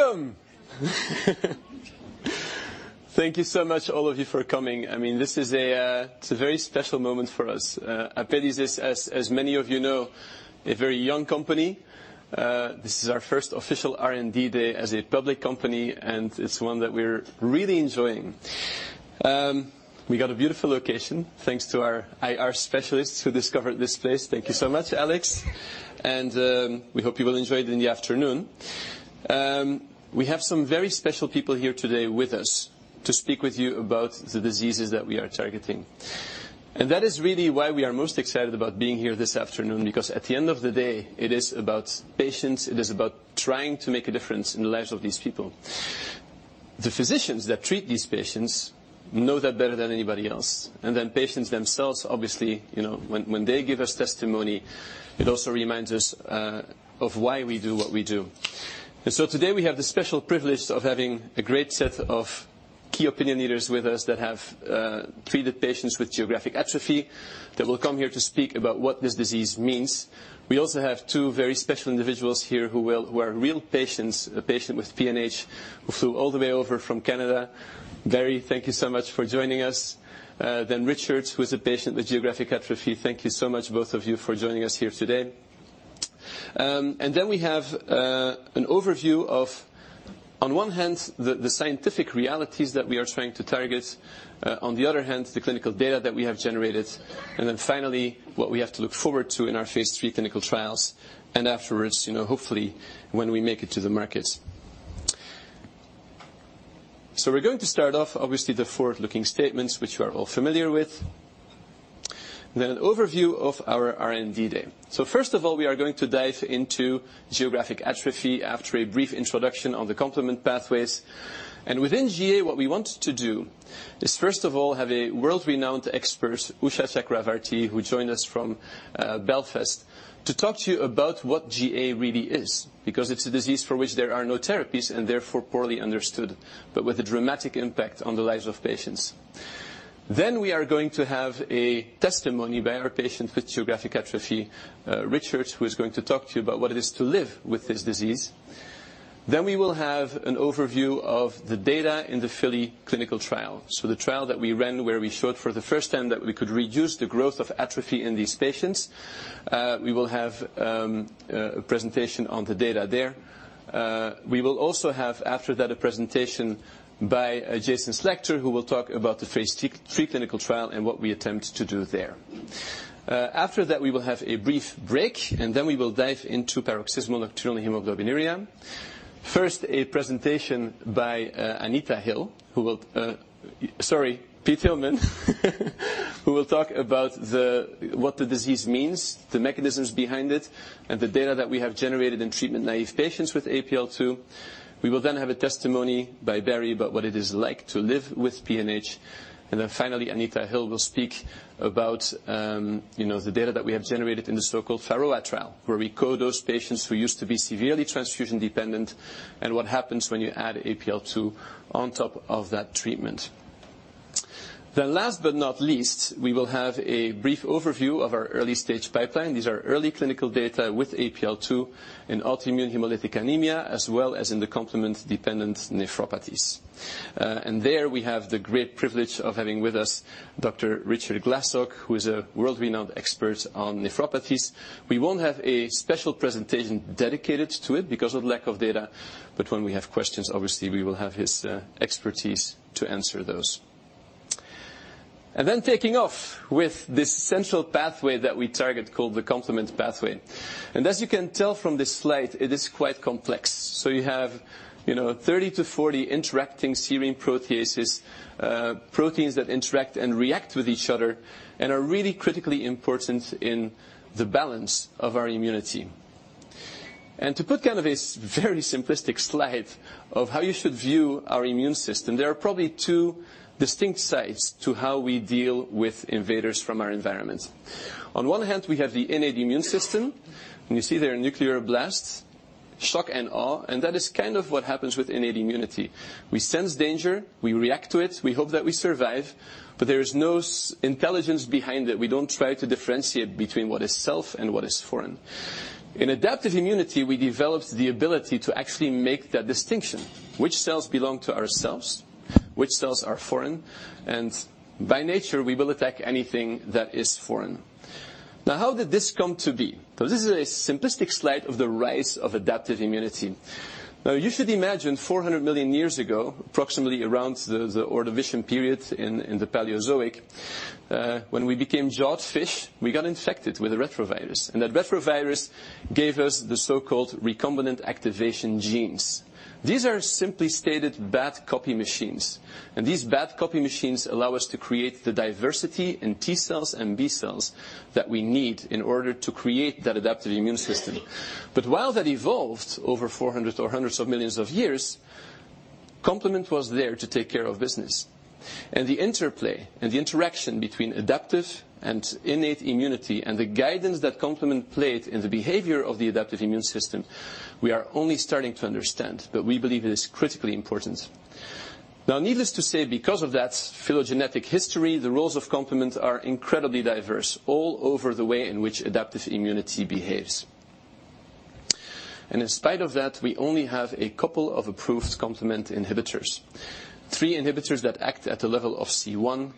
Welcome. Thank you so much, all of you, for coming. This is a very special moment for us. Apellis is, as many of you know, a very young company. This is our first official R&D Day as a public company, and it's one that we're really enjoying. We got a beautiful location thanks to our IR specialists who discovered this place. Thank you so much, Alex. We hope you will enjoy it in the afternoon. We have some very special people here today with us to speak with you about the diseases that we are targeting. That is really why we are most excited about being here this afternoon, because at the end of the day, it is about patients. It is about trying to make a difference in the lives of these people. The physicians that treat these patients know that better than anybody else. Patients themselves, obviously, when they give us testimony, it also reminds us of why we do what we do. Today we have the special privilege of having a great set of key opinion leaders with us that have treated patients with geographic atrophy, that will come here to speak about what this disease means. We also have two very special individuals here who are real patients: a patient with PNH who flew all the way over from Canada. Barry, thank you so much for joining us. Richard, who is a patient with geographic atrophy. Thank you so much, both of you, for joining us here today. We have an overview of, on one hand, the scientific realities that we are trying to target. On the other hand, the clinical data that we have generated. Finally, what we have to look forward to in our phase III clinical trials, and afterwards, hopefully, when we make it to the market. We're going to start off, obviously, the forward-looking statements which you are all familiar with. An overview of our R&D day. First of all, we are going to dive into geographic atrophy after a brief introduction on the complement pathways. Within GA, what we want to do is, first of all, have a world-renowned expert, Usha Chakravarthy, who joined us from Belfast, to talk to you about what GA really is, because it's a disease for which there are no therapies and therefore poorly understood, but with a dramatic impact on the lives of patients. We are going to have a testimony by our patient with geographic atrophy, Richard, who is going to talk to you about what it is to live with this disease. We will have an overview of the data in the FILLY clinical trial. The trial that we ran where we showed for the first time that we could reduce the growth of atrophy in these patients. We will have a presentation on the data there. We will also have, after that, a presentation by Jason Slakter, who will talk about the phase III clinical trial and what we attempt to do there. After that, we will have a brief break, we will dive into paroxysmal nocturnal hemoglobinuria. First, a presentation by Pete Hillmen, who will talk about what the disease means, the mechanisms behind it, and the data that we have generated in treatment-naive patients with APL-2. We will then have a testimony by Barry about what it is like to live with PNH. Finally, Pete Hillmen will speak about the data that we have generated in the so-called PHAROAH trial, where we cohort those patients who used to be severely transfusion-dependent, and what happens when you add APL-2 on top of that treatment. Last but not least, we will have a brief overview of our early-stage pipeline. These are early clinical data with APL-2 in autoimmune hemolytic anemia, as well as in the complement-dependent nephropathies. There we have the great privilege of having with us Dr. Richard Glassock, who is a world-renowned expert on nephropathies. We won't have a special presentation dedicated to it because of lack of data, but when we have questions, obviously, we will have his expertise to answer those. Taking off with this central pathway that we target called the complement pathway. As you can tell from this slide, it is quite complex. You have 30 to 40 interacting serine proteases, proteins that interact and react with each other and are really critically important in the balance of our immunity. To put a very simplistic slide of how you should view our immune system, there are probably two distinct sides to how we deal with invaders from our environment. On one hand, we have the innate immune system, you see there are molecular blasts, shock and awe, and that is kind of what happens with innate immunity. We sense danger, we react to it, we hope that we survive, but there is no intelligence behind it. We don't try to differentiate between what is self and what is foreign. In adaptive immunity, we developed the ability to actually make that distinction, which cells belong to ourselves, which cells are foreign, and by nature, we will attack anything that is foreign. How did this come to be? This is a simplistic slide of the rise of adaptive immunity. You should imagine 400 million years ago, approximately around the Ordovician period in the Paleozoic, when we became jawed fish, we got infected with a retrovirus, and that retrovirus gave us the so-called recombination activating genes. These are simply stated bad copy machines. These bad copy machines allow us to create the diversity in T cells and B cells that we need in order to create that adaptive immune system. While that evolved over 400 or hundreds of millions of years, complement was there to take care of business. The interplay and the interaction between adaptive and innate immunity and the guidance that complement played in the behavior of the adaptive immune system, we are only starting to understand, but we believe it is critically important. Needless to say, because of that phylogenetic history, the roles of complement are incredibly diverse all over the way in which adaptive immunity behaves. In spite of that, we only have a couple of approved complement inhibitors. Three inhibitors that act at the level of C1.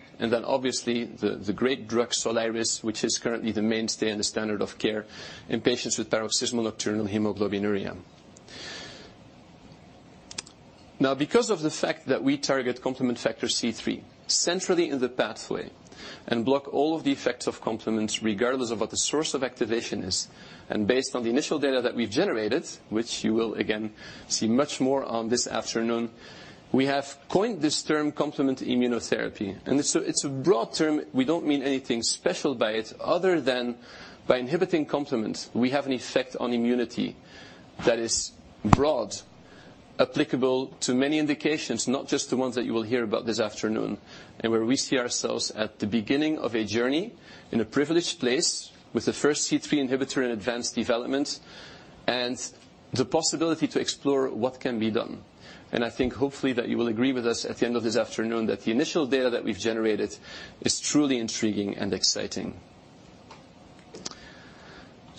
Obviously the great drug, SOLIRIS, which is currently the mainstay and the standard of care in patients with paroxysmal nocturnal hemoglobinuria. Now because of the fact that we target complement factor C3 centrally in the pathway and block all of the effects of complements regardless of what the source of activation is, and based on the initial data that we've generated, which you will again see much more on this afternoon, we have coined this term complement immunotherapy. It's a broad term. We don't mean anything special by it other than by inhibiting complements, we have an effect on immunity that is broad, applicable to many indications, not just the ones that you will hear about this afternoon. Where we see ourselves at the beginning of a journey in a privileged place with the first C3 inhibitor in advanced development, and the possibility to explore what can be done. I think hopefully that you will agree with us at the end of this afternoon that the initial data that we've generated is truly intriguing and exciting.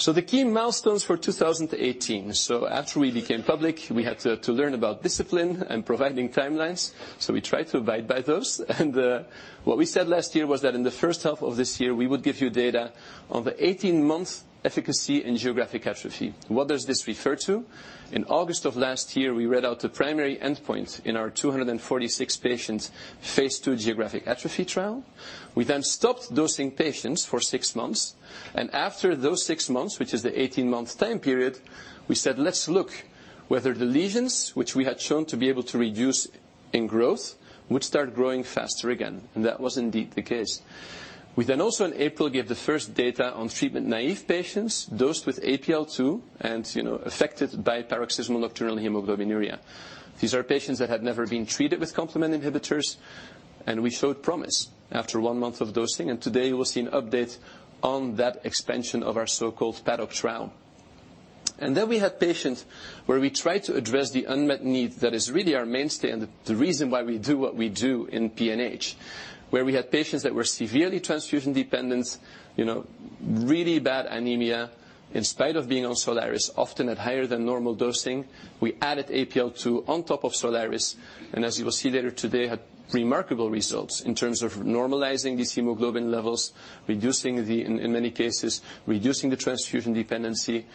The key milestones for 2018. After we became public, we had to learn about discipline and providing timelines, so we tried to abide by those. What we said last year was that in the first half of this year, we would give you data on the 18-month efficacy in geographic atrophy. What does this refer to? In August of last year, we read out the primary endpoint in our 246 patients phase II geographic atrophy trial. We stopped dosing patients for six months, and after those six months, which is the 18-month time period, we said, "Let's look whether the lesions, which we had shown to be able to reduce in growth, would start growing faster again." That was indeed the case. We also in April gave the first data on treatment-naive patients dosed with APL-2 and affected by paroxysmal nocturnal hemoglobinuria. These are patients that had never been treated with complement inhibitors, and we showed promise after one month of dosing. Today you will see an update on that expansion of our so-called PADDOCK trial. We had patients where we tried to address the unmet need that is really our mainstay and the reason why we do what we do in PNH, where we had patients that were severely transfusion-dependent, really bad anemia, in spite of being on SOLIRIS, often at higher than normal dosing. We added APL-2 on top of SOLIRIS, and as you will see later today, had remarkable results in terms of normalizing these hemoglobin levels, in many cases, reducing the transfusion dependency.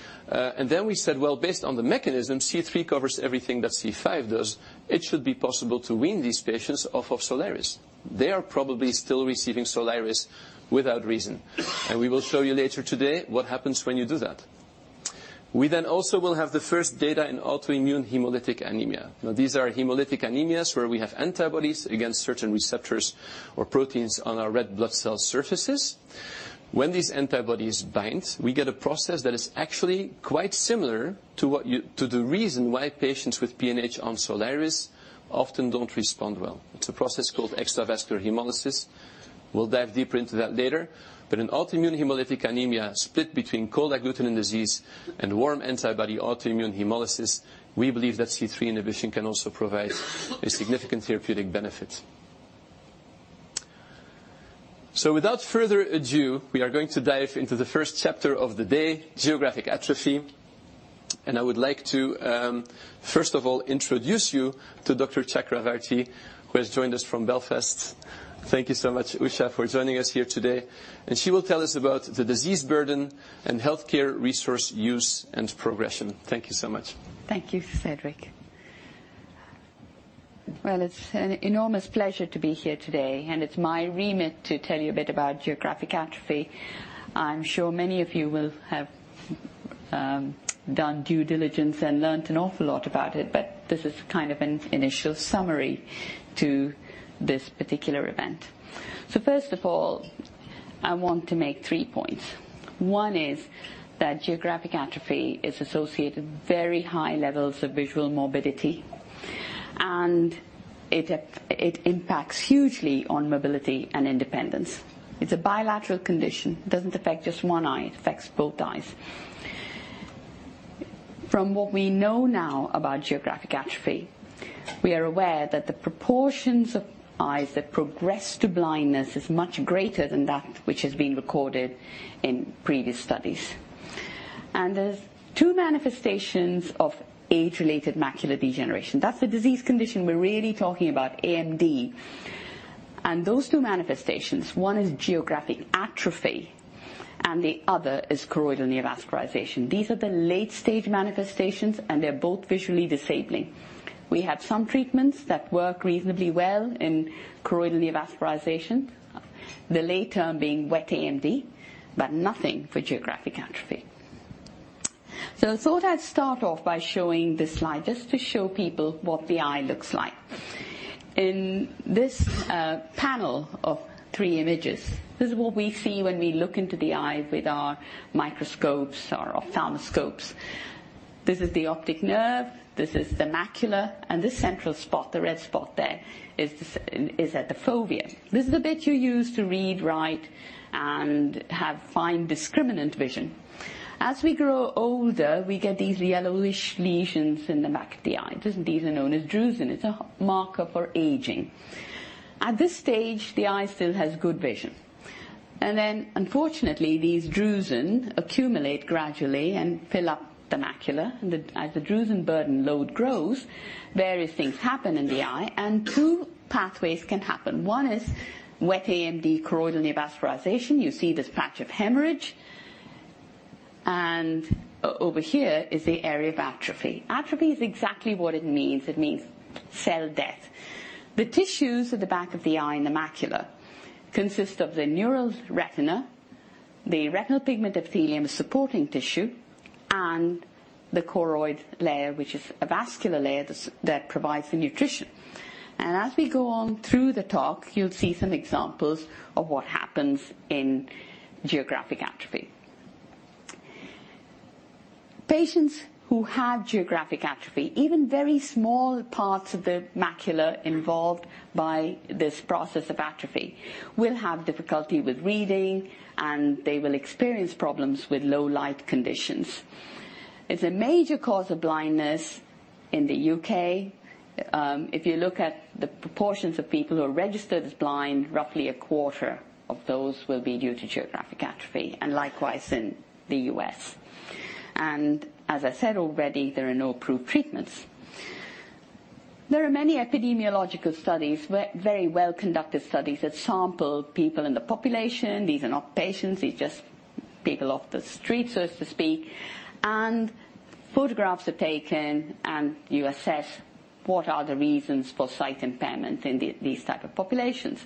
We said, "Well, based on the mechanism, C3 covers everything that C5 does, it should be possible to wean these patients off of SOLIRIS. They are probably still receiving SOLIRIS without reason." We will show you later today what happens when you do that. We also will have the first data in autoimmune hemolytic anemia. These are hemolytic anemias where we have antibodies against certain receptors or proteins on our red blood cell surfaces. When these antibodies bind, we get a process that is actually quite similar to the reason why patients with PNH on SOLIRIS often don't respond well. It's a process called extravascular hemolysis. We'll dive deeper into that later. In autoimmune hemolytic anemia, split between cold agglutinin disease and warm antibody autoimmune hemolysis, we believe that C3 inhibition can also provide a significant therapeutic benefit. Without further ado, we are going to dive into the first chapter of the day, geographic atrophy, and I would like to, first of all, introduce you to Dr. Chakravarthy, who has joined us from Belfast. Thank you so much, Usha, for joining us here today. She will tell us about the disease burden and healthcare resource use and progression. Thank you so much. Thank you, Cedric. Well, it's an enormous pleasure to be here today. It's my remit to tell you a bit about geographic atrophy. I'm sure many of you will have done due diligence and learnt an awful lot about it. This is kind of an initial summary to this particular event. First of all, I want to make three points. One is that geographic atrophy is associated with very high levels of visual morbidity, and it impacts hugely on mobility and independence. It's a bilateral condition. It doesn't affect just one eye, it affects both eyes. From what we know now about geographic atrophy, we are aware that the proportions of eyes that progress to blindness is much greater than that which has been recorded in previous studies. There's two manifestations of age-related macular degeneration. That's the disease condition we're really talking about, AMD. Those two manifestations, one is geographic atrophy and the other is choroidal neovascularization. These are the late-stage manifestations, and they're both visually disabling. We have some treatments that work reasonably well in choroidal neovascularization, the lay term being wet AMD, but nothing for geographic atrophy. I thought I'd start off by showing this slide just to show people what the eye looks like. In this panel of three images, this is what we see when we look into the eye with our microscopes, our ophthalmoscopes. This is the optic nerve, this is the macula, and this central spot, the red spot there, is at the fovea. This is the bit you use to read, write, and have fine discriminant vision. As we grow older, we get these yellowish lesions in the back of the eye. These are known as drusen. It's a marker for aging. At this stage, the eye still has good vision. Unfortunately, these drusen accumulate gradually and fill up the macula. As the drusen burden load grows, various things happen in the eye. Two pathways can happen. One is wet AMD choroidal neovascularization. You see this patch of hemorrhage, and over here is the area of atrophy. Atrophy is exactly what it means. It means cell death. The tissues at the back of the eye and the macula consist of the neural retina, the retinal pigment epithelium supporting tissue. The choroid layer, which is a vascular layer that provides the nutrition. As we go on through the talk, you'll see some examples of what happens in geographic atrophy. Patients who have geographic atrophy, even very small parts of the macula involved by this process of atrophy, will have difficulty with reading. They will experience problems with low light conditions. It's a major cause of blindness in the U.K. If you look at the proportions of people who are registered as blind, roughly a quarter of those will be due to geographic atrophy, and likewise in the U.S. As I said already, there are no approved treatments. There are many epidemiological studies, very well-conducted studies that sample people in the population. These are not patients, these are just people off the street, so to speak. Photographs are taken. You assess what are the reasons for sight impairment in these type of populations.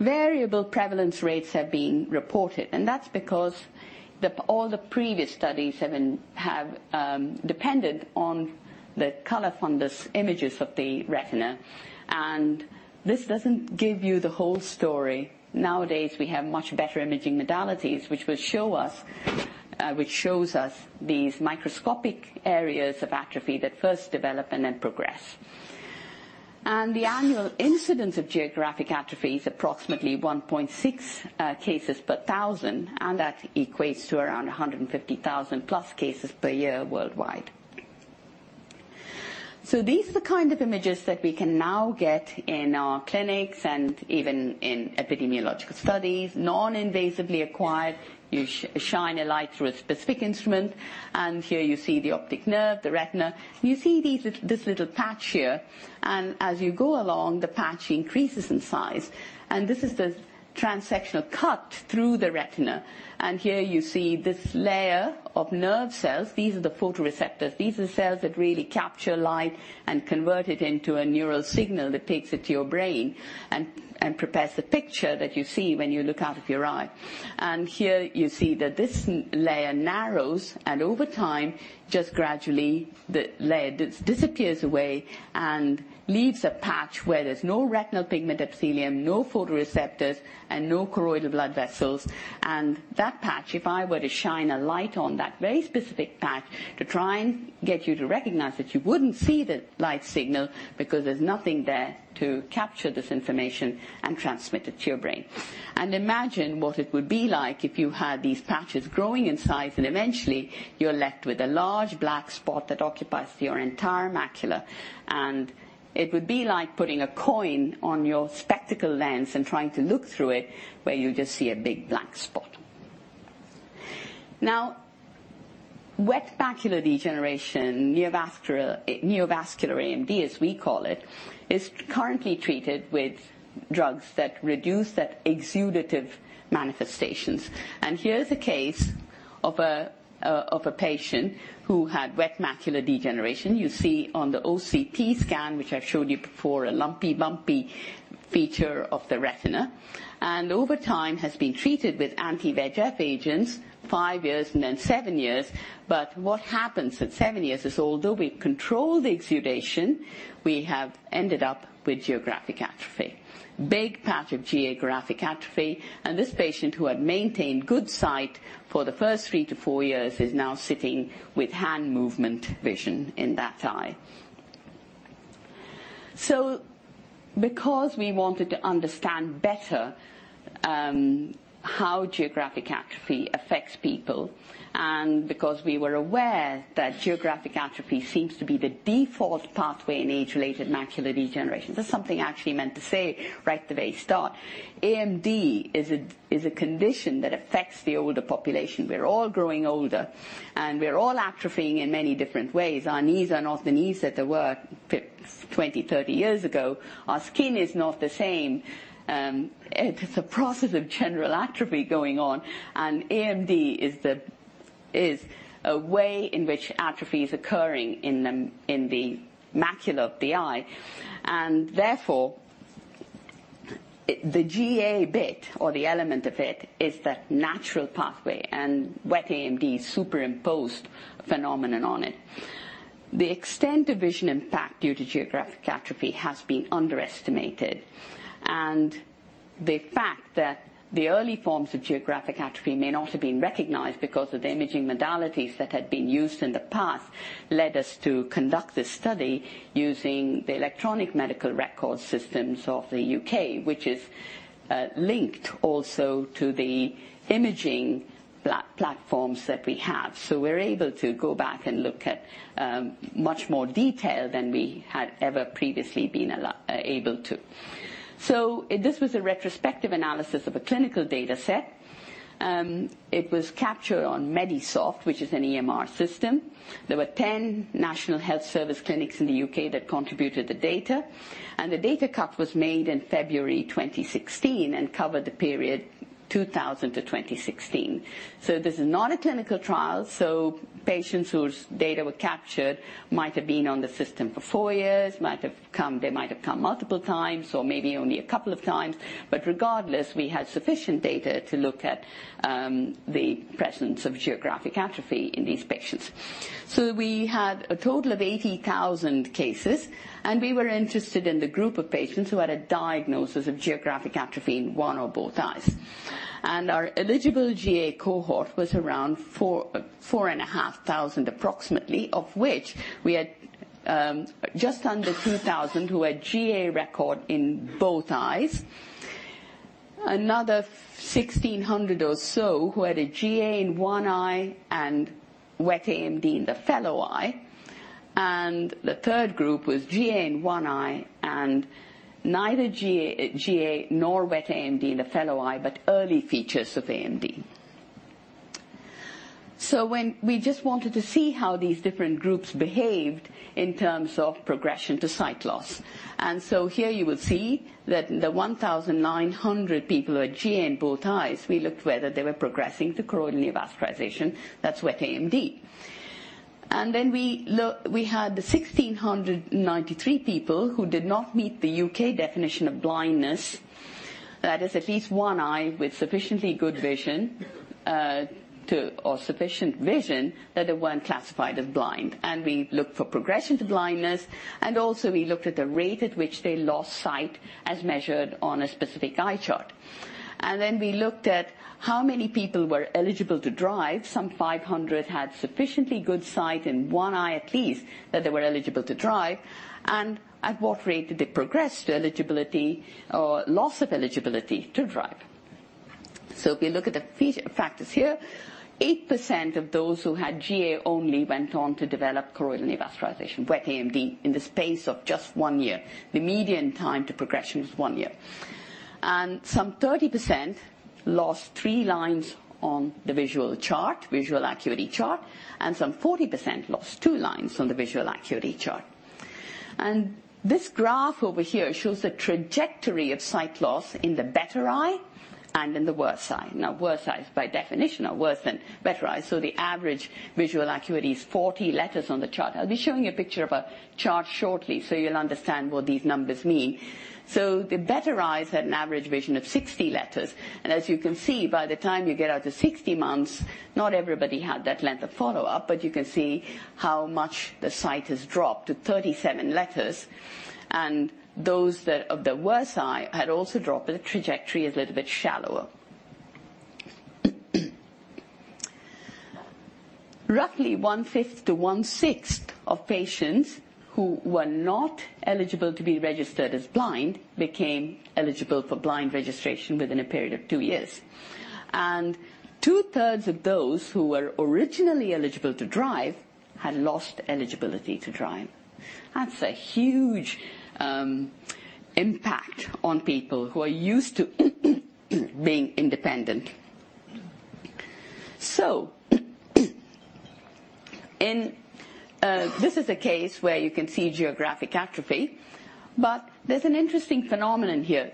Variable prevalence rates have been reported. That's because all the previous studies have depended on the color fundus images of the retina. This doesn't give you the whole story. Nowadays, we have much better imaging modalities, which shows us these microscopic areas of atrophy that first develop and then progress. The annual incidence of geographic atrophy is approximately 1.6 cases per 1,000. That equates to around 150,000+ cases per year worldwide. These are the kind of images that we can now get in our clinics and even in epidemiological studies, non-invasively acquired. You shine a light through a specific instrument, and here you see the optic nerve, the retina. You see this little patch here, and as you go along, the patch increases in size. This is the transsectional cut through the retina. Here you see this layer of nerve cells. These are the photoreceptors. These are the cells that really capture light and convert it into a neural signal that takes it to your brain and prepares the picture that you see when you look out of your eye. Here you see that this layer narrows. Over time, just gradually, the layer disappears away. Leaves a patch where there's no retinal pigment epithelium, no photoreceptors, and no choroidal blood vessels. That patch, if I were to shine a light on that very specific patch to try and get you to recognize that you wouldn't see the light signal because there's nothing there to capture this information and transmit it to your brain. Imagine what it would be like if you had these patches growing in size, and eventually you are left with a large black spot that occupies your entire macula. It would be like putting a coin on your spectacle lens and trying to look through it, where you just see a big black spot. Wet macular degeneration, neovascular AMD, as we call it, is currently treated with drugs that reduce that exudative manifestations. Here is a case of a patient who had wet macular degeneration. You see on the OCT scan, which I have showed you before, a lumpy, bumpy feature of the retina, and over time has been treated with anti-VEGF agents, five years and then seven years. But what happens at seven years is, although we control the exudation, we have ended up with geographic atrophy, big patch of geographic atrophy. This patient, who had maintained good sight for the first three to four years, is now sitting with hand movement vision in that eye. Because we wanted to understand better how geographic atrophy affects people, and because we were aware that geographic atrophy seems to be the default pathway in age-related macular degeneration. There is something I actually meant to say right at the very start. AMD is a condition that affects the older population. We are all growing older, and we are all atrophying in many different ways. Our knees are not the knees that they were 20, 30 years ago. Our skin is not the same. It is a process of general atrophy going on, and AMD is a way in which atrophy is occurring in the macula of the eye, therefore, the GA bit or the element of it is the natural pathway, and wet AMD superimposed phenomenon on it. The extent of vision impact due to geographic atrophy has been underestimated, and the fact that the early forms of geographic atrophy may not have been recognized because of the imaging modalities that had been used in the past led us to conduct this study using the electronic medical record systems of the U.K., which is linked also to the imaging platforms that we have. We are able to go back and look at much more detail than we had ever previously been able to. This was a retrospective analysis of a clinical data set. It was captured on Medisoft, which is an EMR system. There were 10 National Health Service clinics in the U.K. that contributed the data, and the data cut was made in February 2016 and covered the period 2000 to 2016. This is not a clinical trial, patients whose data were captured might have been on the system for four years, they might have come multiple times, or maybe only a couple of times, but regardless, we had sufficient data to look at the presence of geographic atrophy in these patients. We had a total of 80,000 cases, and we were interested in the group of patients who had a diagnosis of geographic atrophy in one or both eyes. Our eligible GA cohort was around 4,500 approximately, of which we had just under 2,000 who had GA record in both eyes, another 1,600 or so who had a GA in one eye and wet AMD in the fellow eye, and the third group was GA in one eye and neither GA nor wet AMD in the fellow eye, but early features of AMD. We just wanted to see how these different groups behaved in terms of progression to sight loss. Here you will see that the 1,900 people who had GA in both eyes, we looked whether they were progressing to choroidal neovascularization, that's wet AMD. Then we had the 1,693 people who did not meet the U.K. definition of blindness. That is at least one eye with sufficiently good vision or sufficient vision that they weren't classified as blind. We looked for progression to blindness, and also we looked at the rate at which they lost sight as measured on a specific eye chart. Then we looked at how many people were eligible to drive. Some 500 had sufficiently good sight in one eye at least that they were eligible to drive, and at what rate did they progress to eligibility or loss of eligibility to drive. If you look at the factors here, 8% of those who had GA only went on to develop choroidal neovascularization, wet AMD, in the space of just one year. The median time to progression was one year. Some 30% lost three lines on the visual chart, visual acuity chart. Some 40% lost two lines on the visual acuity chart. This graph over here shows the trajectory of sight loss in the better eye and in the worse eye. Worse eye is by definition are worse than better eye, so the average visual acuity is 40 letters on the chart. I'll be showing you a picture of a chart shortly, so you'll understand what these numbers mean. The better eyes had an average vision of 60 letters, and as you can see, by the time you get out to 60 months, not everybody had that length of follow-up, but you can see how much the sight has dropped to 37 letters, and those of the worse eye had also dropped, but the trajectory is a little bit shallower. Roughly one-fifth to one-sixth of patients who were not eligible to be registered as blind became eligible for blind registration within a period of two years. Two-thirds of those who were originally eligible to drive had lost eligibility to drive. That's a huge impact on people who are used to being independent. This is a case where you can see geographic atrophy, but there's an interesting phenomenon here.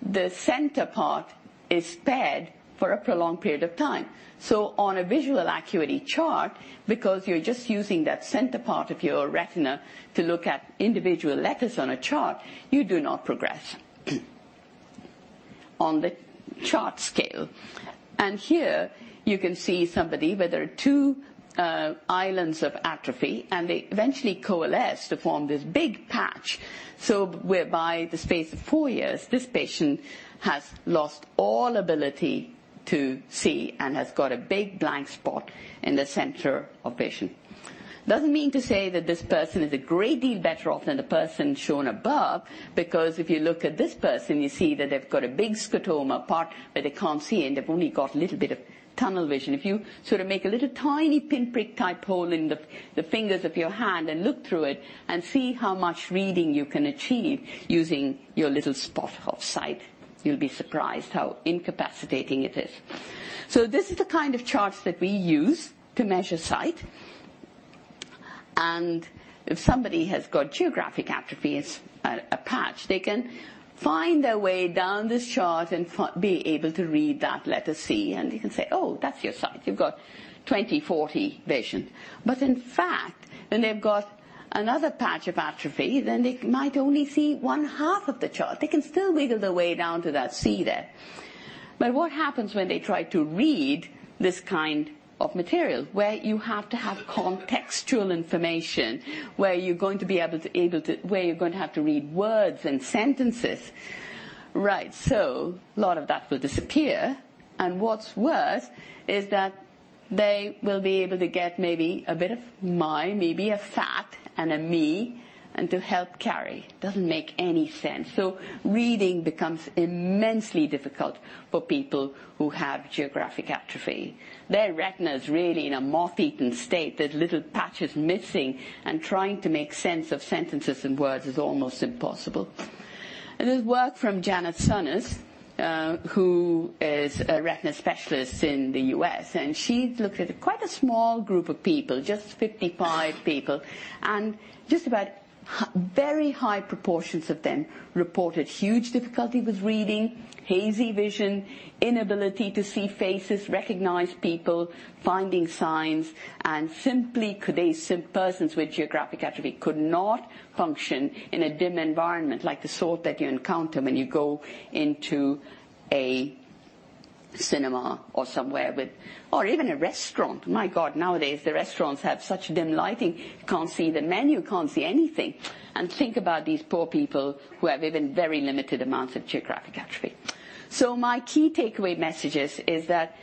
The center part is spared for a prolonged period of time. On a visual acuity chart, because you're just using that center part of your retina to look at individual letters on a chart, you do not progress on the chart scale. Here you can see somebody where there are two islands of atrophy, and they eventually coalesce to form this big patch. Whereby the space of four years, this patient has lost all ability to see and has got a big blank spot in the center of patient. Doesn't mean to say that this person is a great deal better off than the person shown above, because if you look at this person, you see that they've got a big scotoma part where they can't see, and they've only got a little bit of tunnel vision. If you sort of make a little tiny pinprick-type hole in the fingers of your hand and look through it and see how much reading you can achieve using your little spot of sight, you'll be surprised how incapacitating it is. This is the kind of charts that we use to measure sight. If somebody has got geographic atrophy as a patch, they can find their way down this chart and be able to read that letter C, and you can say, "Oh, that's your sight. You've got 20/40 vision." In fact, when they've got another patch of atrophy, they might only see one half of the chart. They can still wiggle their way down to that C there. What happens when they try to read this kind of material where you have to have contextual information, where you're going to have to read words and sentences? Right. A lot of that will disappear, and what's worse is that they will be able to get maybe a bit of my, maybe a fat and a me, and to help carry. Doesn't make any sense. Reading becomes immensely difficult for people who have geographic atrophy. Their retina is really in a moth-eaten state. There's little patches missing, and trying to make sense of sentences and words is almost impossible. There's work from Janet Sunness, who is a retina specialist in the U.S., she's looked at quite a small group of people, just 55 people. Just about very high proportions of them reported huge difficulty with reading, hazy vision, inability to see faces, recognize people, finding signs, and simply persons with geographic atrophy could not function in a dim environment like the sort that you encounter when you go into a cinema or somewhere with or even a restaurant. My God, nowadays, the restaurants have such dim lighting, you can't see the menu, you can't see anything. Think about these poor people who have even very limited amounts of geographic atrophy. My key takeaway message is that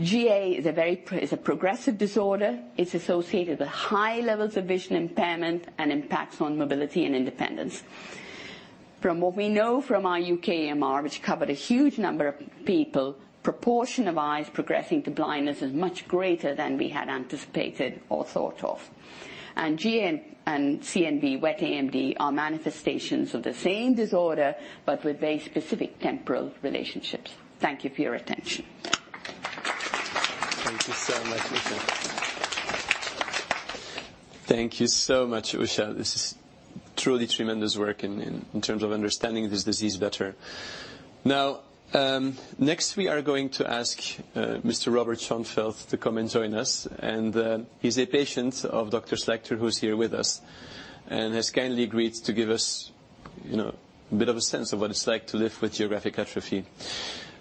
GA is a progressive disorder. It's associated with high levels of vision impairment and impacts on mobility and independence. From what we know from our UK EMR, which covered a huge number of people, proportion of eyes progressing to blindness is much greater than we had anticipated or thought of. GA and CNV wet AMD are manifestations of the same disorder, but with very specific temporal relationships. Thank you for your attention. Thank you so much, Usha. Thank you so much, Usha. This is truly tremendous work in terms of understanding this disease better. Next we are going to ask Mr. Robert Schonfeld to come and join us, and he's a patient of Dr. Slakter, who's here with us, and has kindly agreed to give us a bit of a sense of what it's like to live with geographic atrophy.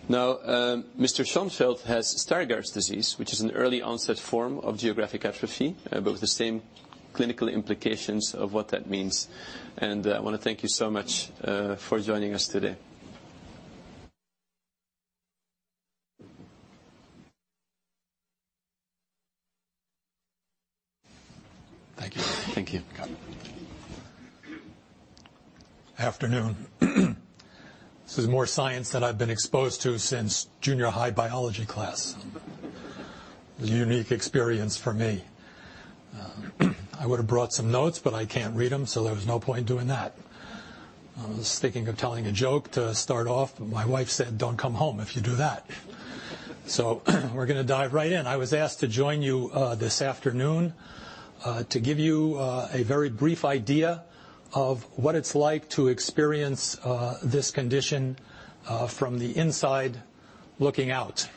Mr. Schonfeld has Stargardt disease, which is an early onset form of geographic atrophy. But with the same clinical implications of what that means. I want to thank you so much for joining us today. Thank you. Thank you. Afternoon. This is more science than I've been exposed to since junior high biology class. A unique experience for me. I would've brought some notes, but I can't read them, so there was no point in doing that. I was thinking of telling a joke to start off, but my wife said, "Don't come home if you do that." We're gonna dive right in. I was asked to join you this afternoon, to give you a very brief idea of what it's like to experience this condition from the inside looking out.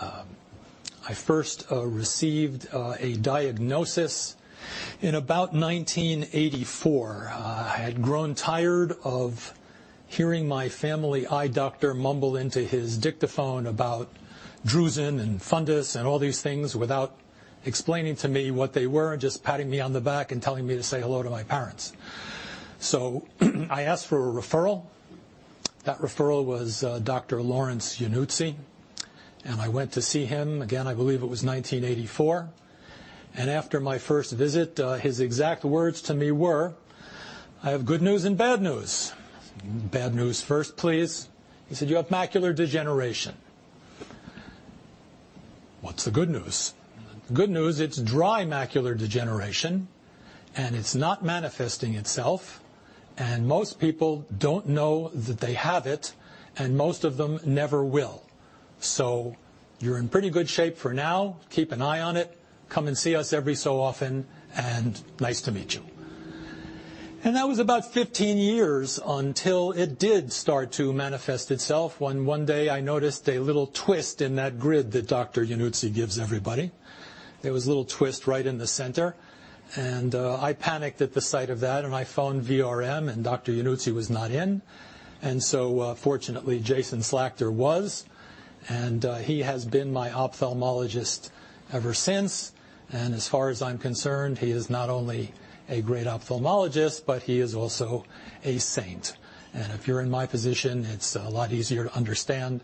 I first received a diagnosis in about 1984. I had grown tired of hearing my family eye doctor mumble into his dictaphone about drusen and fundus and all these things without explaining to me what they were, and just patting me on the back and telling me to say hello to my parents. I asked for a referral. That referral was Dr. Lawrence Yannuzzi, I went to see him. Again, I believe it was 1984. After my first visit, his exact words to me were, "I have good news and bad news." "Bad news first, please." He said, "You have macular degeneration." "What's the good news?" "The good news, it's dry macular degeneration, it's not manifesting itself, most people don't know that they have it, most of them never will. You're in pretty good shape for now. Keep an eye on it. Come and see us every so often, nice to meet you." That was about 15 years until it did start to manifest itself, when one day I noticed a little twist in that grid that Dr. Yannuzzi gives everybody. There was a little twist right in the center, I panicked at the sight of that I phoned VRM Dr. Yannuzzi was not in, fortunately Jason Slakter was, he has been my ophthalmologist ever since, as far as I'm concerned, he is not only a great ophthalmologist, but he is also a saint. If you're in my position, it's a lot easier to understand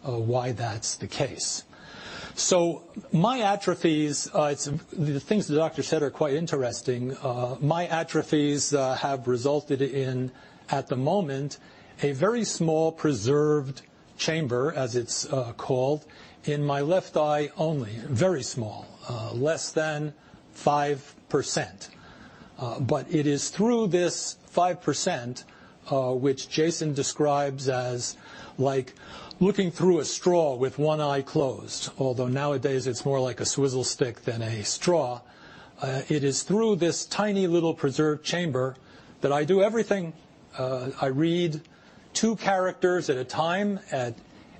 why that's the case. My atrophies, the things the doctor said are quite interesting. My atrophies have resulted in, at the moment, a very small preserved chamber, as it's called, in my left eye only. Very small, less than 5%. It is through this 5%, which Jason describes as like looking through a straw with one eye closed. Although nowadays it's more like a swizzle stick than a straw. It is through this tiny little preserved chamber that I do everything. I read two characters at a time at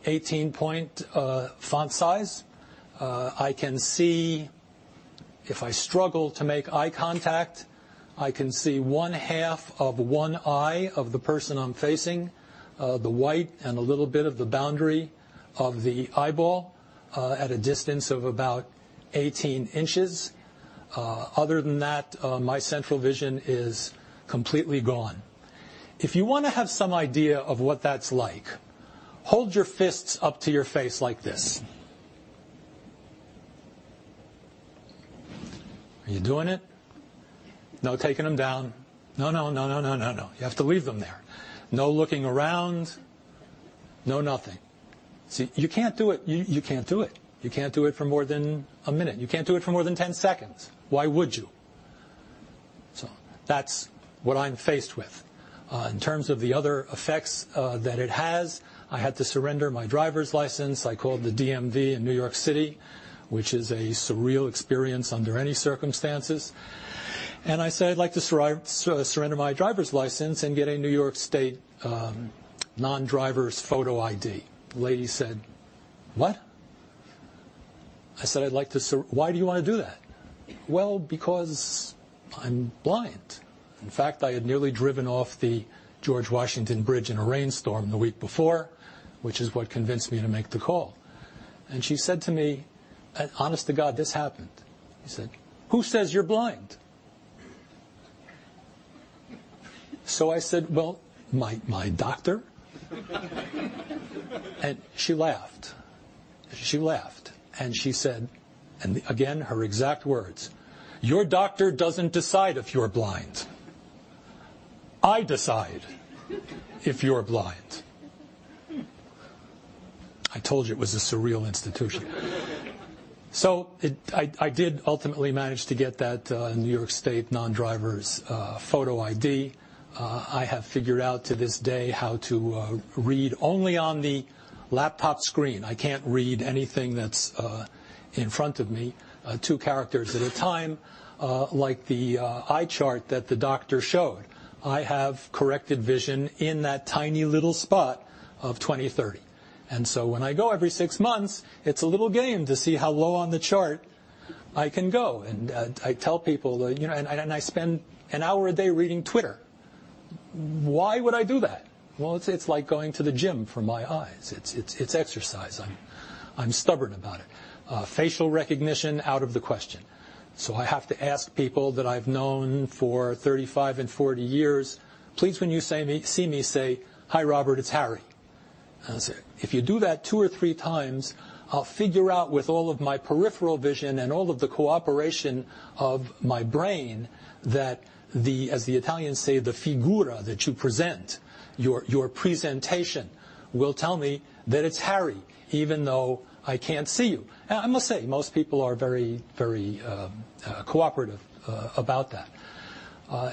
18 point font size. I can see if I struggle to make eye contact, I can see one half of one eye of the person I'm facing, the white and a little bit of the boundary of the eyeball, at a distance of about 18 inches. Other than that, my central vision is completely gone. If you want to have some idea of what that's like, hold your fists up to your face like this. Are you doing it? No taking them down. No. You have to leave them there. No looking around. No nothing. See, you can't do it. You can't do it. You can't do it for more than a minute. You can't do it for more than 10 seconds. Why would you? That's what I'm faced with. In terms of the other effects that it has, I had to surrender my driver's license. I called the DMV in New York City, which is a surreal experience under any circumstances. I said, "I'd like to surrender my driver's license and get a New York State non-driver's photo ID." The lady said, "What?" I said, "I'd like to sur-" "Why do you want to do that?" "Well, because I'm blind." In fact, I had nearly driven off the George Washington Bridge in a rainstorm the week before, which is what convinced me to make the call. She said to me, honest to God, this happened. She said, "Who says you're blind?" I said, "Well, my doctor." She laughed. She laughed. She said, again, her exact words, "Your doctor doesn't decide if you're blind. I decide if you're blind." I told you it was a surreal institution. I did ultimately manage to get that New York State non-driver's photo ID. I have figured out to this day how to read only on the laptop screen. I can't read anything that's in front of me two characters at a time like the eye chart that the doctor showed. I have corrected vision in that tiny little spot of 20/30. When I go every six months, it's a little game to see how low on the chart I can go. I tell people. I spend an hour a day reading Twitter. Why would I do that? Well, it's like going to the gym for my eyes. It's exercise. I'm stubborn about it. Facial recognition, out of the question. I have to ask people that I've known for 35 and 40 years, "Please, when you see me, say, 'Hi, Robert. It's Harry.'" I say, "If you do that two or three times, I'll figure out with all of my peripheral vision and all of the cooperation of my brain that the, as the Italians say, the figura that you present, your presentation will tell me that it's Harry, even though I can't see you." I must say, most people are very cooperative about that.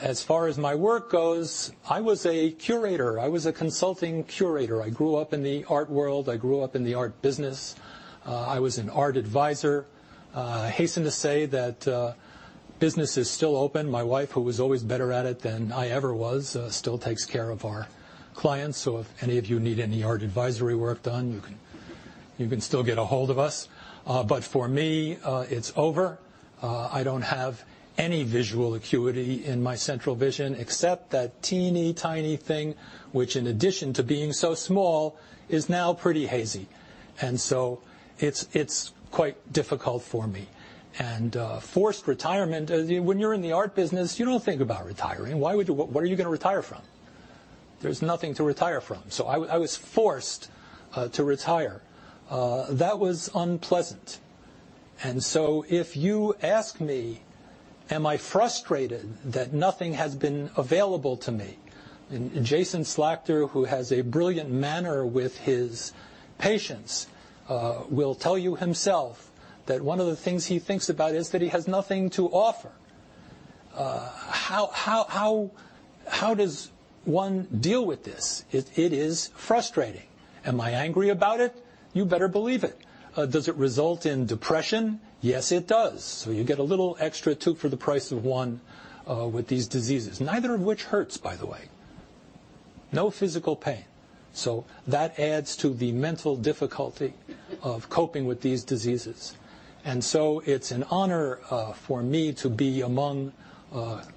As far as my work goes, I was a curator. I was a consulting curator. I grew up in the art world. I grew up in the art business. I was an art advisor. I hasten to say that business is still open. My wife, who was always better at it than I ever was, still takes care of our clients. If any of you need any art advisory work done, you can still get ahold of us. For me, it's over. I don't have any visual acuity in my central vision except that teeny tiny thing, which in addition to being so small, is now pretty hazy. It's quite difficult for me. Forced retirement. When you're in the art business, you don't think about retiring. Why would you? What are you going to retire from? There's nothing to retire from. I was forced to retire. That was unpleasant. If you ask me, am I frustrated that nothing has been available to me? Jason Slakter, who has a brilliant manner with his patients, will tell you himself that one of the things he thinks about is that he has nothing to offer. How does one deal with this? It is frustrating. Am I angry about it? You better believe it. Does it result in depression? Yes, it does. You get a little extra two for the price of one with these diseases. Neither of which hurts, by the way. No physical pain. That adds to the mental difficulty of coping with these diseases. It's an honor for me to be among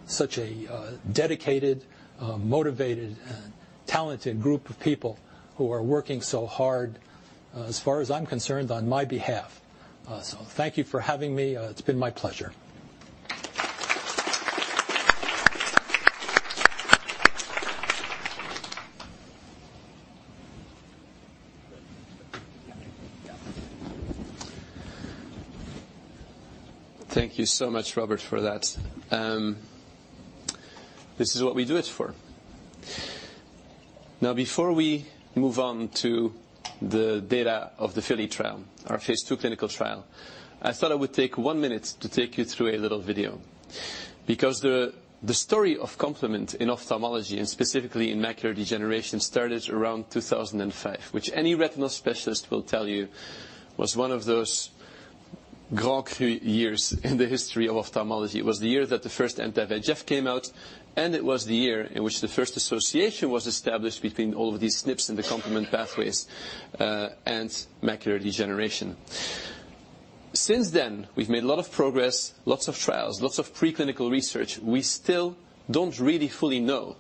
such a dedicated, motivated, and talented group of people who are working so hard, as far as I'm concerned, on my behalf. Thank you for having me. It's been my pleasure. Thank you so much, Robert, for that. This is what we do it for. Before we move on to the data of the FILLY trial, our phase II clinical trial, I thought I would take one minute to take you through a little video. The story of complement in ophthalmology, and specifically in macular degeneration, started around 2005, which any retinal specialist will tell you was one of those grand years in the history of ophthalmology. It was the year that the first anti-VEGF came out, and it was the year in which the first association was established between all of these snips in the complement pathways and macular degeneration. Since then, we've made a lot of progress, lots of trials, lots of preclinical research. We still don't really fully know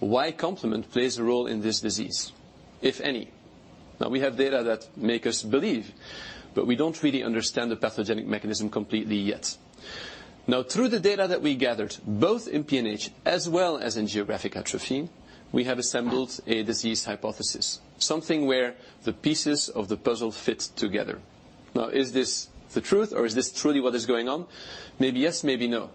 why complement plays a role in this disease, if any. We have data that make us believe, but we don't really understand the pathogenic mechanism completely yet. Through the data that we gathered, both in PNH as well as in geographic atrophy, we have assembled a disease hypothesis, something where the pieces of the puzzle fit together. Is this the truth, or is this truly what is going on? Maybe yes, maybe no.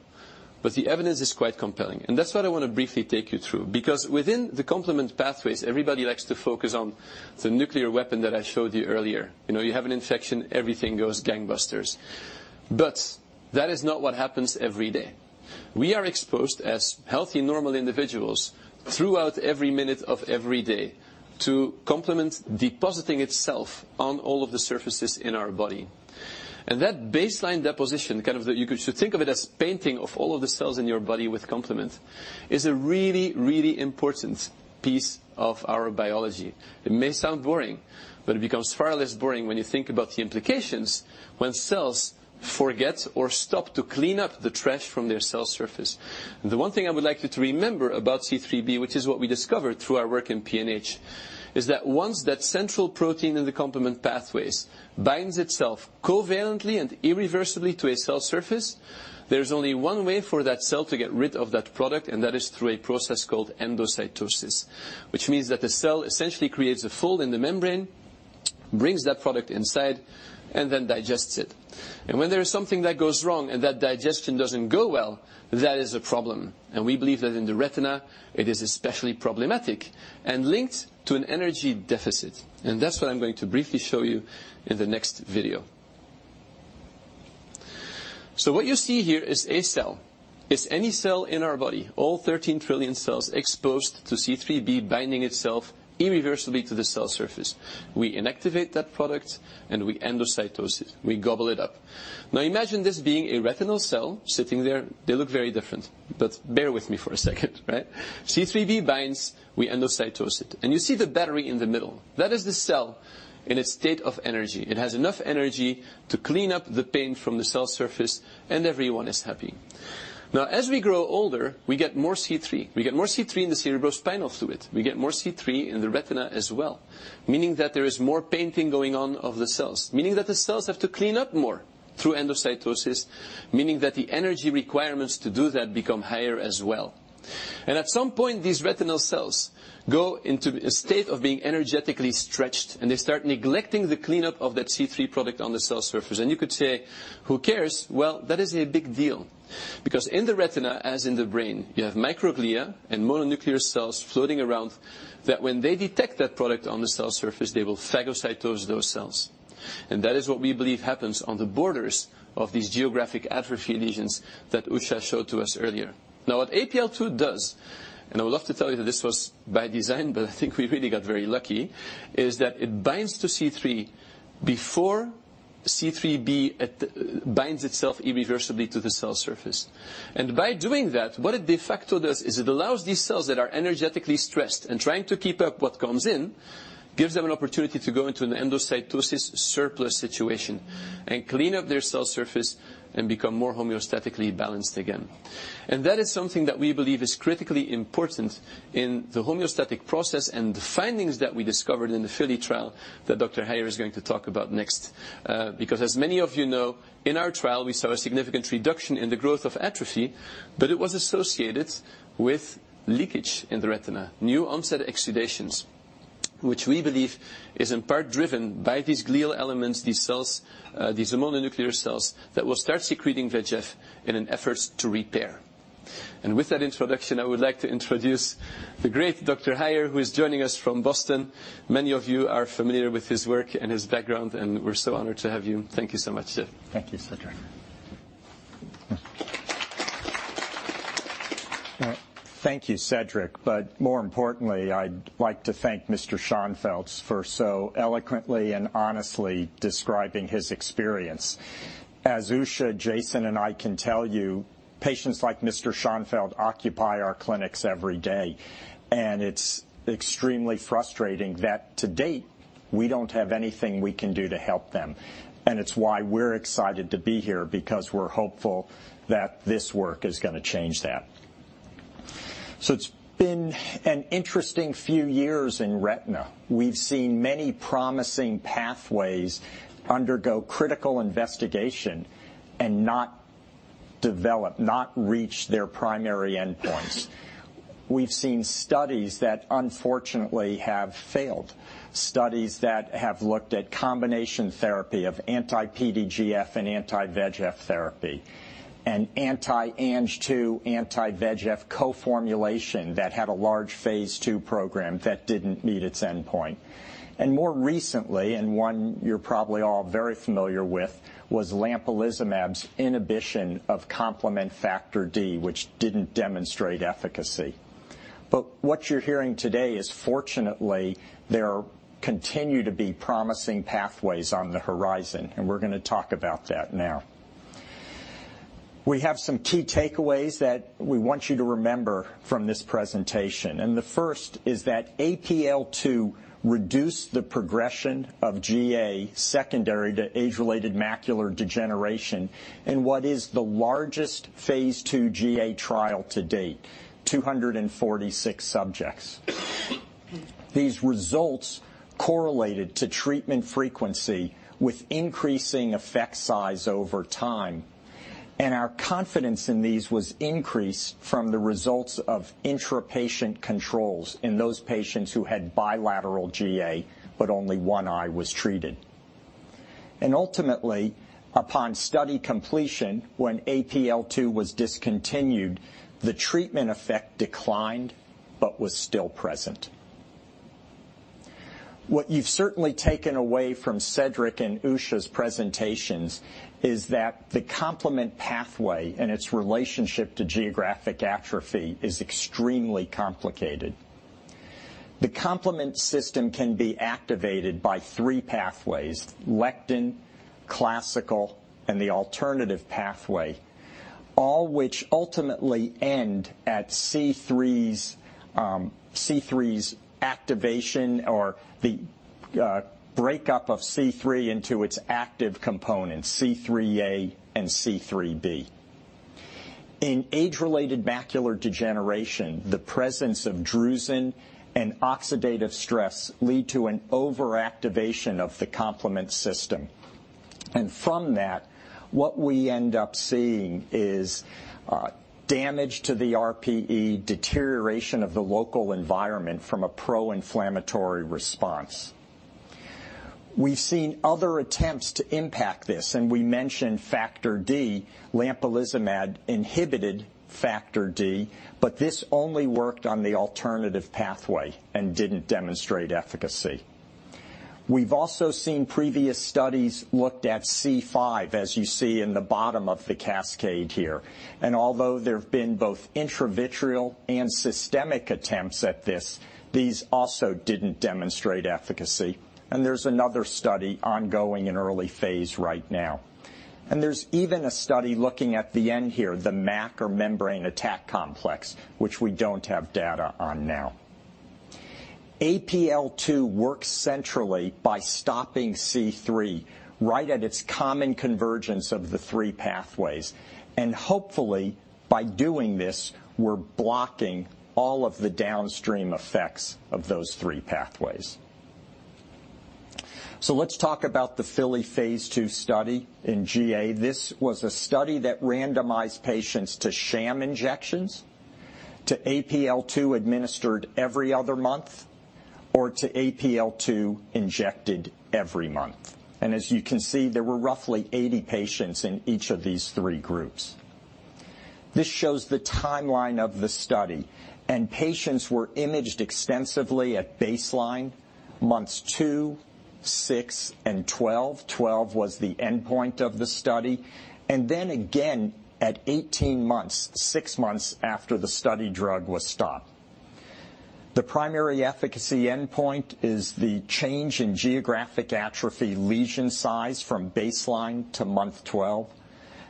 The evidence is quite compelling. That's what I want to briefly take you through. Within the complement pathways, everybody likes to focus on the nuclear weapon that I showed you earlier. You have an infection, everything goes gangbusters. That is not what happens every day. We are exposed as healthy, normal individuals throughout every minute of every day to complement depositing itself on all of the surfaces in our body. That baseline deposition, you should think of it as painting of all of the cells in your body with complement, is a really, really important piece of our biology. It may sound boring, but it becomes far less boring when you think about the implications when cells forget or stop to clean up the trash from their cell surface. The one thing I would like you to remember about C3b, which is what we discovered through our work in PNH, is that once that central protein in the complement pathways binds itself covalently and irreversibly to a cell surface, there's only one way for that cell to get rid of that product, and that is through a process called endocytosis. Which means that the cell essentially creates a fold in the membrane, brings that product inside, and then digests it. When there is something that goes wrong and that digestion doesn't go well, that is a problem. We believe that in the retina, it is especially problematic and linked to an energy deficit. That's what I'm going to briefly show you in the next video. What you see here is a cell. It's any cell in our body, all 13 trillion cells exposed to C3b binding itself irreversibly to the cell surface. We inactivate that product, and we endocytose it, we gobble it up. Imagine this being a retinal cell sitting there. They look very different, but bear with me for a second, right? C3b binds, we endocytose it. You see the battery in the middle. That is the cell in a state of energy. It has enough energy to clean up the paint from the cell surface, and everyone is happy. As we grow older, we get more C3. We get more C3 in the cerebrospinal fluid. We get more C3 in the retina as well, meaning that there is more painting going on of the cells. Meaning that the cells have to clean up more through endocytosis. Meaning that the energy requirements to do that become higher as well. At some point, these retinal cells go into a state of being energetically stretched, and they start neglecting the cleanup of that C3 product on the cell surface. You could say, "Who cares?" Well, that is a big deal, because in the retina, as in the brain, you have microglia and mononuclear cells floating around, that when they detect that product on the cell surface, they will phagocytose those cells. That is what we believe happens on the borders of these geographic atrophy lesions that Usha showed to us earlier. What APL-2 does, and I would love to tell you that this was by design, but I think we really got very lucky, is that it binds to C3 before C3b binds itself irreversibly to the cell surface. By doing that, what it de facto does is it allows these cells that are energetically stressed and trying to keep up what comes in, gives them an opportunity to go into an endocytosis surplus situation and clean up their cell surface and become more homeostatically balanced again. That is something that we believe is critically important in the homeostatic process and the findings that we discovered in the FILLY trial that Jeffrey Heier is going to talk about next. As many of you know, in our trial, we saw a significant reduction in the growth of atrophy, but it was associated with leakage in the retina. New onset exudations, which we believe is in part driven by these glial elements, these cells, these mononuclear cells that will start secreting VEGF in an effort to repair. With that introduction, I would like to introduce the great Jeffrey Heier, who is joining us from Boston. Many of you are familiar with his work and his background, and we're so honored to have you. Thank you so much, Jeff. Thank you, Cedric. Thank you, Cedric. More importantly, I'd like to thank Mr. Schonfeld for so eloquently and honestly describing his experience. As Usha, Jason, and I can tell you, patients like Mr. Schonfeld occupy our clinics every day. It's extremely frustrating that to date, we don't have anything we can do to help them. It's why we're excited to be here because we're hopeful that this work is going to change that. It's been an interesting few years in retina. We've seen many promising pathways undergo critical investigation and not develop, not reach their primary endpoints. We've seen studies that unfortunately have failed. Studies that have looked at combination therapy of anti-PDGF and anti-VEGF therapy, anti-Ang2, anti-VEGF co-formulation that had a large phase II program that didn't meet its endpoint. More recently, and one you're probably all very familiar with, was lampalizumab's inhibition of complement factor D, which didn't demonstrate efficacy. What you're hearing today is fortunately, there continue to be promising pathways on the horizon, we're going to talk about that now. We have some key takeaways that we want you to remember from this presentation, the first is that APL-2 reduced the progression of GA secondary to age-related macular degeneration in what is the largest Phase II GA trial to date, 246 subjects. These results correlated to treatment frequency with increasing effect size over time, our confidence in these was increased from the results of intra-patient controls in those patients who had bilateral GA, but only one eye was treated. Ultimately, upon study completion, when APL-2 was discontinued, the treatment effect declined but was still present. What you've certainly taken away from Cedric and Usha's presentations is that the complement pathway and its relationship to geographic atrophy is extremely complicated. The complement system can be activated by three pathways, lectin, classical, and the alternative pathway, all which ultimately end at C3's activation or the breakup of C3 into its active component, C3a and C3b. In age-related macular degeneration, the presence of drusen and oxidative stress lead to an overactivation of the complement system, from that, what we end up seeing is damage to the RPE, deterioration of the local environment from a pro-inflammatory response. We've seen other attempts to impact this, we mentioned factor D. Lampalizumab inhibited factor D, this only worked on the alternative pathway and didn't demonstrate efficacy. We've also seen previous studies looked at C5, as you see in the bottom of the cascade here, although there have been both intravitreal and systemic attempts at this, these also didn't demonstrate efficacy. There's another study ongoing in early phase right now. There's even a study looking at the end here, the MAC or membrane attack complex, which we don't have data on now. APL-2 works centrally by stopping C3 right at its common convergence of the three pathways. Hopefully, by doing this, we're blocking all of the downstream effects of those three pathways. Let's talk about the FILLY Phase II study in GA. This was a study that randomized patients to sham injections, to APL-2 administered every other month, or to APL-2 injected every month. As you can see, there were roughly 80 patients in each of these three groups. This shows the timeline of the study, patients were imaged extensively at baseline months two, six, and 12. 12 was the endpoint of the study. Then again at 18 months, six months after the study drug was stopped. The primary efficacy endpoint is the change in geographic atrophy lesion size from baseline to month 12,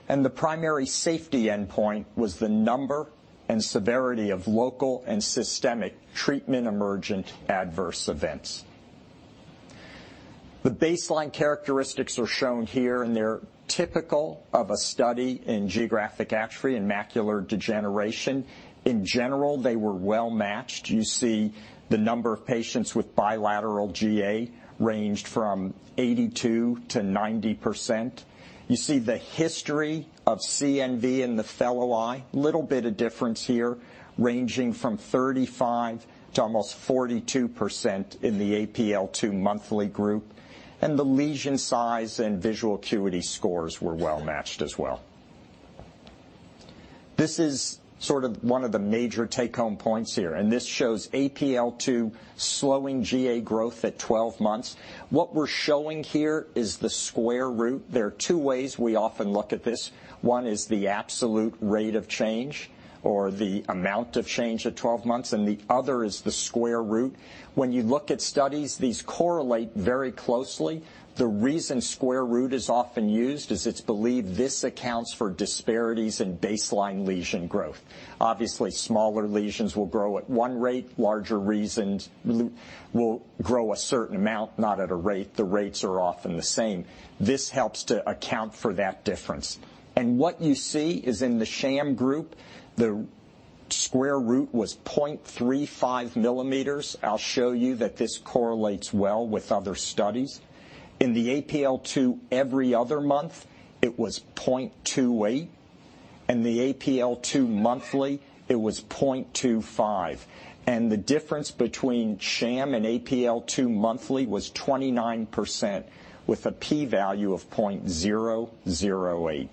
the primary safety endpoint was the number and severity of local and systemic treatment emergent adverse events. The baseline characteristics are shown here, they're typical of a study in geographic atrophy and macular degeneration. In general, they were well-matched. You see the number of patients with bilateral GA ranged from 82%-90%. You see the history of CNV in the fellow eye, little bit of difference here, ranging from 35%-42% in the APL-2 monthly group, the lesion size and visual acuity scores were well-matched as well. This is one of the major take-home points here. This shows APL-2 slowing GA growth at 12 months. What we're showing here is the square root. There are two ways we often look at this. One is the absolute rate of change or the amount of change at 12 months. The other is the square root. When you look at studies, these correlate very closely. The reason square root is often used is it's believed this accounts for disparities in baseline lesion growth. Obviously, smaller lesions will grow at one rate. Larger lesions will grow a certain amount, not at a rate. The rates are often the same. This helps to account for that difference. What you see is in the sham group, the square root was 0.35 millimeters. I'll show you that this correlates well with other studies. In the APL-2 every other month, it was 0.28. The APL-2 monthly, it was 0.25. The difference between sham and APL-2 monthly was 29% with a p-value of 0.008.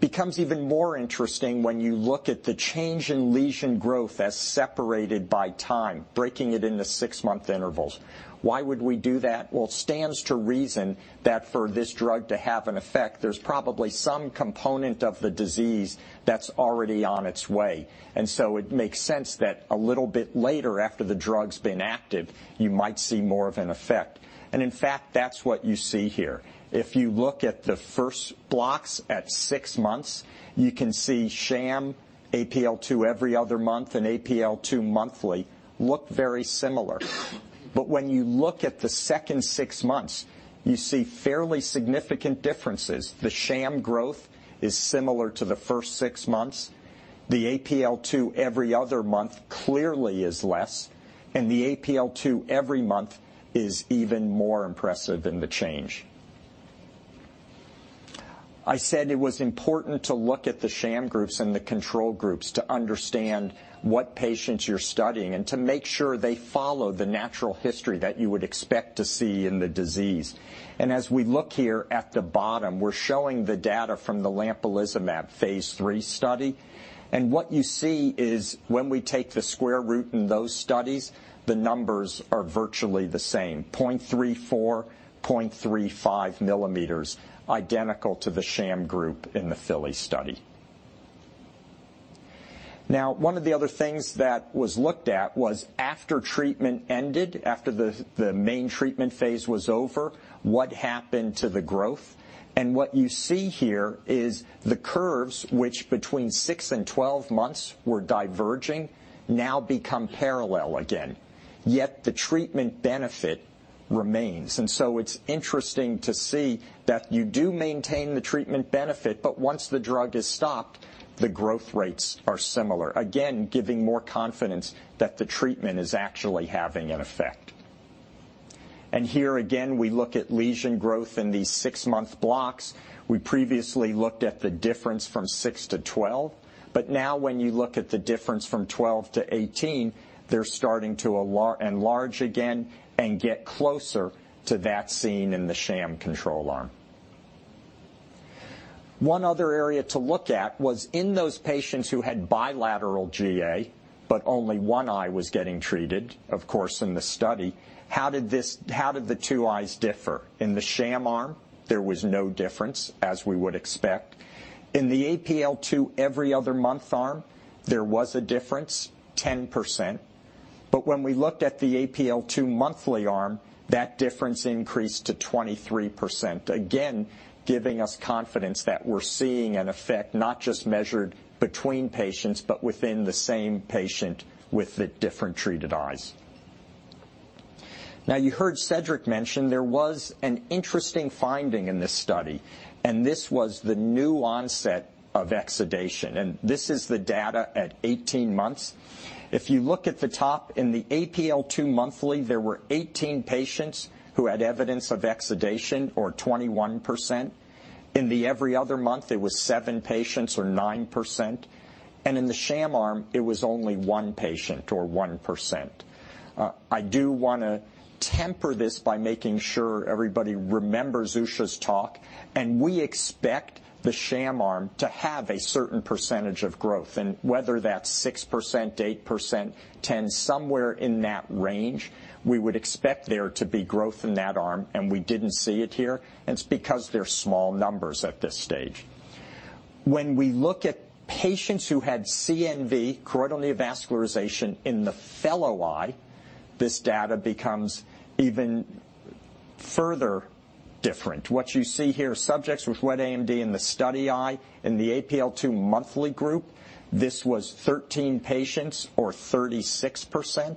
Becomes even more interesting when you look at the change in lesion growth as separated by time, breaking it into six-month intervals. Why would we do that? Well, it stands to reason that for this drug to have an effect, there's probably some component of the disease that's already on its way. It makes sense that a little bit later after the drug's been active, you might see more of an effect. In fact, that's what you see here. If you look at the first blocks at six months, you can see sham APL-2 every other month APL-2 monthly look very similar. When you look at the second six months, you see fairly significant differences. The sham growth is similar to the first six months. The APL-2 every other month clearly is less. The APL-2 every month is even more impressive in the change. I said it was important to look at the sham groups and the control groups to understand what patients you're studying and to make sure they follow the natural history that you would expect to see in the disease. As we look here at the bottom, we're showing the data from the lampalizumab phase III study. What you see is when we take the square root in those studies, the numbers are virtually the same, 0.34, 0.35 millimeters, identical to the sham group in the FILLY study. One of the other things that was looked at was after treatment ended, after the main treatment phase was over, what happened to the growth? What you see here is the curves, which between 6 and 12 months were diverging, now become parallel again. Yet the treatment benefit remains. It's interesting to see that you do maintain the treatment benefit, once the drug is stopped, the growth rates are similar, again, giving more confidence that the treatment is actually having an effect. Here again, we look at lesion growth in these six-month blocks. We previously looked at the difference from 6 to 12. Now when you look at the difference from 12 to 18, they're starting to enlarge again and get closer to that seen in the sham control arm. One other area to look at was in those patients who had bilateral GA, but only one eye was getting treated, of course, in the study. How did the two eyes differ? In the sham arm, there was no difference, as we would expect. In the APL-2 every other month arm, there was a difference, 10%. When we looked at the APL-2 monthly arm, that difference increased to 23%, again, giving us confidence that we're seeing an effect not just measured between patients, but within the same patient with the different treated eyes. You heard Cedric mention there was an interesting finding in this study, and this was the new onset of exudation. This is the data at 18 months. If you look at the top in the APL-2 monthly, there were 18 patients who had evidence of exudation or 21%. In the every other month, it was seven-patients or 9%. In the sham arm, it was only one patient or 1%. I do want to temper this by making sure everybody remembers Usha's talk. We expect the sham arm to have a certain percentage of growth. Whether that's 6%, 8%, 10, somewhere in that range, we would expect there to be growth in that arm, and we didn't see it here. It's because they're small numbers at this stage. When we look at patients who had CNV, choroidal neovascularization in the fellow eye, this data becomes even further different. What you see here are subjects with wet AMD in the study eye in the APL-2 monthly group. This was 13 patients or 36%.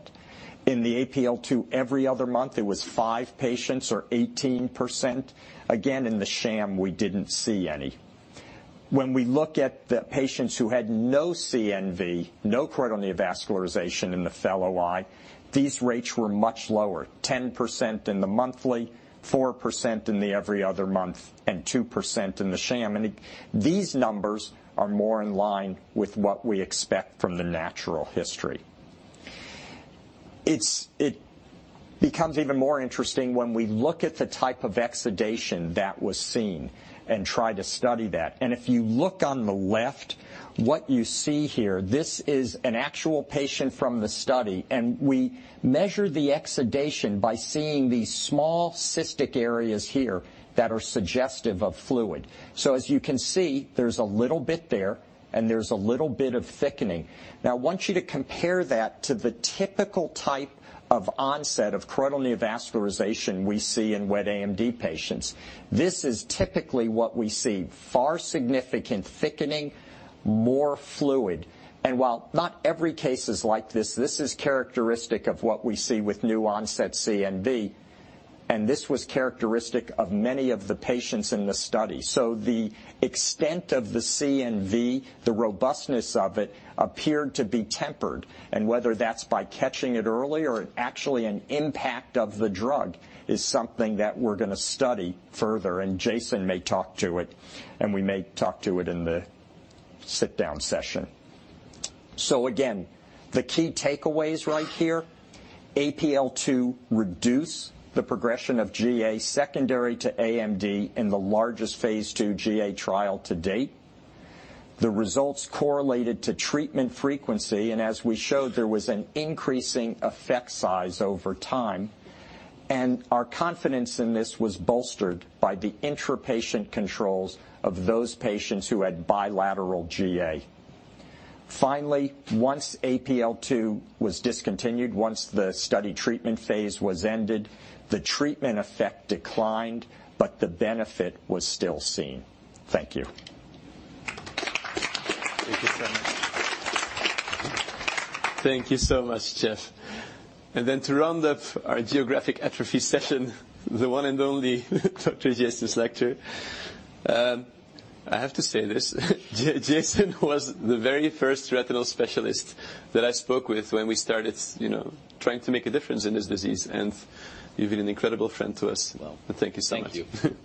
In the APL-2 every other month, it was five patients or 18%. Again, in the sham, we didn't see any. When we look at the patients who had no CNV, no choroidal neovascularization in the fellow eye, these rates were much lower, 10% in the monthly, 4% in the every other month, and 2% in the sham. These numbers are more in line with what we expect from the natural history. It becomes even more interesting when we look at the type of exudation that was seen and try to study that. If you look on the left, what you see here, this is an actual patient from the study, and we measure the exudation by seeing these small cystic areas here that are suggestive of fluid. As you can see, there's a little bit there and there's a little bit of thickening. I want you to compare that to the typical type of onset of choroidal neovascularization we see in wet AMD patients. This is typically what we see, far significant thickening, more fluid. While not every case is like this is characteristic of what we see with new onset CNV, and this was characteristic of many of the patients in the study. The extent of the CNV, the robustness of it appeared to be tempered, and whether that's by catching it early or actually an impact of the drug is something that we're going to study further, and Jason may talk to it, and we may talk to it in the sit-down session. Again, the key takeaways right here. APL-2 reduce the progression of GA secondary to AMD in the largest phase II GA trial to date. The results correlated to treatment frequency, and as we showed, there was an increasing effect size over time. Our confidence in this was bolstered by the intra-patient controls of those patients who had bilateral GA. Finally, once APL-2 was discontinued, once the study treatment phase was ended, the treatment effect declined, the benefit was still seen. Thank you. Thank you so much. Thank you so much, Jeff. To round up our geographic atrophy session, the one and only Dr. Jason Slakter. I have to say this, Jason was the very first retinal specialist that I spoke with when we started trying to make a difference in this disease. You've been an incredible friend to us. Well. Thank you so much. Thank you.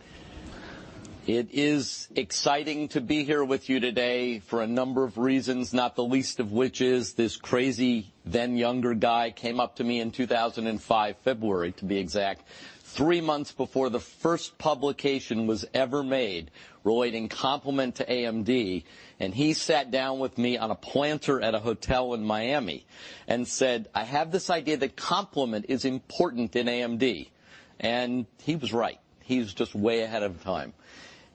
It is exciting to be here with you today for a number of reasons, not the least of which is this crazy, then younger guy came up to me in 2005, February to be exact, three months before the first publication was ever made relating complement to AMD, and he sat down with me on a planter at a hotel in Miami and said, "I have this idea that complement is important in AMD." He was right. He was just way ahead of time.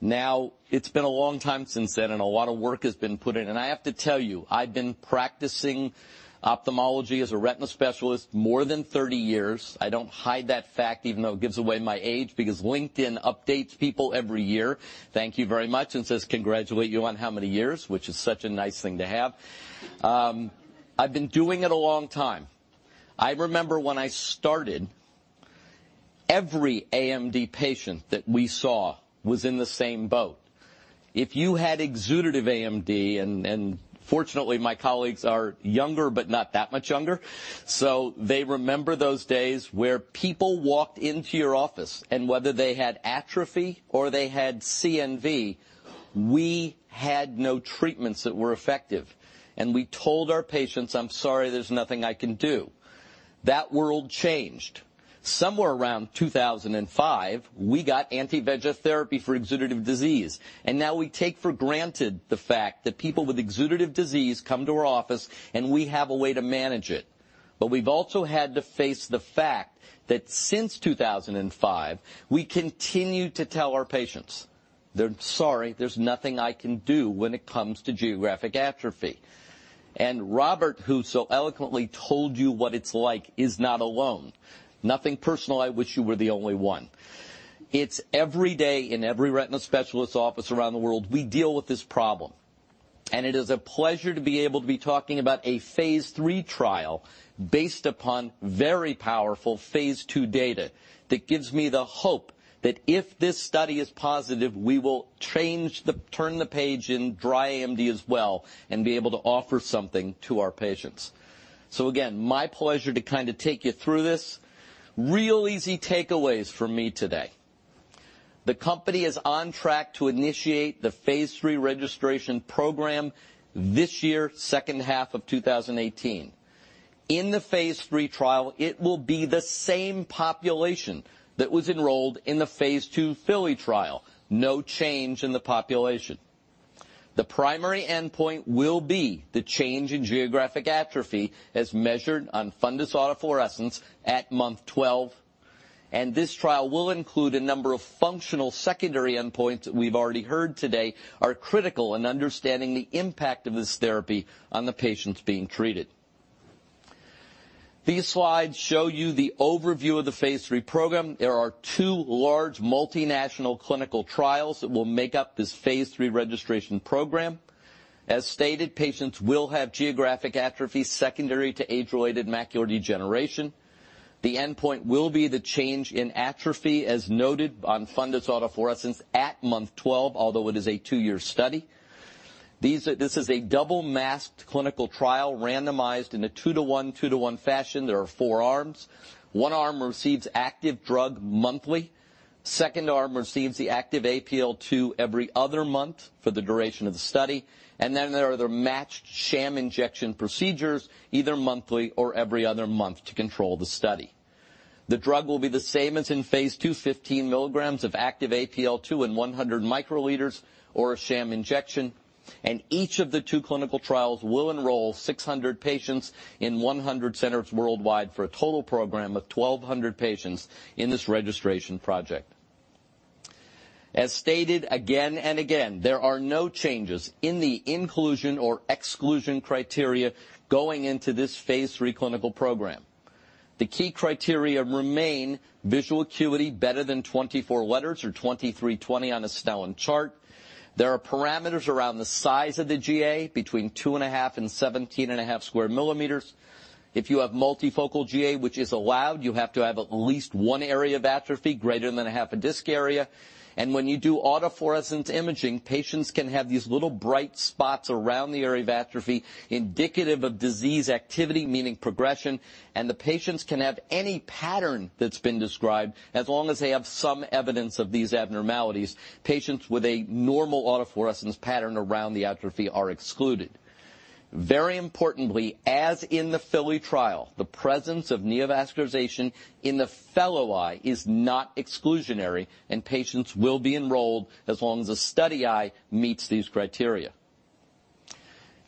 Now, it's been a long time since then, and a lot of work has been put in. I have to tell you, I've been practicing ophthalmology as a retina specialist more than 30 years. I don't hide that fact even though it gives away my age, because LinkedIn updates people every year, thank you very much, and says, "Congratulate you on how many years," which is such a nice thing to have. I've been doing it a long time. I remember when I started, every AMD patient that we saw was in the same boat. If you had exudative AMD, and fortunately, my colleagues are younger, but not that much younger, so they remember those days where people walked into your office, and whether they had atrophy or they had CNV, we had no treatments that were effective. We told our patients, "I'm sorry, there's nothing I can do." That world changed. Somewhere around 2005, we got anti-VEGF therapy for exudative disease, now we take for granted the fact that people with exudative disease come to our office, and we have a way to manage it. We've also had to face the fact that since 2005, we continue to tell our patients that, "Sorry, there's nothing I can do when it comes to geographic atrophy." Robert, who so eloquently told you what it's like, is not alone. Nothing personal, I wish you were the only one. It's every day in every retina specialist office around the world, we deal with this problem. It is a pleasure to be able to be talking about a phase III trial based upon very powerful phase II data that gives me the hope that if this study is positive, we will turn the page in dry AMD as well and be able to offer something to our patients. Again, my pleasure to take you through this. Real easy takeaways for me today. The company is on track to initiate the phase III registration program this year, second half of 2018. In the phase III trial, it will be the same population that was enrolled in the phase II FILLY trial. No change in the population. The primary endpoint will be the change in geographic atrophy as measured on fundus autofluorescence at month 12, this trial will include a number of functional secondary endpoints that we've already heard today are critical in understanding the impact of this therapy on the patients being treated. These slides show you the overview of the phase III program. There are two large multinational clinical trials that will make up this phase III registration program. As stated, patients will have geographic atrophy secondary to age-related macular degeneration. The endpoint will be the change in atrophy as noted on fundus autofluorescence at month 12, although it is a two-year study. This is a double-masked clinical trial randomized in a 2-to-1 fashion. There are four arms. One arm receives active drug monthly. Second arm receives the active APL-2 every other month for the duration of the study. There are the matched sham injection procedures, either monthly or every other month to control the study. The drug will be the same as in phase II, 15 milligrams of active APL-2 and 100 microliters or a sham injection. Each of the two clinical trials will enroll 600 patients in 100 centers worldwide for a total program of 1,200 patients in this registration project. As stated again and again, there are no changes in the inclusion or exclusion criteria going into this phase III clinical program. The key criteria remain visual acuity better than 24 letters or 23/20 on a Snellen chart. There are parameters around the size of the GA between two and a half and 17 and a half square millimeters. If you have multifocal GA, which is allowed, you have to have at least one area of atrophy greater than a half a disc area. When you do autofluorescence imaging, patients can have these little bright spots around the area of atrophy indicative of disease activity, meaning progression, and the patients can have any pattern that's been described as long as they have some evidence of these abnormalities. Patients with a normal autofluorescence pattern around the atrophy are excluded. Very importantly, as in the FILLY trial, the presence of neovascularization in the fellow eye is not exclusionary, and patients will be enrolled as long as the study eye meets these criteria.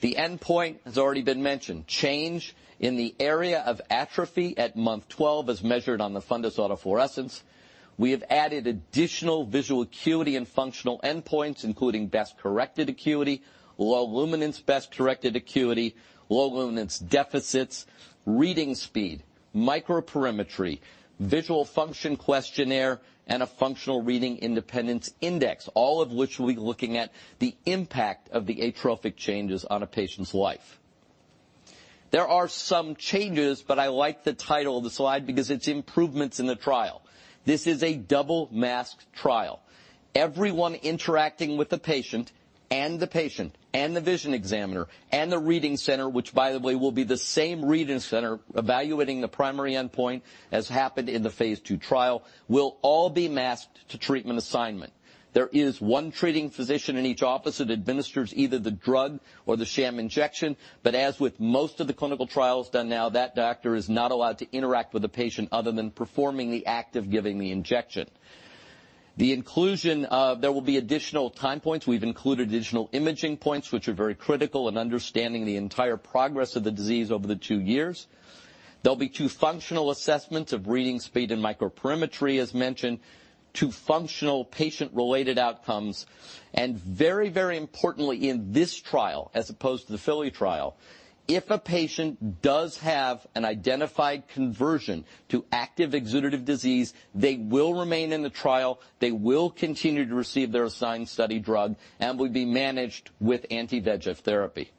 The endpoint has already been mentioned. Change in the area of atrophy at month 12 as measured on the fundus autofluorescence. We have added additional visual acuity and functional endpoints, including best corrected acuity, low luminance best-corrected acuity, low luminance deficits, reading speed, microperimetry, visual function questionnaire, and a functional reading independence index, all of which will be looking at the impact of the atrophic changes on a patient's life. There are some changes, but I like the title of the slide because it's improvements in the trial. This is a double-masked trial. Everyone interacting with the patient, and the patient, and the vision examiner, and the reading center, which by the way, will be the same reading center evaluating the primary endpoint as happened in the phase II trial, will all be masked to treatment assignment. There is one treating physician in each office that administers either the drug or the sham injection, but as with most of the clinical trials done now, that doctor is not allowed to interact with the patient other than performing the act of giving the injection. There will be additional time points. We've included additional imaging points, which are very critical in understanding the entire progress of the disease over the two years. There'll be two functional assessments of reading speed and microperimetry, as mentioned, two functional patient-related outcomes, and very importantly in this trial, as opposed to the FILLY trial, if a patient does have an identified conversion to active exudative disease, they will remain in the trial. They will continue to receive their assigned study drug and will be managed with anti-VEGF therapy.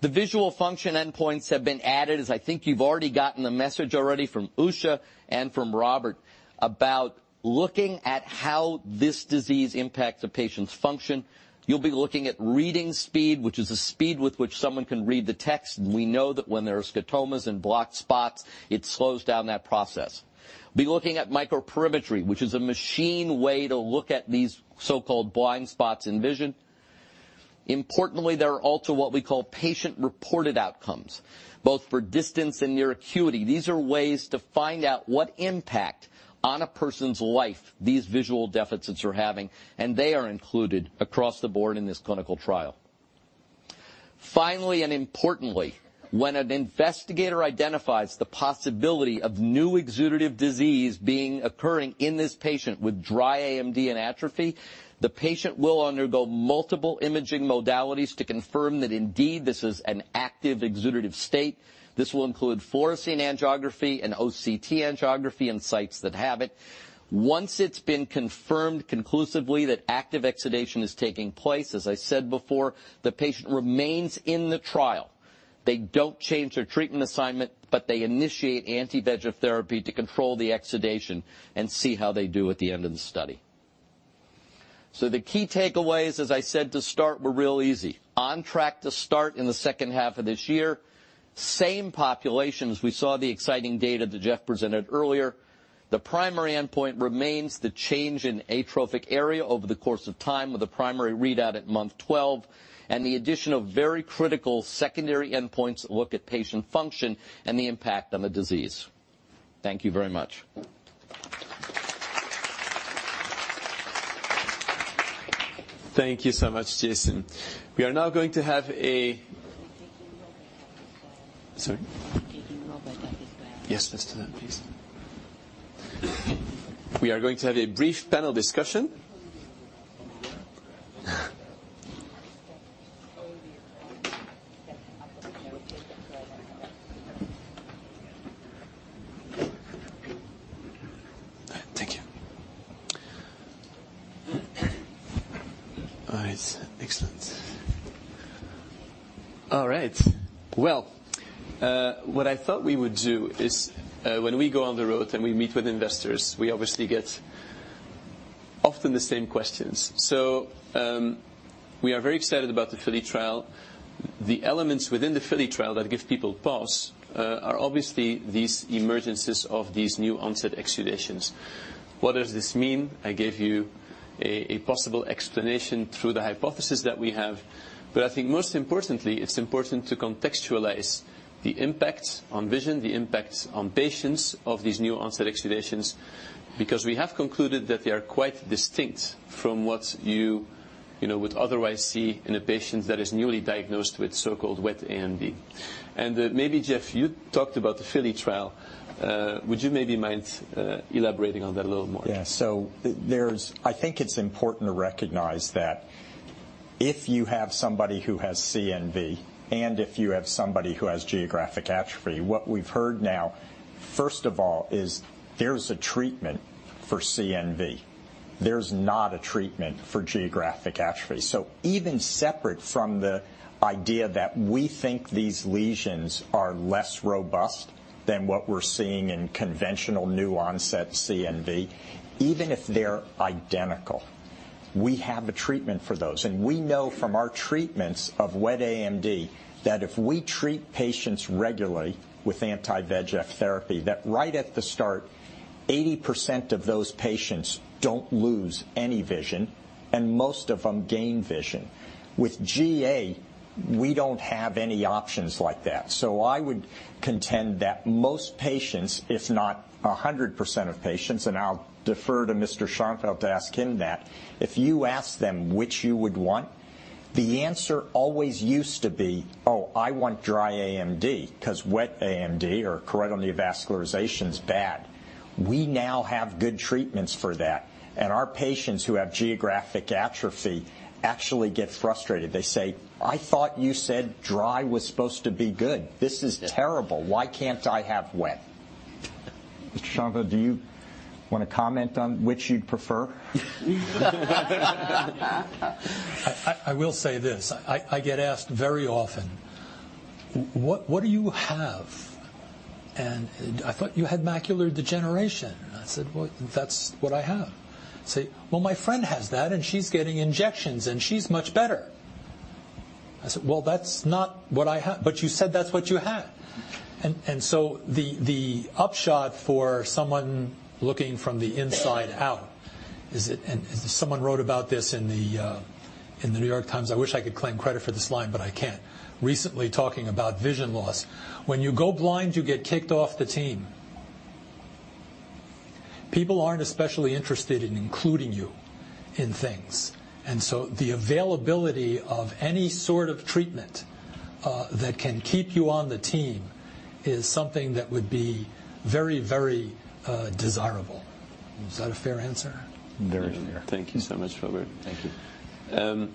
The visual function endpoints have been added, as I think you've already gotten the message already from Usha and from Robert about looking at how this disease impacts a patient's function. You'll be looking at reading speed, which is the speed with which someone can read the text. We know that when there are scotomas and blocked spots, it slows down that process. Be looking at microperimetry, which is a machine way to look at these so-called blind spots in vision. Importantly, there are also what we call patient-reported outcomes, both for distance and near acuity. These are ways to find out what impact on a person's life these visual deficits are having, and they are included across the board in this clinical trial. Finally, and importantly, when an investigator identifies the possibility of new exudative disease occurring in this patient with dry AMD and atrophy, the patient will undergo multiple imaging modalities to confirm that indeed, this is an active exudative state. This will include fluorescein angiography and OCT angiography in sites that have it. Once it's been confirmed conclusively that active exudation is taking place, as I said before, the patient remains in the trial. They don't change their treatment assignment, but they initiate anti-VEGF therapy to control the exudation and see how they do at the end of the study. The key takeaways, as I said to start, were real easy. On track to start in the second half of this year. Same populations. We saw the exciting data that Jeff presented earlier. The primary endpoint remains the change in atrophic area over the course of time, with a primary readout at month 12, the addition of very critical secondary endpoints look at patient function and the impact on the disease. Thank you very much. Thank you so much, Jason. We are now going to have Sorry? Yes, let's do that, please. We are going to have a brief panel discussion. Thank you. All right. Excellent. All right. Well, what I thought we would do is, when we go on the road and we meet with investors, we obviously get often the same questions. We are very excited about the FILLY trial. The elements within the FILLY trial that give people pause are obviously these emergences of these new-onset exudations. What does this mean? I gave you a possible explanation through the hypothesis that we have, I think most importantly, it's important to contextualize the impact on vision, the impact on patients of these new-onset exudations, because we have concluded that they are quite distinct from what you would otherwise see in a patient that is newly diagnosed with so-called wet AMD. maybe Jeff, you talked about the FILLY trial. Would you maybe mind elaborating on that a little more? I think it's important to recognize that if you have somebody who has CNV, if you have somebody who has geographic atrophy, what we've heard now, first of all, is there's a treatment for CNV. There's not a treatment for geographic atrophy. Even separate from the idea that we think these lesions are less robust than what we're seeing in conventional new-onset CNV, even if they're identical, we have a treatment for those. We know from our treatments of wet AMD that if we treat patients regularly with anti-VEGF therapy, that right at the start, 80% of those patients don't lose any vision, and most of them gain vision. With GA, we don't have any options like that. I would contend that most patients, if not 100% of patients, I'll defer to Mr. Schonfeld to ask him that. If you ask them which you would want, the answer always used to be, "Oh, I want dry AMD," because wet AMD or choroidal neovascularization is bad. We now have good treatments for that, and our patients who have geographic atrophy actually get frustrated. They say, "I thought you said dry was supposed to be good. This is terrible. Why can't I have wet? Mr. Schonfeld, do you want to comment on which you'd prefer? I will say this, I get asked very often, "What do you have? And I thought you had macular degeneration." I said, "Well, that's what I have." Say, "Well, my friend has that, and she's getting injections, and she's much better." I said, "Well, that's not what I have." "You said that's what you have." The upshot for someone looking from the inside out is it, and someone wrote about this in "The New York Times," I wish I could claim credit for this line, but I can't. Recently talking about vision loss. When you go blind, you get kicked off the team. People aren't especially interested in including you in things, and so the availability of any sort of treatment that can keep you on the team is something that would be very desirable. Is that a fair answer? Very fair. Thank you so much, Robert. Thank you.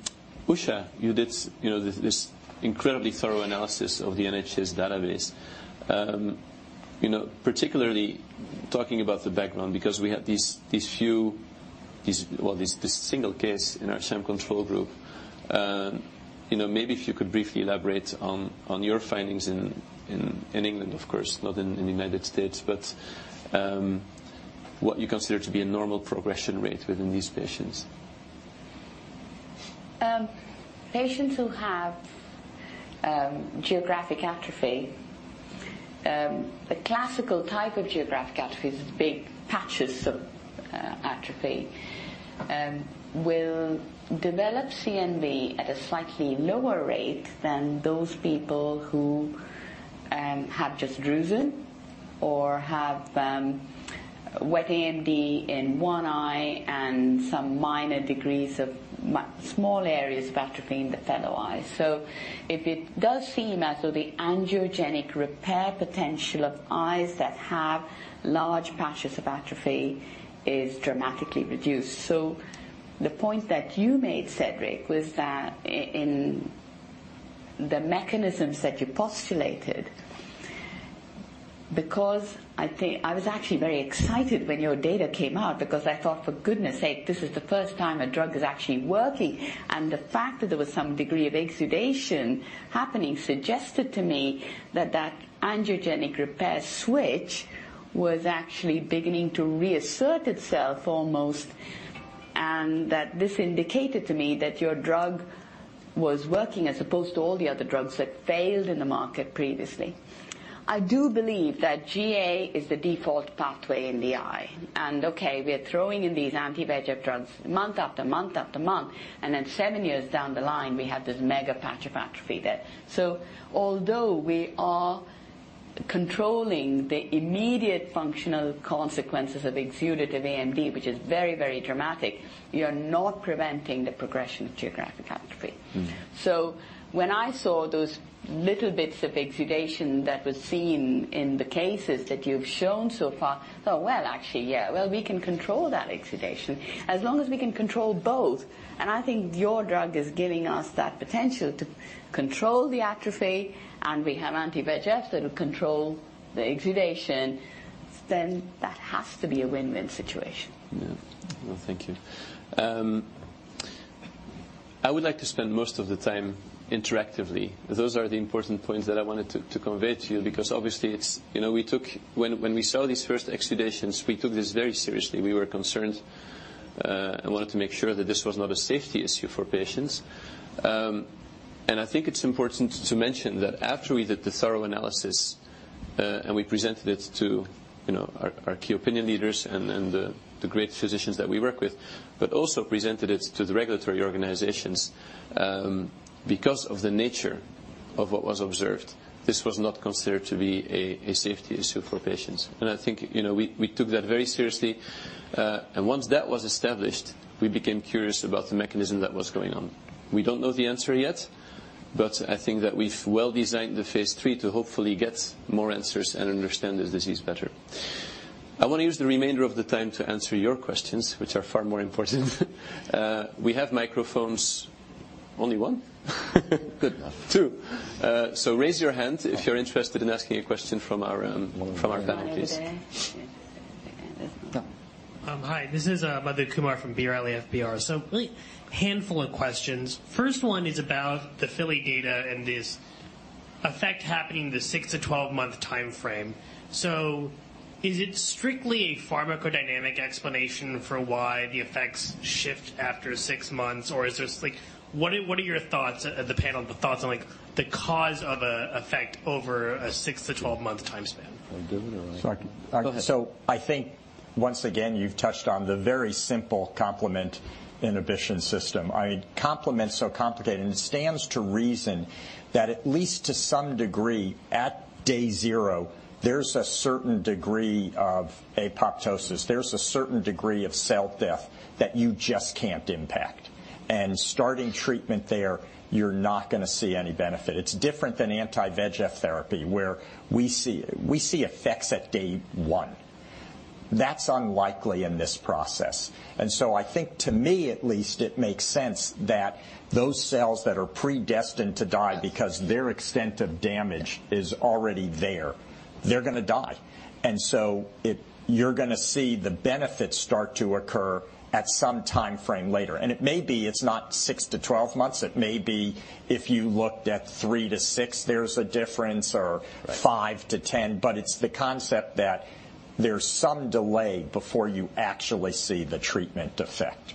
Usha, you did this incredibly thorough analysis of the NHS database. Particularly talking about the background because we had this one case in our sham control group. Maybe if you could briefly elaborate on your findings in England, of course, not in the U.S., but what you consider to be a normal progression rate within these patients. Patients who have geographic atrophy, the classical type of geographic atrophy is big patches of atrophy, will develop CNV at a slightly lower rate than those people who have just drusen or have wet AMD in one eye and some minor degrees of small areas of atrophy in the fellow eye. If it does seem as though the angiogenic repair potential of eyes that have large patches of atrophy is dramatically reduced. The point that you made, Cedric, was that in the mechanisms that you postulated, because I was actually very excited when your data came out because I thought, for goodness' sake, this is the first time a drug is actually working. The fact that there was some degree of exudation happening suggested to me that that angiogenic repair switch was actually beginning to reassert itself almost, and that this indicated to me that your drug was working as opposed to all the other drugs that failed in the market previously. I do believe that GA is the default pathway in the eye. And okay, we are throwing in these anti-VEGF drugs month after month, after month, and then seven years down the line, we have this mega patch of atrophy there. Although we are controlling the immediate functional consequences of exudative AMD, which is very dramatic, you're not preventing the progression of geographic atrophy. When I saw those little bits of exudation that was seen in the cases that you've shown so far, I thought, "Well, actually, yeah. Well, we can control that exudation as long as we can control both." I think your drug is giving us that potential to control the atrophy, and we have anti-VEGF that will control the exudation, then that has to be a win-win situation. Thank you. I would like to spend most of the time interactively. Those are the important points that I wanted to convey to you because obviously when we saw these first exudations, we took this very seriously. We were concerned, and wanted to make sure that this was not a safety issue for patients. I think it's important to mention that after we did the thorough analysis, also presented it to our key opinion leaders and the great physicians that we work with, but also presented it to the regulatory organizations, because of the nature of what was observed, this was not considered to be a safety issue for patients. I think we took that very seriously. Once that was established, we became curious about the mechanism that was going on. We don't know the answer yet, but I think that we've well designed the phase III to hopefully get more answers and understand this disease better. I want to use the remainder of the time to answer your questions, which are far more important. We have microphones. Only one? Good. Two. Raise your hand if you're interested in asking a question from our panelists. One over there. Yeah. Hi, this is Madhu Kumar from B. Riley FBR. Really handful of questions. First one is about the FILLY data and this effect happening the 6 to 12-month timeframe. Is it strictly a pharmacodynamic explanation for why the effects shift after 6 months? What are your thoughts, the panel, the thoughts on the cause of a effect over a 6 to 12-month time span? Can we do it or I-. I-. Go ahead. I think once again, you've touched on the very simple complement inhibition system. Complement is so complicated, and it stands to reason that at least to some degree, at day zero, there's a certain degree of apoptosis. There's a certain degree of cell death that you just can't impact. Starting treatment there, you're not going to see any benefit. It's different than anti-VEGF therapy where we see effects at day one. I think, to me at least, it makes sense that those cells that are predestined to die because their extent of damage is already there, they're going to die. You're going to see the benefits start to occur at some timeframe later. It may be it's not 6 to 12 months. It may be if you looked at 3 to 6, there's a difference, or 5 to 10. It's the concept that there's some delay before you actually see the treatment effect.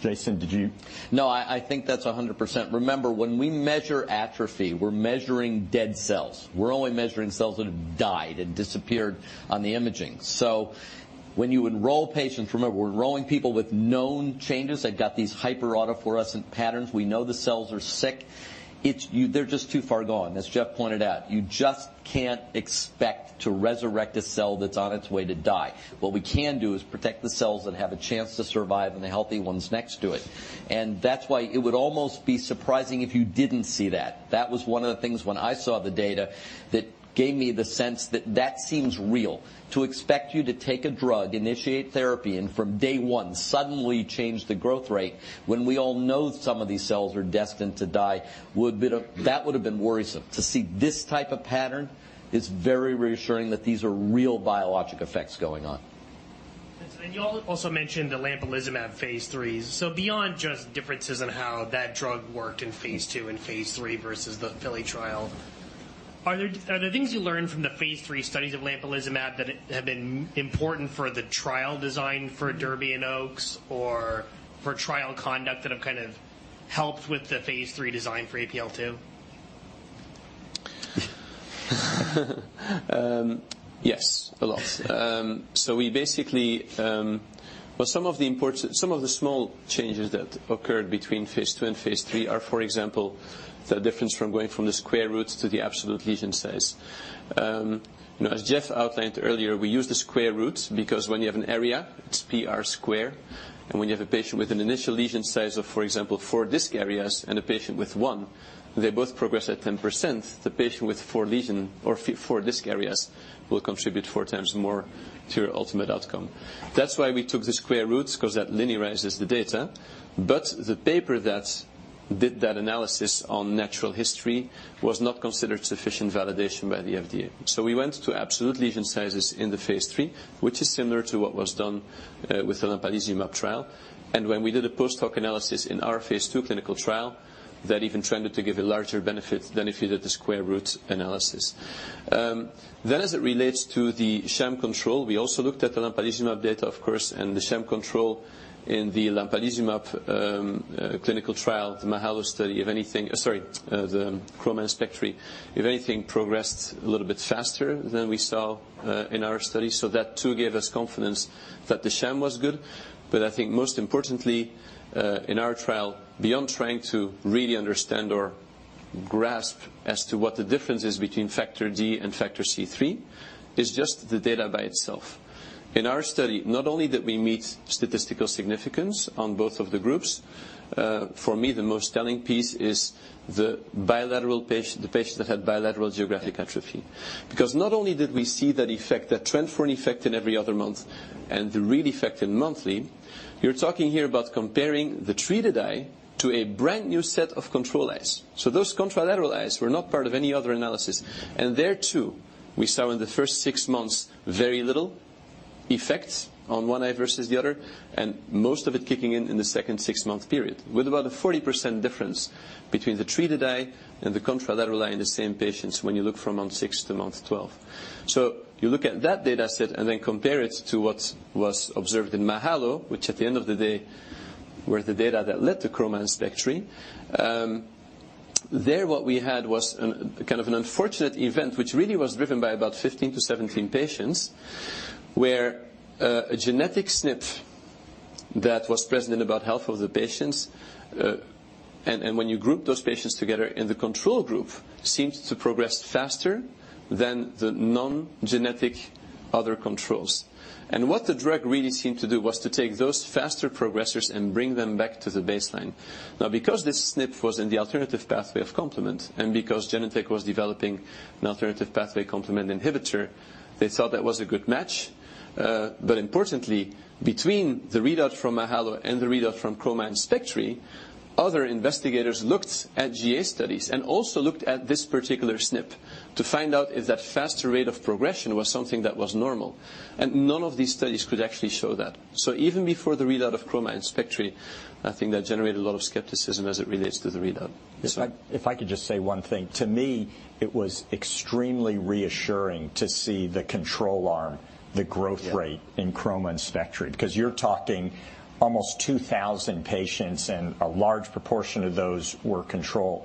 Jason, did you? I think that's 100%. Remember, when we measure atrophy, we're measuring dead cells. We're only measuring cells that have died and disappeared on the imaging. When you enroll patients, remember, we're enrolling people with known changes that got these hyperautofluorescence patterns. We know the cells are sick. They're just too far gone, as Jeff pointed out. You just can't expect to resurrect a cell that's on its way to die. What we can do is protect the cells that have a chance to survive and the healthy ones next to it. That's why it would almost be surprising if you didn't see that. That was one of the things when I saw the data that gave me the sense that that seems real. To expect you to take a drug, initiate therapy, and from day one, suddenly change the growth rate when we all know some of these cells are destined to die, that would have been worrisome. To see this type of pattern is very reassuring that these are real biologic effects going on. You also mentioned the lampalizumab phase III. Beyond just differences in how that drug worked in phase II and phase III versus the FILLY trial, are there things you learned from the phase III studies of lampalizumab that have been important for the trial design for DERBY and OAKS, or for trial conduct that have helped with the phase III design for APL-2? Yes, a lot. Some of the small changes that occurred between phase II and phase III are, for example, the difference from going from the square root to the absolute lesion size. As Jeff outlined earlier, we use the square root because when you have an area, it's pi R-squared, and when you have a patient with an initial lesion size of, for example, four disc areas and a patient with one, they both progress at 10%, the patient with four lesion or four disc areas will contribute four times more to your ultimate outcome. That's why we took the square root, because that linearizes the data. The paper that did that analysis on natural history was not considered sufficient validation by the FDA. We went to absolute lesion sizes in the phase III, which is similar to what was done with the lampalizumab trial. When we did a post-hoc analysis in our phase II clinical trial, that even tended to give a larger benefit than if you did the square root analysis. As it relates to the sham control, we also looked at the lampalizumab data, of course, and the sham control in the lampalizumab clinical trial, the MAHALO study. If anything progressed a little bit faster than we saw in our study, that too gave us confidence that the sham was good. I think most importantly, in our trial, beyond trying to really understand or grasp as to what the difference is between factor D and factor C3, is just the data by itself. In our study, not only did we meet statistical significance on both of the groups, for me, the most telling piece is the patient that had bilateral geographic atrophy. Not only did we see that trend for an effect in every other month and the real effect in monthly, you're talking here about comparing the treated eye to a brand new set of control eyes. Those contralateral eyes were not part of any other analysis. There, too, we saw in the first six months, very little effects on one eye versus the other, and most of it kicking in in the second six-month period, with about a 40% difference between the treated eye and the contralateral eye in the same patients when you look from month six to month 12. You look at that data set and then compare it to what was observed in MAHALO, which at the end of the day, were the data that led to CHROMA and SPECTRI. There, what we had was an unfortunate event, which really was driven by about 15-17 patients, where a genetic snip that was present in about half of the patients, and when you group those patients together in the control group, seems to progress faster than the non-genetic other controls. What the drug really seemed to do was to take those faster progressors and bring them back to the baseline. Because this snip was in the alternative pathway of complement, and because Genentech was developing an alternative pathway complement inhibitor, they thought that was a good match. Importantly, between the readout from MAHALO and the readout from CHROMA and SPECTRI, other investigators looked at GA studies and also looked at this particular SNP to find out if that faster rate of progression was something that was normal. None of these studies could actually show that. Even before the readout of CHROMA and SPECTRI, I think that generated a lot of skepticism as it relates to the readout. If I could just say one thing. To me, it was extremely reassuring to see the control arm, the growth rate in CHROMA and SPECTRI, because you're talking almost 2,000 patients, and a large proportion of those were control.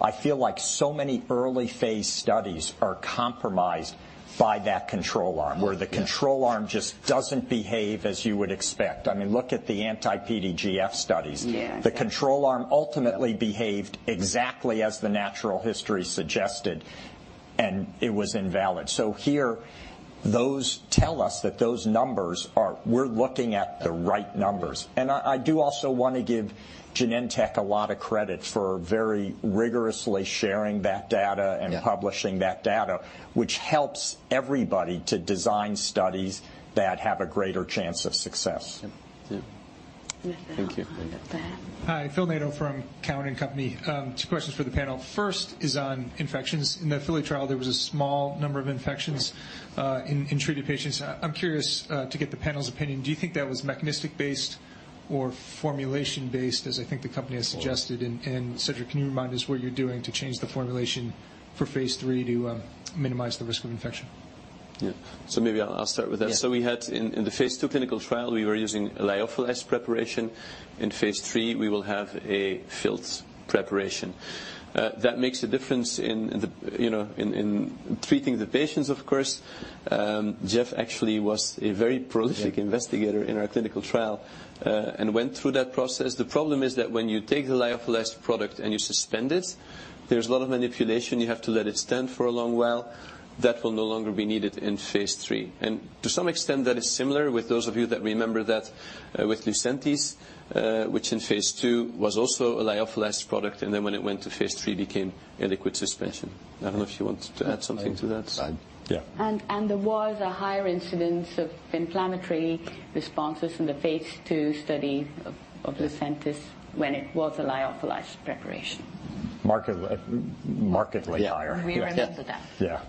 I feel like so many early-phase studies are compromised by that control arm, where the control arm just doesn't behave as you would expect. Look at the anti-PDGF studies. Yeah. The control arm ultimately behaved exactly as the natural history suggested, and it was invalid. Here, those tell us that we're looking at the right numbers. I do also want to give Genentech a lot of credit for very rigorously sharing that data and publishing that data, which helps everybody to design studies that have a greater chance of success. Yeah. Thank you. Hi. Phil Nadeau from Cowen and Company. Two questions for the panel. First is on infections. In the Apellis trial, there was a small number of infections in treated patients. I'm curious to get the panel's opinion. Do you think that was mechanistic based or formulation based, as I think the company has suggested? Cedric, can you remind us what you're doing to change the formulation for phase III to minimize the risk of infection? Yeah. Maybe I'll start with that. Yeah. We had in the phase II clinical trial, we were using a lyophilized preparation. In phase III, we will have a filled preparation. That makes a difference in treating the patients, of course. Jeff actually was a very prolific investigator in our clinical trial and went through that process. The problem is that when you take the lyophilized product and you suspend it, there's a lot of manipulation. You have to let it stand for a long while. That will no longer be needed in phase III. To some extent, that is similar with those of you that remember that with Lucentis, which in phase II was also a lyophilized product, and then when it went to phase III, became a liquid suspension. I don't know if you want to add something to that. Yeah. There was a higher incidence of inflammatory responses from the phase II study of Lucentis when it was a lyophilized preparation. Markedly higher. Yeah. We remember that. Yeah.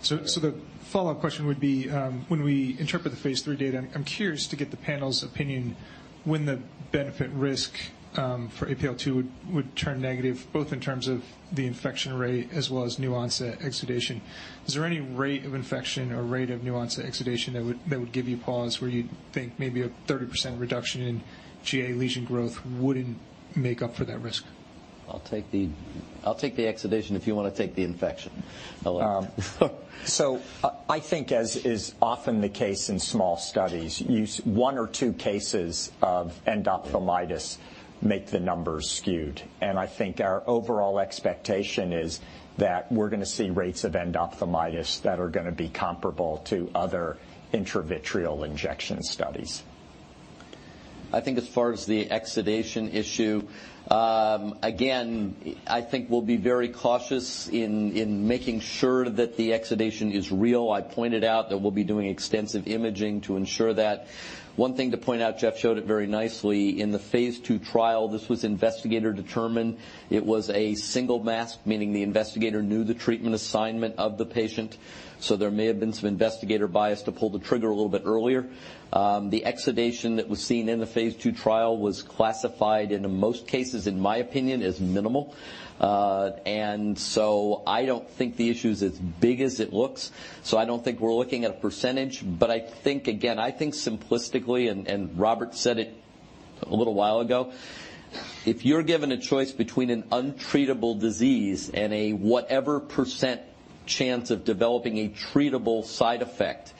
The follow-up question would be, when we interpret the phase III data, I'm curious to get the panel's opinion when the benefit risk for APL-2 would turn negative, both in terms of the infection rate as well as new onset exudation. Is there any rate of infection or rate of new onset exudation that would give you pause where you'd think maybe a 30% reduction in GA lesion growth wouldn't make up for that risk? I'll take the exudation if you want to take the infection, Robert. I think as is often the case in small studies, one or two cases of endophthalmitis make the numbers skewed. I think our overall expectation is that we're going to see rates of endophthalmitis that are going to be comparable to other intravitreal injection studies. I think as far as the exudation issue, again, I think we'll be very cautious in making sure that the exudation is real. I pointed out that we'll be doing extensive imaging to ensure that. One thing to point out, Jeff showed it very nicely in the phase II trial. This was investigator determined. It was a single mask, meaning the investigator knew the treatment assignment of the patient. There may have been some investigator bias to pull the trigger a little bit earlier. The exudation that was seen in the phase II trial was classified in most cases, in my opinion, as minimal. I don't think the issue is as big as it looks, I don't think we're looking at a percentage. I think, again, I think simplistically, Robert said it a little while ago, if you're given a choice between an untreatable disease and a whatever % chance of developing a treatable side effect,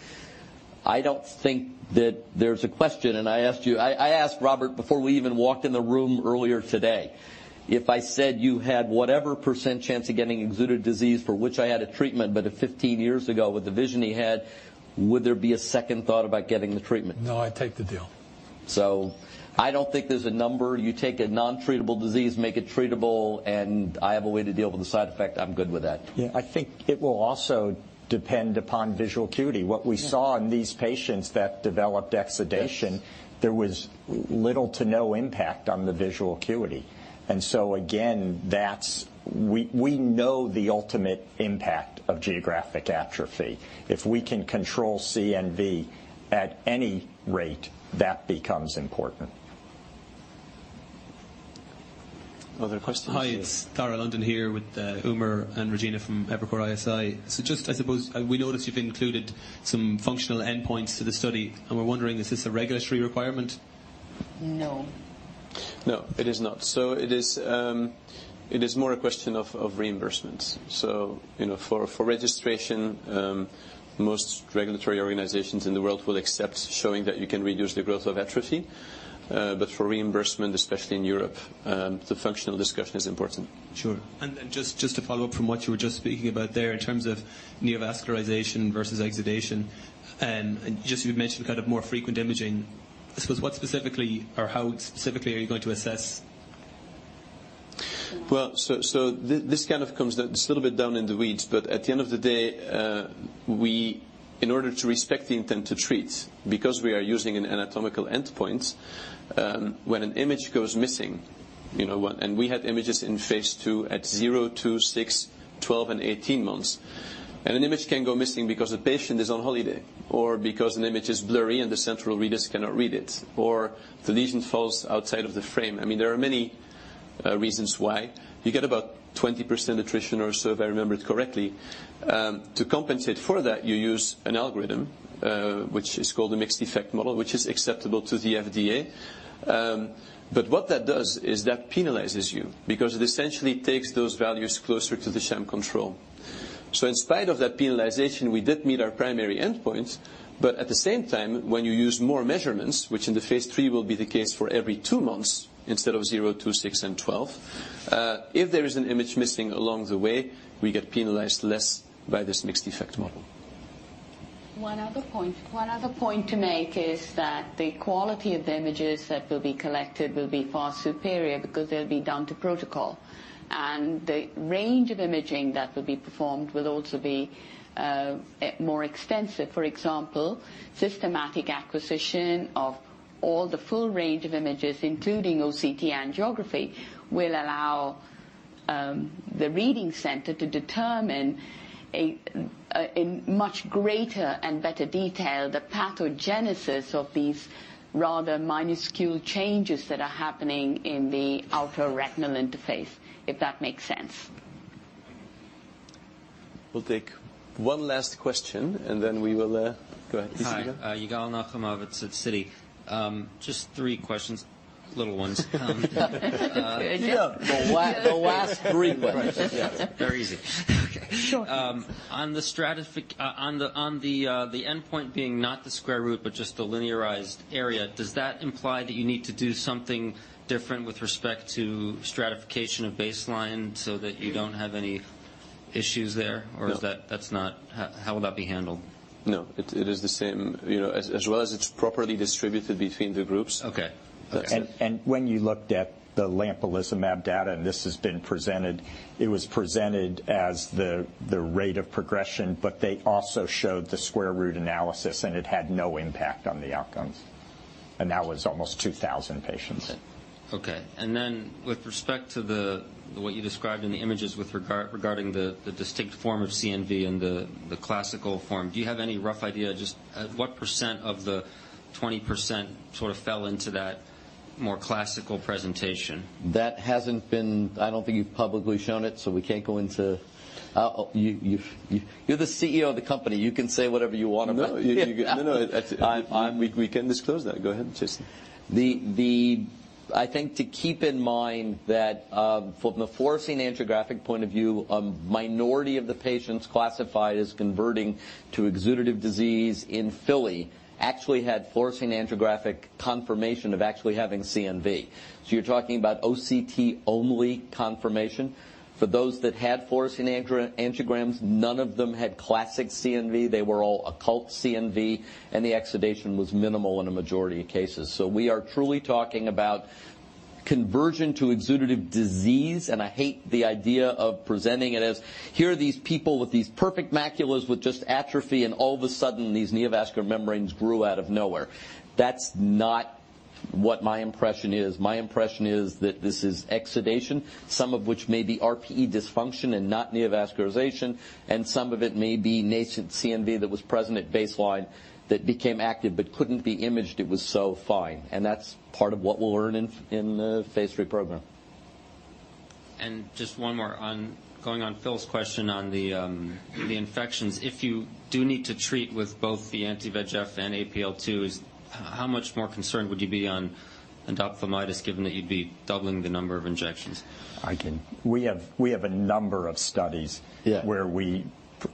I don't think that there's a question. I asked you, I asked Robert before we even walked in the room earlier today, if I said you had whatever % chance of getting exuded disease for which I had a treatment but 15 years ago with the vision he had, would there be a second thought about getting the treatment? No, I'd take the deal. I don't think there's a number. You take a non-treatable disease, make it treatable, and I have a way to deal with the side effect. I'm good with that. Yeah. I think it will also depend upon visual acuity. What we saw in these patients that developed exudation. Yes There was little to no impact on the visual acuity. Again, we know the ultimate impact of geographic atrophy. If we can control CNV at any rate, that becomes important. Other questions? Hi, it's Thara London here with Umer and Regina from Evercore ISI. I suppose we noticed you've included some functional endpoints to the study, and we're wondering, is this a regulatory requirement? No. No, it is not. It is more a question of reimbursements. For registration, most regulatory organizations in the world will accept showing that you can reduce the growth of atrophy. For reimbursement, especially in Europe, the functional discussion is important. Sure. Just to follow up from what you were just speaking about there in terms of neovascularization versus exudation, and just you mentioned more frequent imaging. I suppose, what specifically, or how specifically are you going to assess? Well- This comes a little bit down in the weeds, at the end of the day, in order to respect the intent to treat, because we are using an anatomical endpoint, when an image goes missing, and we had images in phase II at zero, two, six, 12, and 18 months. An image can go missing because a patient is on holiday or because an image is blurry and the central readers cannot read it, or the lesion falls outside of the frame. There are many reasons why. You get about 20% attrition or so, if I remember it correctly. To compensate for that, you use an algorithm, which is called a mixed-effect model, which is acceptable to the FDA. What that does is that penalizes you because it essentially takes those values closer to the sham control. In spite of that penalization, we did meet our primary endpoint. At the same time, when you use more measurements, which in the phase III will be the case for every two months instead of zero, two, six, and 12, if there is an image missing along the way, we get penalized less by this mixed-effect model. One other point to make is that the quality of the images that will be collected will be far superior because they'll be done to protocol. The range of imaging that will be performed will also be more extensive. For example, systematic acquisition of all the full range of images, including OCT angiography, will allow the reading center to determine in much greater and better detail the pathogenesis of these rather minuscule changes that are happening in the outer retinal interface, if that makes sense. We'll take one last question. Go ahead. Hi. Yigal Nochomovitz at Citi. Just three questions, little ones. Yeah. The last three questions. Yes. Very easy. Okay. Sure. On the endpoint being not the square root, but just the linearized area, does that imply that you need to do something different with respect to stratification of baseline so that you don't have any issues there? No. How will that be handled? No, it is the same. As well as it's properly distributed between the groups. Okay. That's it. When you looked at the lampalizumab data, and this has been presented, it was presented as the rate of progression, but they also showed the square root analysis, and it had no impact on the outcomes. That was almost 2,000 patients. Okay. With respect to what you described in the images regarding the distinct form of CNV and the classical form, do you have any rough idea just what % of the 20% fell into that more classical presentation? I don't think you've publicly shown it. You're the CEO of the company. You can say whatever you want about it. No, we can disclose that. Go ahead, Jason. I think to keep in mind that from the fluorescein angiographic point of view, a minority of the patients classified as converting to exudative disease in FILLY actually had fluorescein angiographic confirmation of actually having CNV. You're talking about OCT-only confirmation. For those that had fluorescein angiograms, none of them had classic CNV. They were all occult CNV, and the exudation was minimal in a majority of cases. We are truly talking about conversion to exudative disease, and I hate the idea of presenting it as, here are these people with these perfect maculas with just atrophy, and all of a sudden, these neovascular membranes grew out of nowhere. That's not what my impression is. My impression is that this is exudation, some of which may be RPE dysfunction and not neovascularization, and some of it may be nascent CNV that was present at baseline that became active but couldn't be imaged, it was so fine. That's part of what we'll learn in the Phase III program. Just one more. Going on Phil's question on the infections. If you do need to treat with both the anti-VEGF and APL-2, how much more concerned would you be on endophthalmitis given that you'd be doubling the number of injections? I can. We have a number of studies. Yeah where we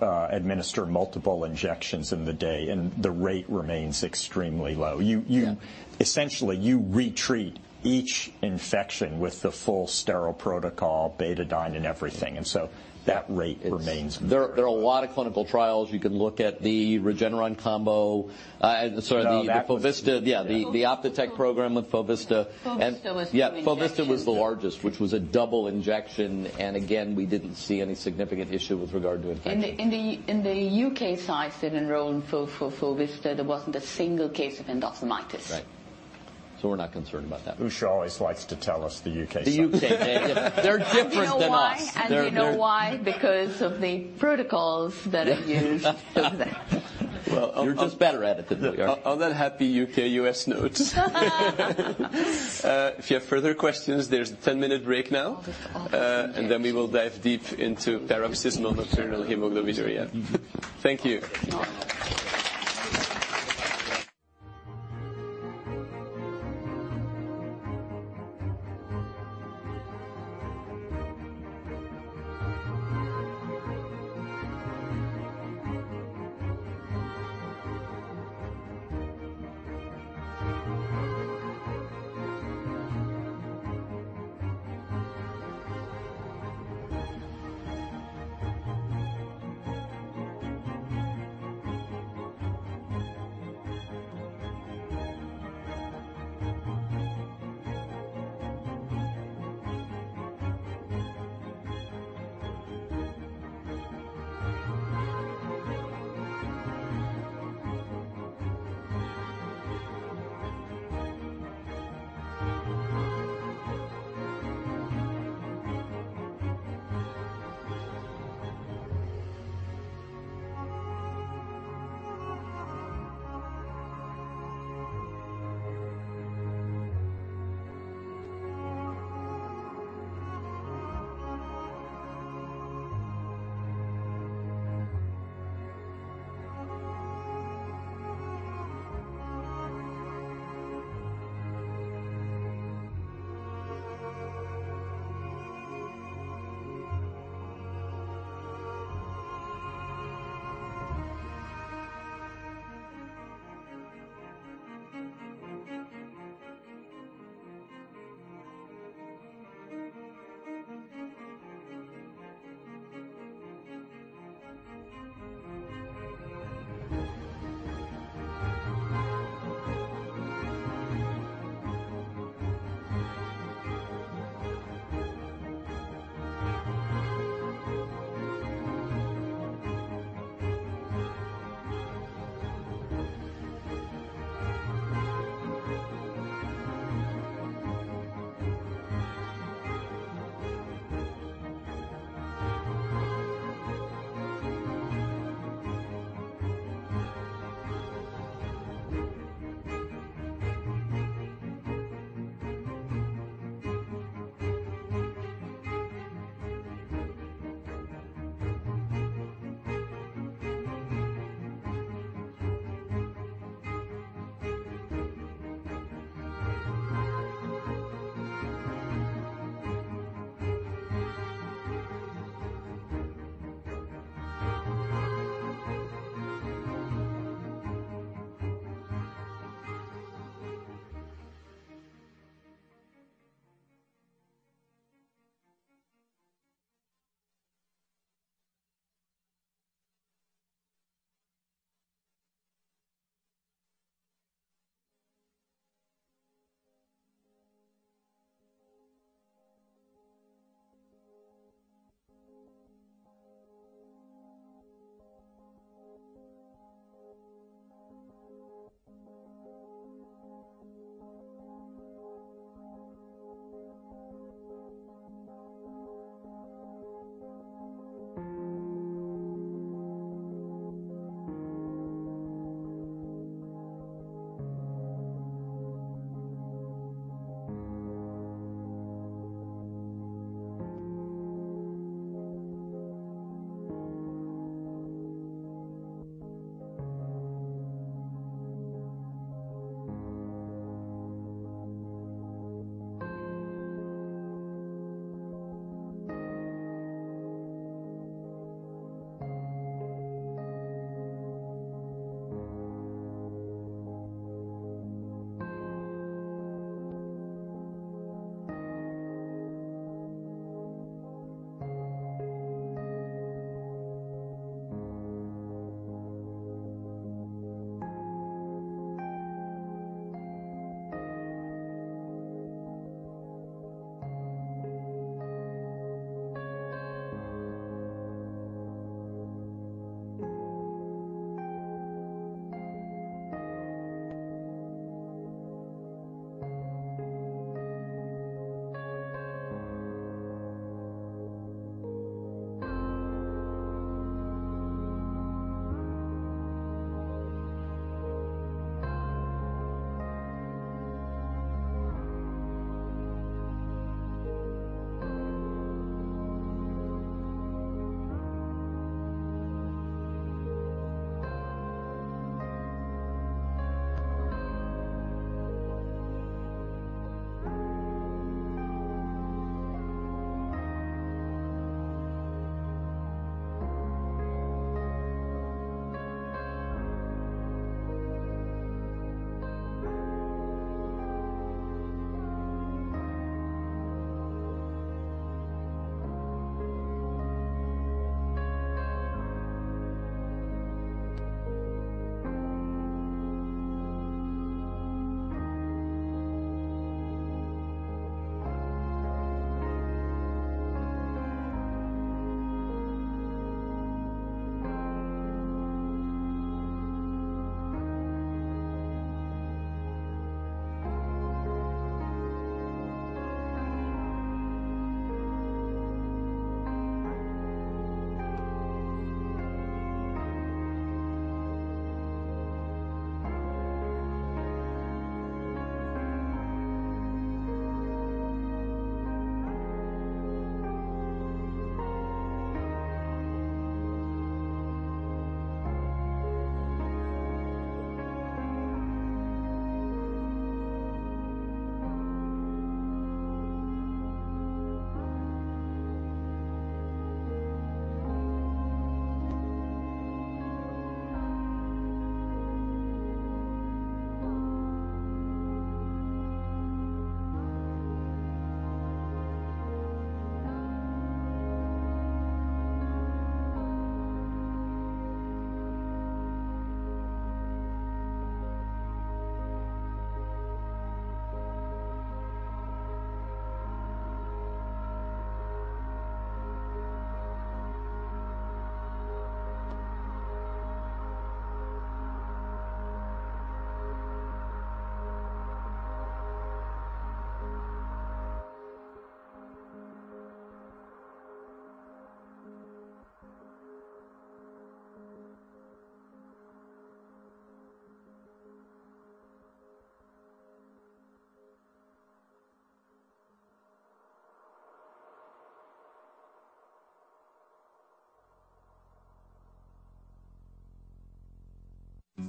administer multiple injections in the day, and the rate remains extremely low. Yeah. Essentially, you re-treat each infection with the full sterile protocol, BETADINE, and everything. That rate remains very low. There are a lot of clinical trials. You can look at the Regeneron combo. Sorry, the Fovista. Yeah, the Ophthotech program with Fovista. Fovista was two injections. Yeah. Fovista was the largest, which was a double injection. Again, we didn't see any significant issue with regard to infection. In the U.K. sites that enrolled for Fovista, there wasn't a single case of endophthalmitis. Right. We're not concerned about that. Usha always likes to tell us the U.K. stuff. The U.K. They're different than us. You know why? Because of the protocols that are used over there. Well, you're just better at it than we are. On that happy U.K., U.S. note. If you have further questions, there's a 10-minute break now. All these injections. We will dive deep into paroxysmal nocturnal hemoglobinuria.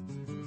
Thank you.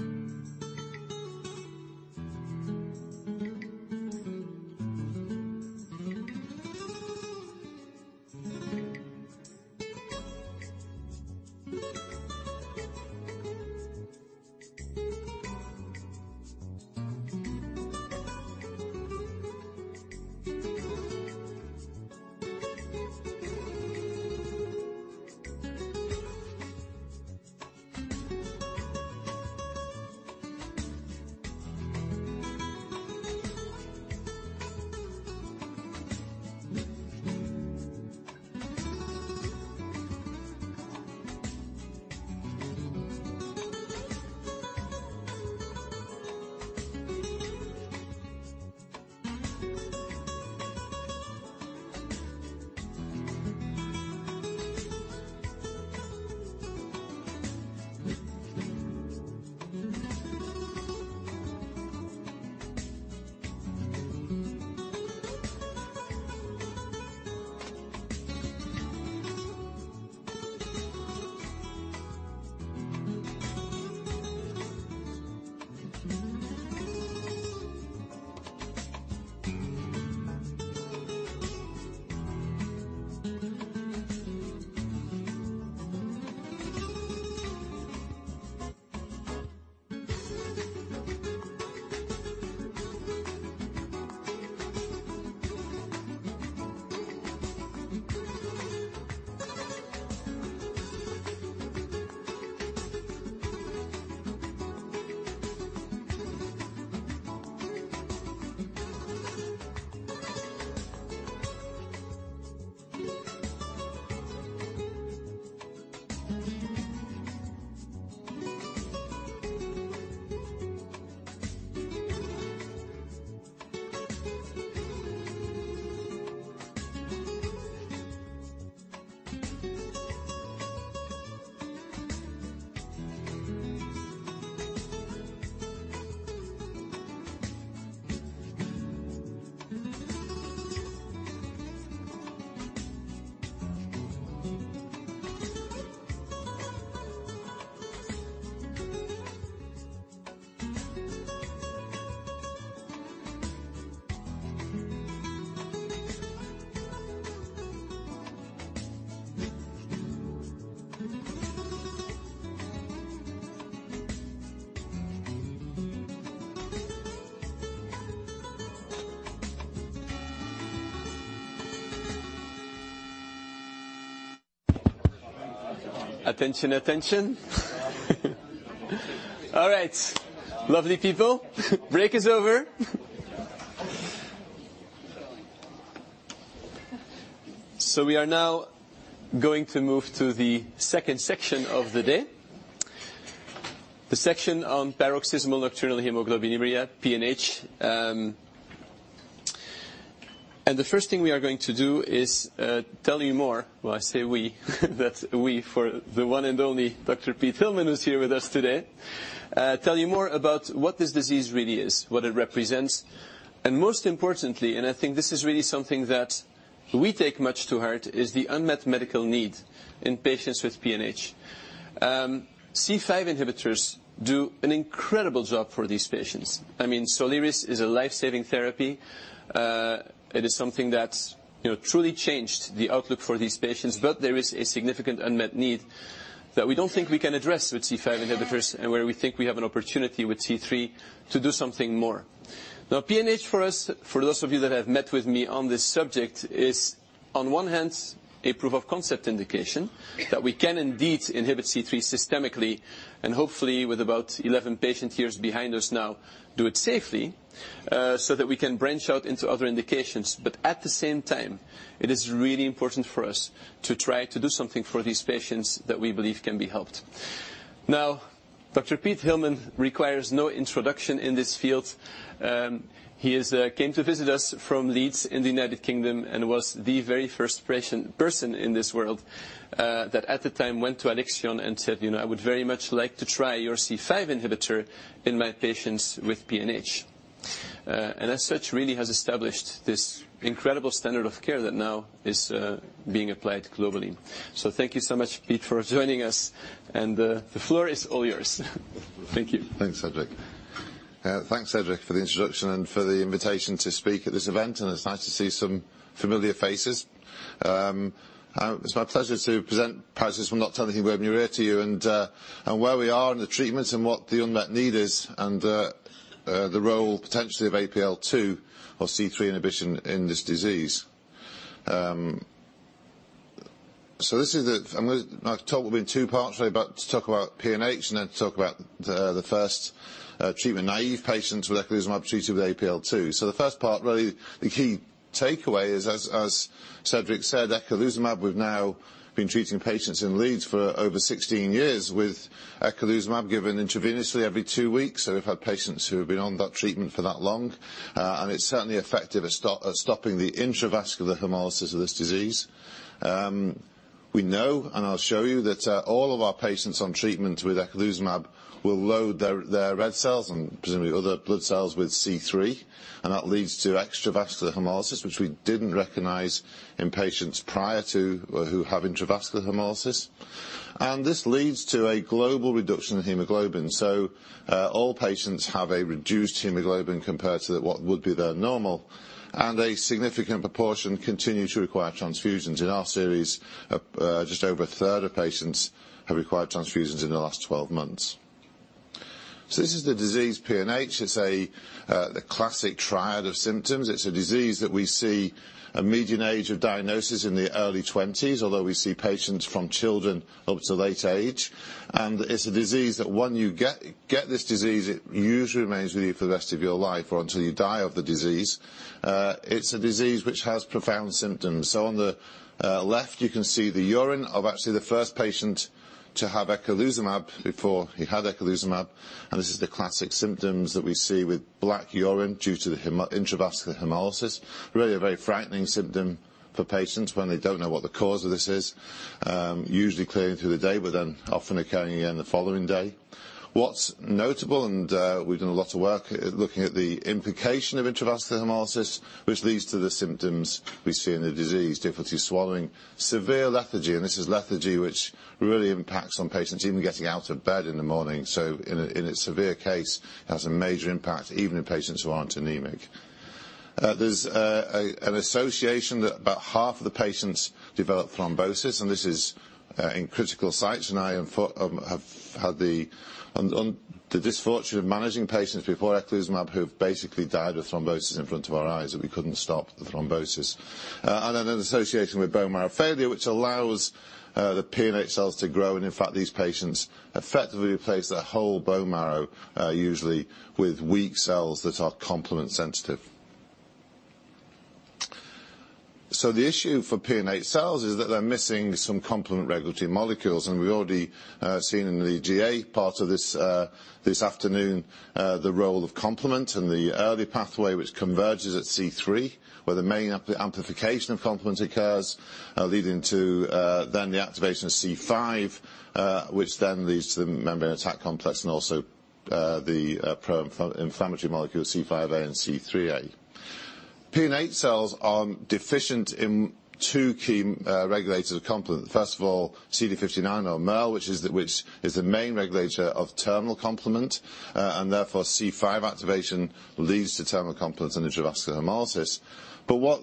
Attention, attention. All right. Lovely people, break is over. We are now going to move to the second section of the day, the section on Paroxysmal Nocturnal Hemoglobinuria, PNH. The first thing we are going to do is tell you more. Well, I say we, that we for the one and only Dr. Pete Hillmen, who's here with us today. Tell you more about what this disease really is, what it represents, and most importantly, I think this is really something that we take much to heart, is the unmet medical need in patients with PNH. C5 inhibitors do an incredible job for these patients. SOLIRIS is a life-saving therapy. It is something that's truly changed the outlook for these patients. There is a significant unmet need that we don't think we can address with C5 inhibitors and where we think we have an opportunity with C3 to do something more. PNH for those of you that have met with me on this subject is, on one hand, a proof of concept indication that we can indeed inhibit C3 systemically and hopefully with about 11 patient years behind us now, do it safely, so that we can branch out into other indications. At the same time, it is really important for us to try to do something for these patients that we believe can be helped. Dr. Pete Hillmen requires no introduction in this field. He came to visit us from Leeds in the U.K. and was the very first person in this world, that at the time went to Alexion and said, "I would very much like to try your C5 inhibitor in my patients with PNH." As such, really has established this incredible standard of care that now is being applied globally. Thank you so much, Pete, for joining us, and the floor is all yours. Thank you. Thanks, Cedric. Thanks, Cedric, for the introduction and for the invitation to speak at this event, and it's nice to see some familiar faces. It's my pleasure to present Paroxysmal Nocturnal Hemoglobinuria to you and where we are in the treatments and what the unmet need is, and the role potentially of APL-2 or C3 inhibition in this disease. I'm going to talk about two parts really, about to talk about PNH and then to talk about the first treatment-naive patients with eculizumab treated with APL-2. The first part, really the key takeaway is, as Cedric said, eculizumab. We've now been treating patients in Leeds for over 16 years with eculizumab given intravenously every two weeks. We've had patients who have been on that treatment for that long. It's certainly effective at stopping the intravascular hemolysis of this disease. We know, and I'll show you, that all of our patients on treatment with eculizumab will load their red cells and presumably other blood cells with C3, that leads to extravascular hemolysis, which we didn't recognize in patients prior to who have intravascular hemolysis. This leads to a global reduction in hemoglobin. All patients have a reduced hemoglobin compared to what would be their normal, and a significant proportion continue to require transfusions. In our series, just over a third of patients have required transfusions in the last 12 months. This is the disease PNH. It's the classic triad of symptoms. It's a disease that we see a median age of diagnosis in the early 20s, although we see patients from children up to late age. It's a disease that when you get this disease, it usually remains with you for the rest of your life or until you die of the disease. It's a disease which has profound symptoms. On the left, you can see the urine of actually the first patient to have eculizumab before he had eculizumab, and this is the classic symptoms that we see with black urine due to the intravascular hemolysis. Really a very frightening symptom for patients when they don't know what the cause of this is, usually clearing through the day, but then often occurring again the following day. What's notable, we've done lots of work looking at the implication of intravascular hemolysis, which leads to the symptoms we see in the disease, difficulty swallowing, severe lethargy. This is lethargy, which really impacts on patients even getting out of bed in the morning. In a severe case, has a major impact even in patients who aren't anemic. There's an association that about half of the patients develop thrombosis, and this is in critical sites, and I have had the misfortune of managing patients before eculizumab who've basically died with thrombosis in front of our eyes, that we couldn't stop the thrombosis. Then associating with bone marrow failure, which allows the PNH cells to grow, and in fact, these patients effectively replace their whole bone marrow, usually with weak cells that are complement sensitive. The issue for PNH cells is that they're missing some complement regulatory molecules. We've already seen in the GA part of this afternoon, the role of complement and the early pathway, which converges at C3, where the main amplification of complement occurs, leading to then the activation of C5, which then leads to the membrane attack complex and also the pro-inflammatory molecule, C5a and C3a. PNH cells are deficient in two key regulators of complement. First of all, CD59 or MIRL, which is the main regulator of terminal complement. Therefore, C5 activation leads to terminal complement and intravascular hemolysis. What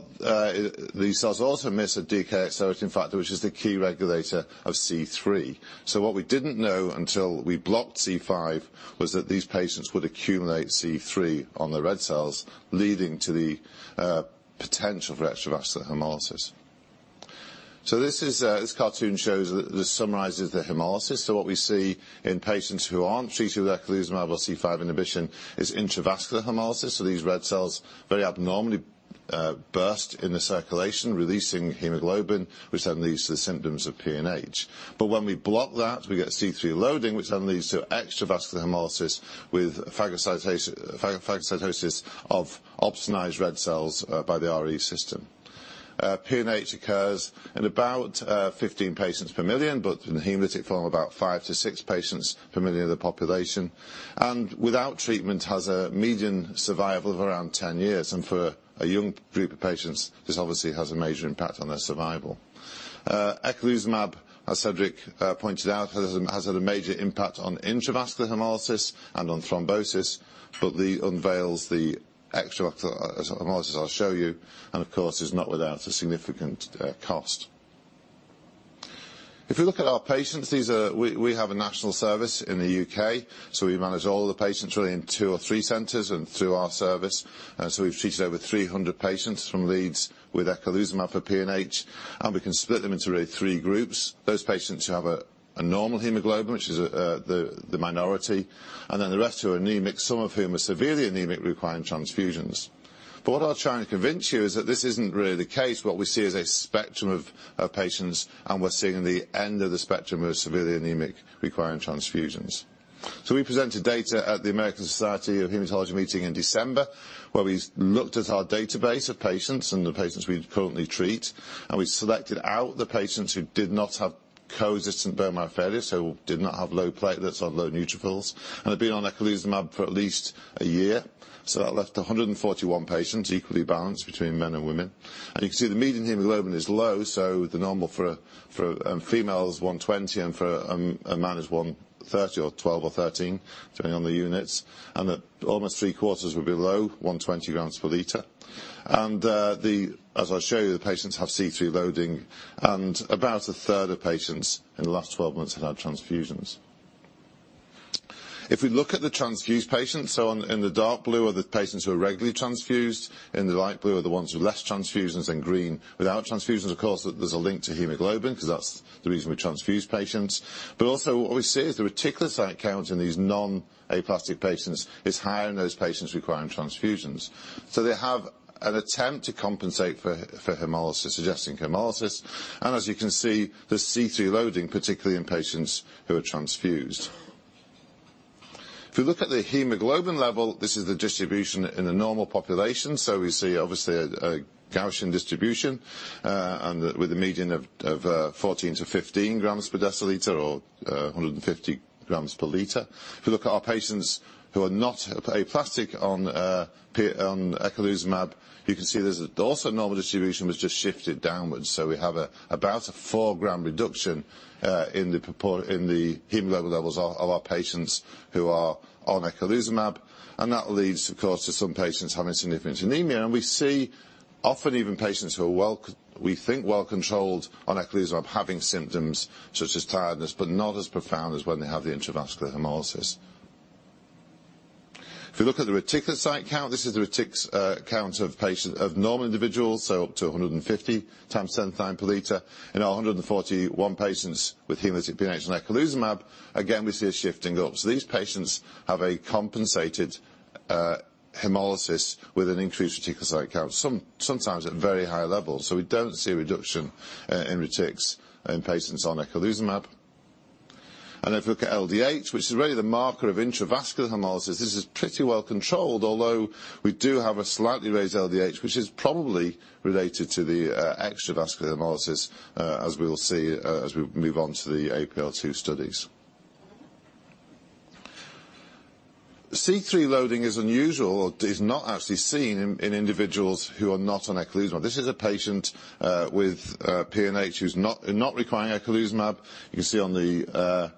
these cells also miss are DAF, which in fact is just a key regulator of C3. What we didn't know until we blocked C5 was that these patients would accumulate C3 on their red cells, leading to the potential for extravascular hemolysis. This cartoon shows, this summarizes the hemolysis. What we see in patients who aren't treated with eculizumab or C5 inhibition is intravascular hemolysis. These red cells very abnormally burst in the circulation, releasing hemoglobin, which then leads to symptoms of PNH. When we block that, we get C3 loading, which then leads to extravascular hemolysis with phagocytosis of opsonized red cells, by the RE system. PNH occurs in about 15 patients per million, but in the hematocrit form, about five to six patients per million of the population. Without treatment, has a median survival of around 10 years. For a young group of patients, this obviously has a major impact on their survival. Eculizumab, as Cedric pointed out, has had a major impact on intravascular hemolysis and on thrombosis, but unveils the extravascular hemolysis I'll show you, of course, is not without a significant cost. If we look at our patients, we have a national service in the U.K., we manage all of the patients really in two or three centers and through our service. We've treated over 300 patients from Leeds with eculizumab for PNH, we can split them into really three groups. Those patients who have a normal hemoglobin, which is the minority, then the rest who are anemic, some of whom are severely anemic, requiring transfusions. What I'll try and convince you is that this isn't really the case. What we see is a spectrum of patients, we're seeing the end of the spectrum who are severely anemic, requiring transfusions. We presented data at the American Society of Hematology meeting in December, where we looked at our database of patients and the patients we currently treat. We selected out the patients who did not have coexistent bone marrow failure, who did not have low platelets or low neutrophils, and had been on eculizumab for at least a year. That left 141 patients, equally balanced between men and women. You can see the median hemoglobin is low, the normal for a female is 120, and for a man is 130 or 12 or 13, depending on the units. That almost three-quarters were below 120 grams per liter. As I'll show you, the patients have C3 loading, and about a third of patients in the last 12 months have had transfusions. If we look at the transfused patients, in the dark blue are the patients who are regularly transfused, in the light blue are the ones with less transfusions, green without transfusions. Of course, there's a link to hemoglobin because that's the reason we transfuse patients. Also what we see is the reticulocyte count in these non-aplastic patients is higher than those patients requiring transfusions. They have an attempt to compensate for hemolysis, suggesting hemolysis. As you can see, the C3 loading, particularly in patients who are transfused. If we look at the hemoglobin level, this is the distribution in a normal population. We see obviously a Gaussian distribution, and with a median of 14 to 15 grams per deciliter or 150 grams per liter. If you look at our patients who are not aplastic on eculizumab, you can see there's also a normal distribution, it's just shifted downwards. We have about a four-gram reduction, in the hemoglobin levels of our patients who are on eculizumab. That leads, of course, to some patients having significant anemia. We see often even patients who are, we think, well controlled on eculizumab having symptoms such as tiredness, but not as profound as when they have the intravascular hemolysis. You look at the reticulocyte count, this is the retics count of normal individuals, so up to 150 times 10 times per liter. In 141 patients with hematocrit PNH on eculizumab, again, we see a shifting up. These patients have a compensated hemolysis with an increased reticulocyte count, sometimes at very high levels. We don't see a reduction in retics in patients on eculizumab. You look at LDH, which is really the marker of intravascular hemolysis, this is pretty well controlled, although we do have a slightly raised LDH, which is probably related to the extravascular hemolysis, as we'll see as we move on to the APL-2 studies. C3 loading is unusual. It is not actually seen in individuals who are not on eculizumab. This is a patient with PNH who's not requiring eculizumab. You can see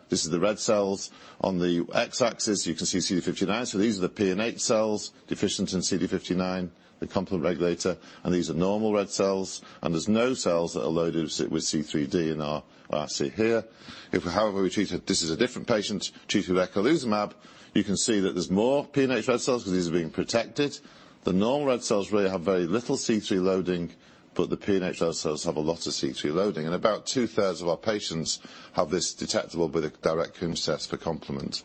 this is the red cells. On the x-axis, you can see CD59. These are the PNH cells deficient in CD59, the complement regulator, and these are normal red cells, and there's no cells that are loaded with C3d in our assay here. This is a different patient treated with eculizumab. You can see that there's more PNH red cells because these are being protected. The normal red cells really have very little C3 loading, but the PNH red cells have a lot of C3 loading. About two-thirds of our patients have this detectable with a direct Coombs test for complement.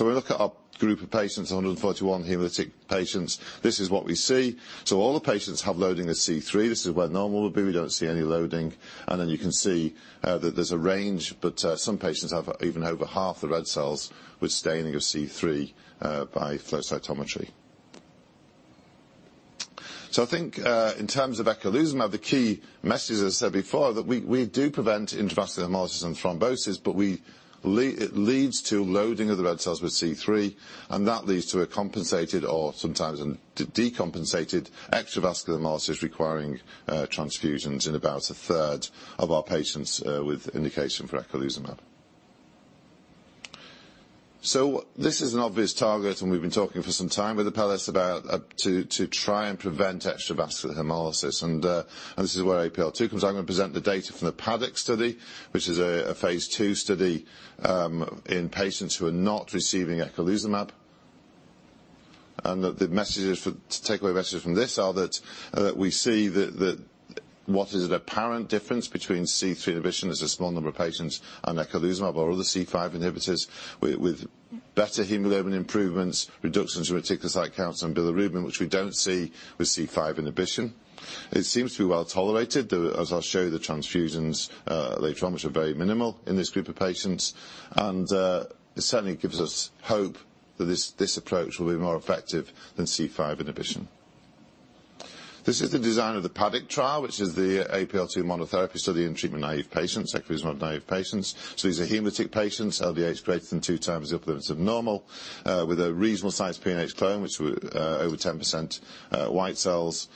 We look at our group of patients, 141 hemolytic patients. This is what we see. All the patients have loading of C3. This is where normal would be. We don't see any loading. Then you can see that there's a range, but some patients have even over half the red cells with staining of C3 by flow cytometry. I think, in terms of eculizumab, the key message, as I said before, that we do prevent intravascular hemolysis and thrombosis, but it leads to loading of the red cells with C3, and that leads to a compensated or sometimes a decompensated extravascular hemolysis requiring transfusions in about a third of our patients with indication for eculizumab. This is an obvious target, we've been talking for some time with Apellis about to try and prevent extravascular hemolysis. This is where APL-2 comes. I'm going to present the data from the PADDOCK study, which is a phase II study in patients who are not receiving eculizumab. The takeaway messages from this are that we see that what is an apparent difference between C3 inhibition is a small number of patients on eculizumab or other C5 inhibitors with better hemoglobin improvements, reductions in reticulocyte counts and bilirubin, which we don't see with C5 inhibition. It seems to be well-tolerated. As I'll show you, the transfusions later on, which are very minimal in this group of patients, and it certainly gives us hope that this approach will be more effective than C5 inhibition. This is the design of the PADDOCK trial, which is the APL-2 monotherapy study in treatment-naive patients, eculizumab-naive patients. These are hemolytic patients, LDH greater than two times the upper limits of normal, with a reasonable size PNH clone, which were over 10% white cells,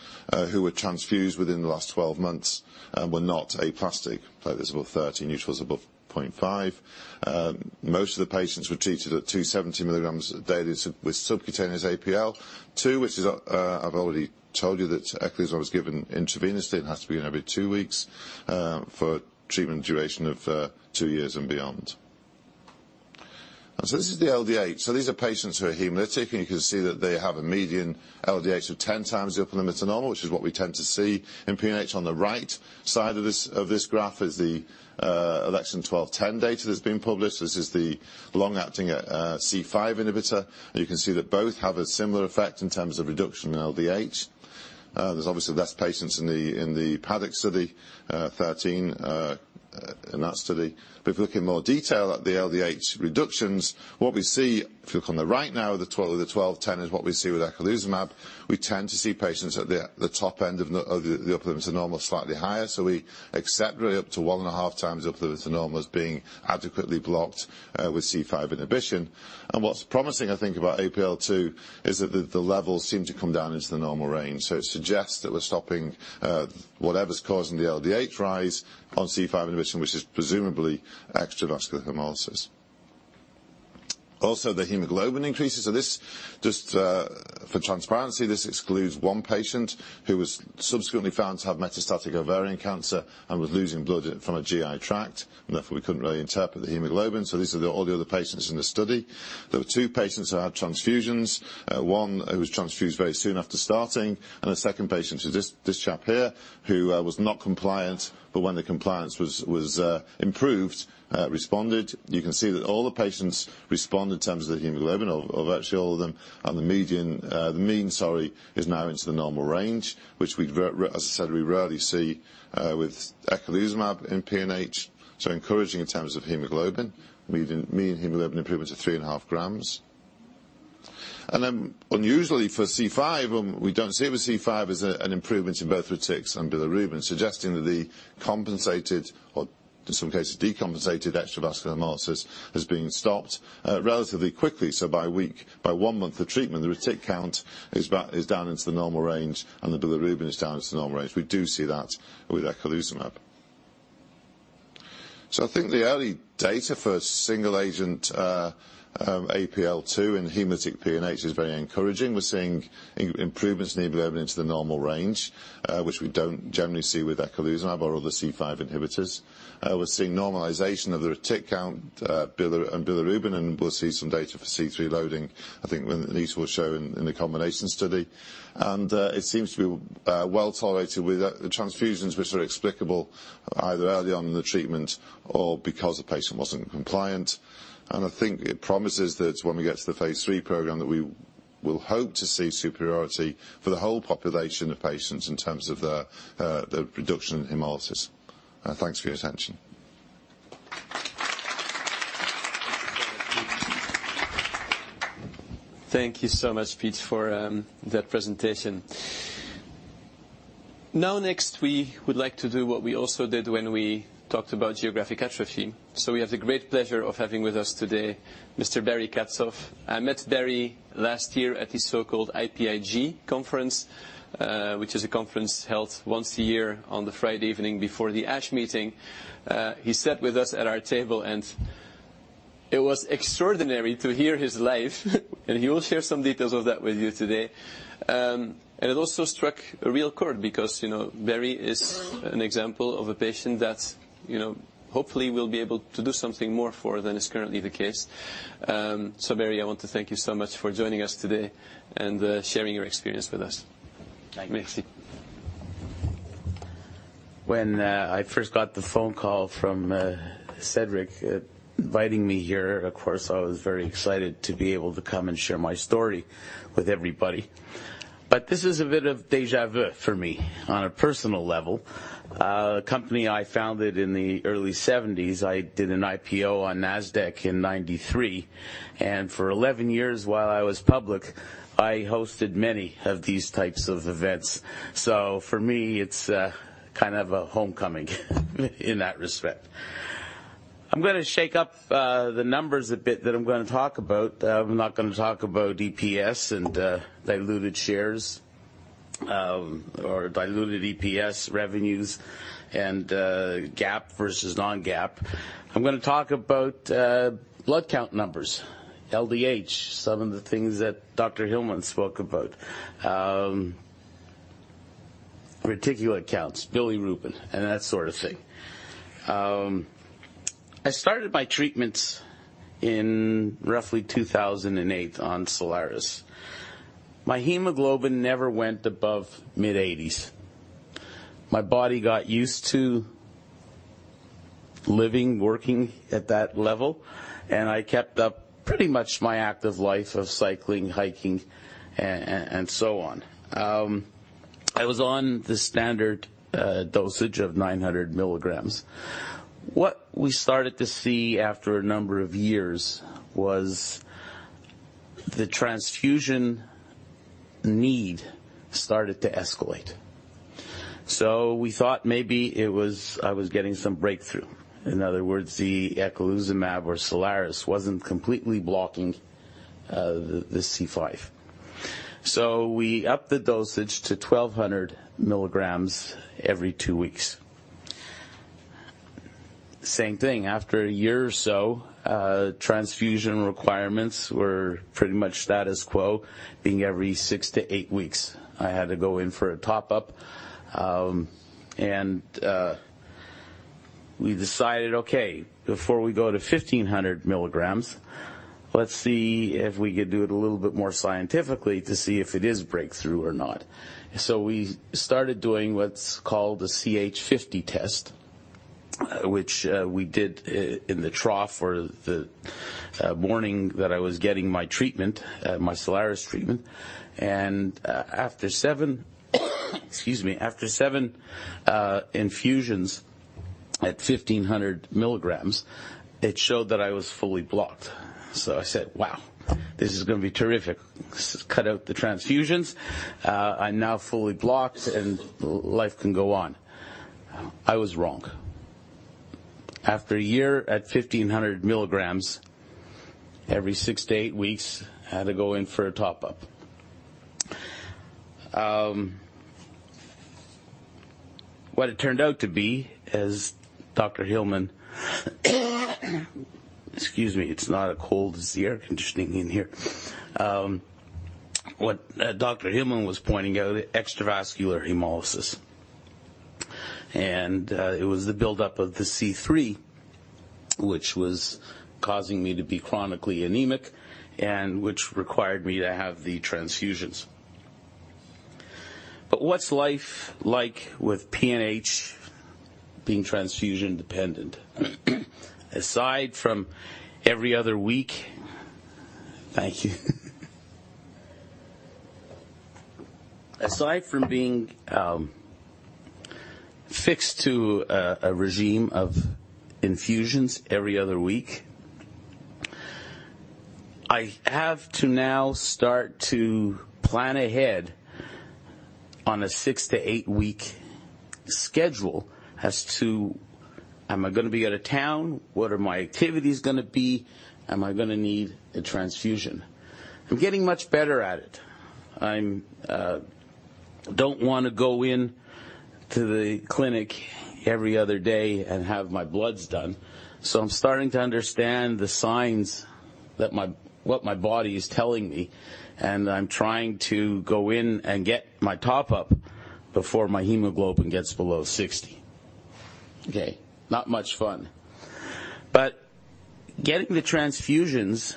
who were transfused within the last 12 months and were not aplastic, platelets above 30, neutrals above 0.5. Most of the patients were treated at 270 milligrams daily with subcutaneous APL-2, which is, I've already told you, that eculizumab was given intravenously. It has to be done every two weeks, for treatment duration of two years and beyond. This is the LDH. These are patients who are hemolytic, and you can see that they have a median LDH of 10 times the upper limits of normal, which is what we tend to see in PNH. On the right side of this graph is the Alexion 12-10 data that's been published. This is the long-acting C5 inhibitor. You can see that both have a similar effect in terms of reduction in LDH. There's obviously less patients in the PADDOCK study, 13 in that study. If you look in more detail at the LDH reductions, what we see, if you look on the right now, the 12 with the 12-10 is what we see with eculizumab. We tend to see patients at the top end of the upper limits of normal, slightly higher. We accept really up to one and a half times the upper limits of normal as being adequately blocked with C5 inhibition. What's promising, I think, about APL-2 is that the levels seem to come down into the normal range. It suggests that we're stopping whatever's causing the LDH rise on C5 inhibition, which is presumably extravascular hemolysis. Also, the hemoglobin increases. This, just for transparency, this excludes one patient who was subsequently found to have metastatic ovarian cancer and was losing blood from a GI tract. Therefore, we couldn't really interpret the hemoglobin. These are all the other patients in the study. There were two patients who had transfusions. One who was transfused very soon after starting, and a second patient, this chap here, who was not compliant, but when the compliance was improved, responded. You can see that all the patients respond in terms of the hemoglobin of actually all of them. The median, the mean, sorry, is now into the normal range, which we, as I said, we rarely see with eculizumab in PNH. Encouraging in terms of hemoglobin. Mean hemoglobin improvements of three and a half grams. Unusually for C5, we don't see it with C5, is an improvement in both retics and bilirubin, suggesting that the compensated or in some cases decompensated extravascular hemolysis is being stopped relatively quickly. By one month of treatment, the retic count is down into the normal range, and the bilirubin is down into the normal range. We do see that with eculizumab. I think the early data for single agent APL-2 in hemolytic PNH is very encouraging. We're seeing improvements in hemoglobin into the normal range, which we don't generally see with eculizumab or other C5 inhibitors. We're seeing normalization of the retic count and bilirubin, and we'll see some data for C3 loading. I think these will show in the combination study. It seems to be well-tolerated with the transfusions, which are explicable either early on in the treatment or because the patient wasn't compliant. I think it promises that when we get to the phase III program, we'll hope to see superiority for the whole population of patients in terms of the reduction in hemolysis. Thanks for your attention. Thank you so much, Pete, for that presentation. Next, we would like to do what we also did when we talked about geographic atrophy. We have the great pleasure of having with us today, Mr. Barry Katsof. I met Barry last year at the so-called IPIG conference, which is a conference held once a year on the Friday evening before the ASH meeting. He sat with us at our table, and it was extraordinary to hear his life, and he will share some details of that with you today. It also struck a real chord because Barry is an example of a patient that, hopefully, we'll be able to do something more for than is currently the case. Barry, I want to thank you so much for joining us today and sharing your experience with us. Thank you. Merci. When I first got the phone call from Cedric inviting me here, of course, I was very excited to be able to come and share my story with everybody. This is a bit of deja vu for me on a personal level. A company I founded in the early '70s, I did an IPO on Nasdaq in '93, and for 11 years while I was public, I hosted many of these types of events. For me, it's kind of a homecoming in that respect. I'm going to shake up the numbers a bit that I'm going to talk about. I'm not going to talk about EPS and diluted shares, or diluted EPS revenues and GAAP versus non-GAAP. I'm going to talk about blood count numbers, LDH, some of the things that Dr. Hillmen spoke about. Reticulocyte counts, bilirubin, and that sort of thing. I started my treatments in roughly 2008 on SOLIRIS. My hemoglobin never went above mid-80s. My body got used to living, working at that level, and I kept up pretty much my active life of cycling, hiking, and so on. I was on the standard dosage of 900 milligrams. What we started to see after a number of years was the transfusion need started to escalate. We thought maybe I was getting some breakthrough. In other words, the eculizumab or SOLIRIS wasn't completely blocking the C5. We upped the dosage to 1,200 milligrams every 2 weeks. Same thing, after a year or so, transfusion requirements were pretty much status quo, being every 6 to 8 weeks, I had to go in for a top-up. We decided, okay, before we go to 1,500 milligrams, let's see if we could do it a little bit more scientifically to see if it is breakthrough or not. We started doing what's called a CH50 test, which we did in the trough or the morning that I was getting my SOLIRIS treatment. After 7 infusions at 1,500 milligrams, it showed that I was fully blocked. I said, "Wow, this is going to be terrific. Cut out the transfusions. I'm now fully blocked and life can go on." I was wrong. After a year at 1,500 milligrams, every 6 to 8 weeks, I had to go in for a top-up. What it turned out to be, as Dr. Hillmen. Excuse me, it's not a cold, it's the air conditioning in here. What Dr. Hillmen was pointing out, extravascular hemolysis. It was the build-up of the C3, which was causing me to be chronically anemic and which required me to have the transfusions. What's life like with PNH being transfusion-dependent? Aside from every other week. Thank you. Aside from being fixed to a regime of infusions every other week, I have to now start to plan ahead on a 6 to 8-week schedule as to am I going to be out of town? What are my activities going to be? Am I going to need a transfusion? I'm getting much better at it. I don't want to go into the clinic every other day and have my bloods done, I'm starting to understand the signs, what my body is telling me, and I'm trying to go in and get my top-up before my hemoglobin gets below 60. Okay, not much fun. Getting the transfusions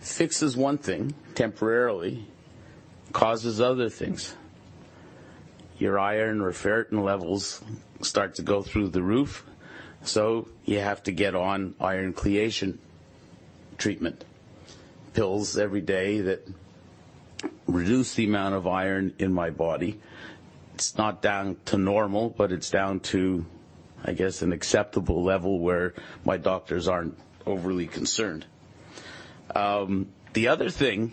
fixes one thing temporarily, causes other things. Your iron or ferritin levels start to go through the roof, so you have to get on iron chelation treatment. Pills every day that reduce the amount of iron in my body. It's not down to normal, but it's down to, I guess, an acceptable level where my doctors aren't overly concerned. The other thing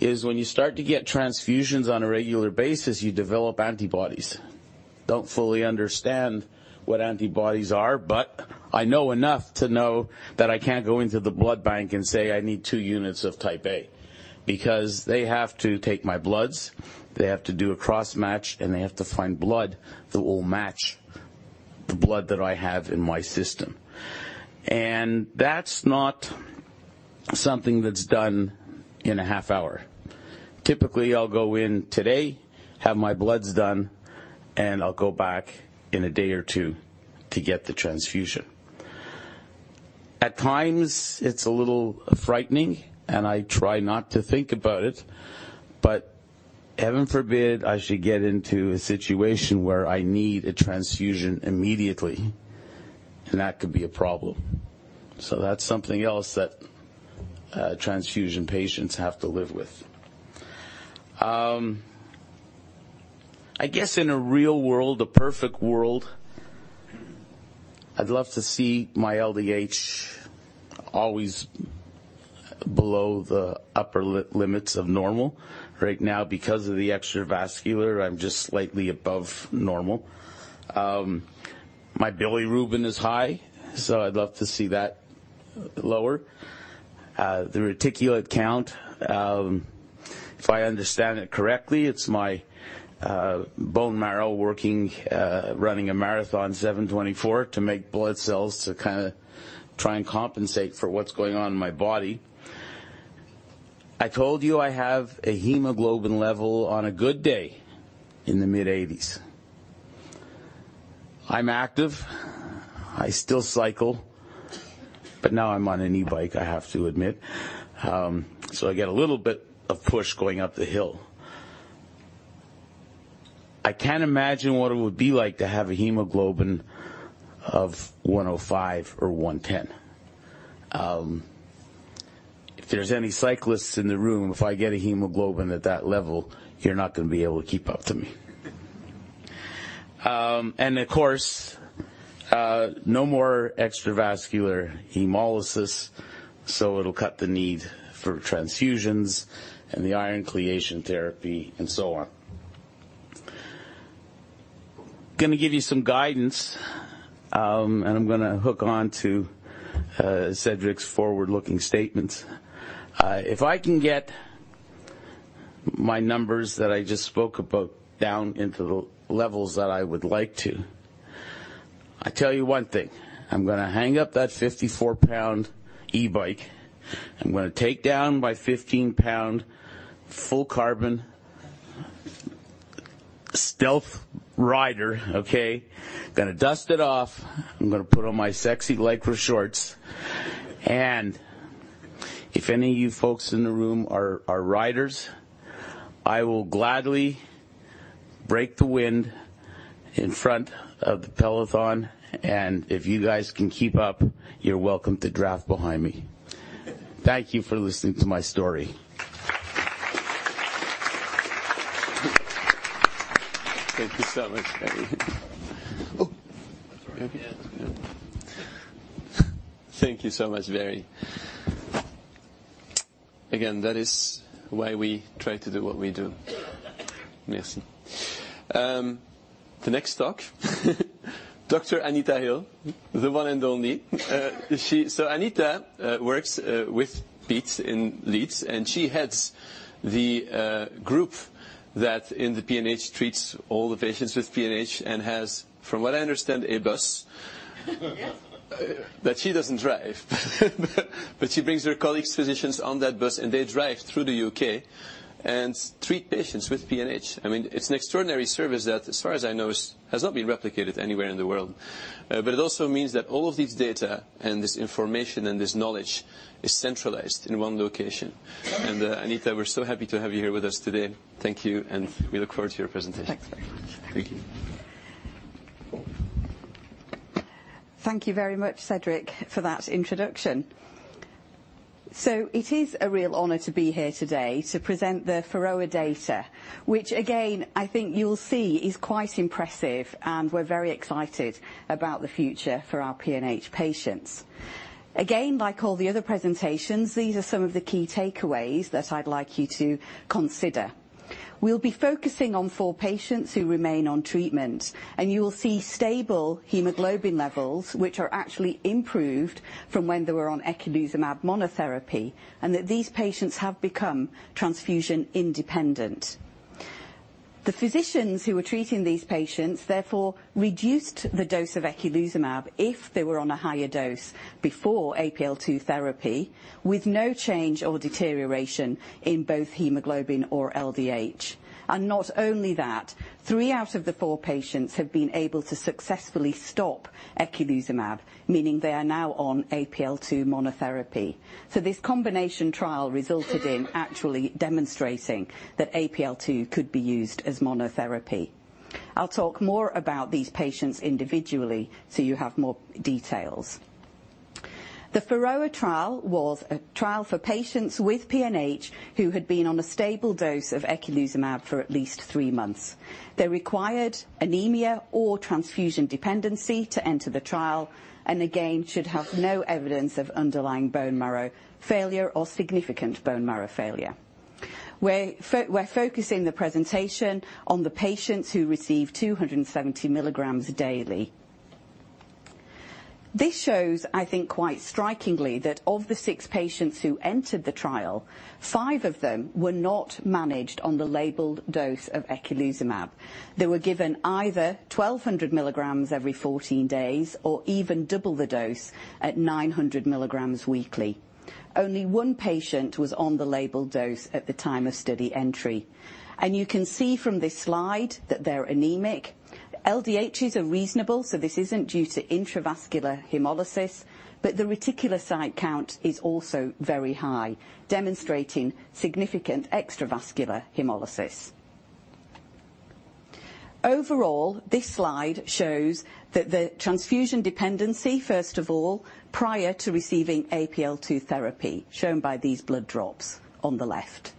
is when you start to get transfusions on a regular basis, you develop antibodies. Don't fully understand what antibodies are, but I know enough to know that I can't go into the blood bank and say I need two units of type A. They have to take my bloods, they have to do a cross-match, and they have to find blood that will match the blood that I have in my system. That's not something that's done in a half hour. Typically, I'll go in today, have my bloods done, and I'll go back in a day or two to get the transfusion. At times it's a little frightening, I try not to think about it, heaven forbid I should get into a situation where I need a transfusion immediately, and that could be a problem. That's something else that transfusion patients have to live with. I guess in a real world, a perfect world, I'd love to see my LDH always below the upper limits of normal. Right now, because of the extravascular, I'm just slightly above normal. My bilirubin is high, I'd love to see that lower. The reticulocyte count, if I understand it correctly, it's my bone marrow working, running a marathon 7/24 to make blood cells to kind of try and compensate for what's going on in my body. I told you I have a hemoglobin level on a good day in the mid-80s. I'm active. I still cycle, now I'm on an e-bike, I have to admit. I get a little bit of push going up the hill. I can't imagine what it would be like to have a hemoglobin of 105 or 110. If there's any cyclists in the room, if I get a hemoglobin at that level, you're not going to be able to keep up to me. Of course, no more extravascular hemolysis, it'll cut the need for transfusions and the iron chelation therapy and so on. Going to give you some guidance, and I'm going to hook onto Cedric's forward-looking statements. If I can get my numbers that I just spoke about down into the levels that I would like to, I tell you one thing. I'm going to hang up that 54 pound e-bike. I'm going to take down my 15 pound full carbon stealth rider, okay? Going to dust it off. I'm going to put on my sexy Lycra shorts. If any of you folks in the room are riders, I will gladly break the wind in front of the peloton. If you guys can keep up, you're welcome to draft behind me. Thank you for listening to my story. Thank you so much, Barry. That's all right. Yeah. Thank you so much, Barry. That is why we try to do what we do. Merci. The next talk, Dr. Anita Hill, the one and only. Anita works with Pete in Leeds, and she heads the group that in the PNH treats all the patients with PNH and has, from what I understand, a bus Yes that she doesn't drive. She brings her colleagues, physicians on that bus, and they drive through the U.K. and treat patients with PNH. It's an extraordinary service that, as far as I know, has not been replicated anywhere in the world. It also means that all of these data and this information and this knowledge is centralized in one location. Anita, we're so happy to have you here with us today. Thank you, and we look forward to your presentation. Thanks very much. Thank you. Thank you very much, Cedric, for that introduction. It is a real honor to be here today to present the PHAROAH data, which again, I think you'll see is quite impressive, and we're very excited about the future for our PNH patients. Again, like all the other presentations, these are some of the key takeaways that I'd like you to consider. We'll be focusing on four patients who remain on treatment, and you will see stable hemoglobin levels, which are actually improved from when they were on eculizumab monotherapy, and that these patients have become transfusion independent. The physicians who were treating these patients, therefore reduced the dose of eculizumab if they were on a higher dose before APL-2 therapy, with no change or deterioration in both hemoglobin or LDH. Not only that, three out of the four patients have been able to successfully stop eculizumab, meaning they are now on APL-2 monotherapy. This combination trial resulted in actually demonstrating that APL-2 could be used as monotherapy. I'll talk more about these patients individually so you have more details. The PHAROAH trial was a trial for patients with PNH who had been on a stable dose of eculizumab for at least three months. They required anemia or transfusion dependency to enter the trial, and again, should have no evidence of underlying bone marrow failure or significant bone marrow failure. We're focusing the presentation on the patients who received 270 milligrams daily. This shows, I think, quite strikingly, that of the six patients who entered the trial, five of them were not managed on the labeled dose of eculizumab. They were given either 1,200 milligrams every 14 days or even double the dose at 900 milligrams weekly. Only one patient was on the labeled dose at the time of study entry. You can see from this slide that they're anemic. The LDHs are reasonable, so this isn't due to intravascular hemolysis, but the reticulocyte count is also very high, demonstrating significant extravascular hemolysis. Overall, this slide shows that the transfusion dependency, first of all, prior to receiving APL-2 therapy, shown by these blood drops on the left.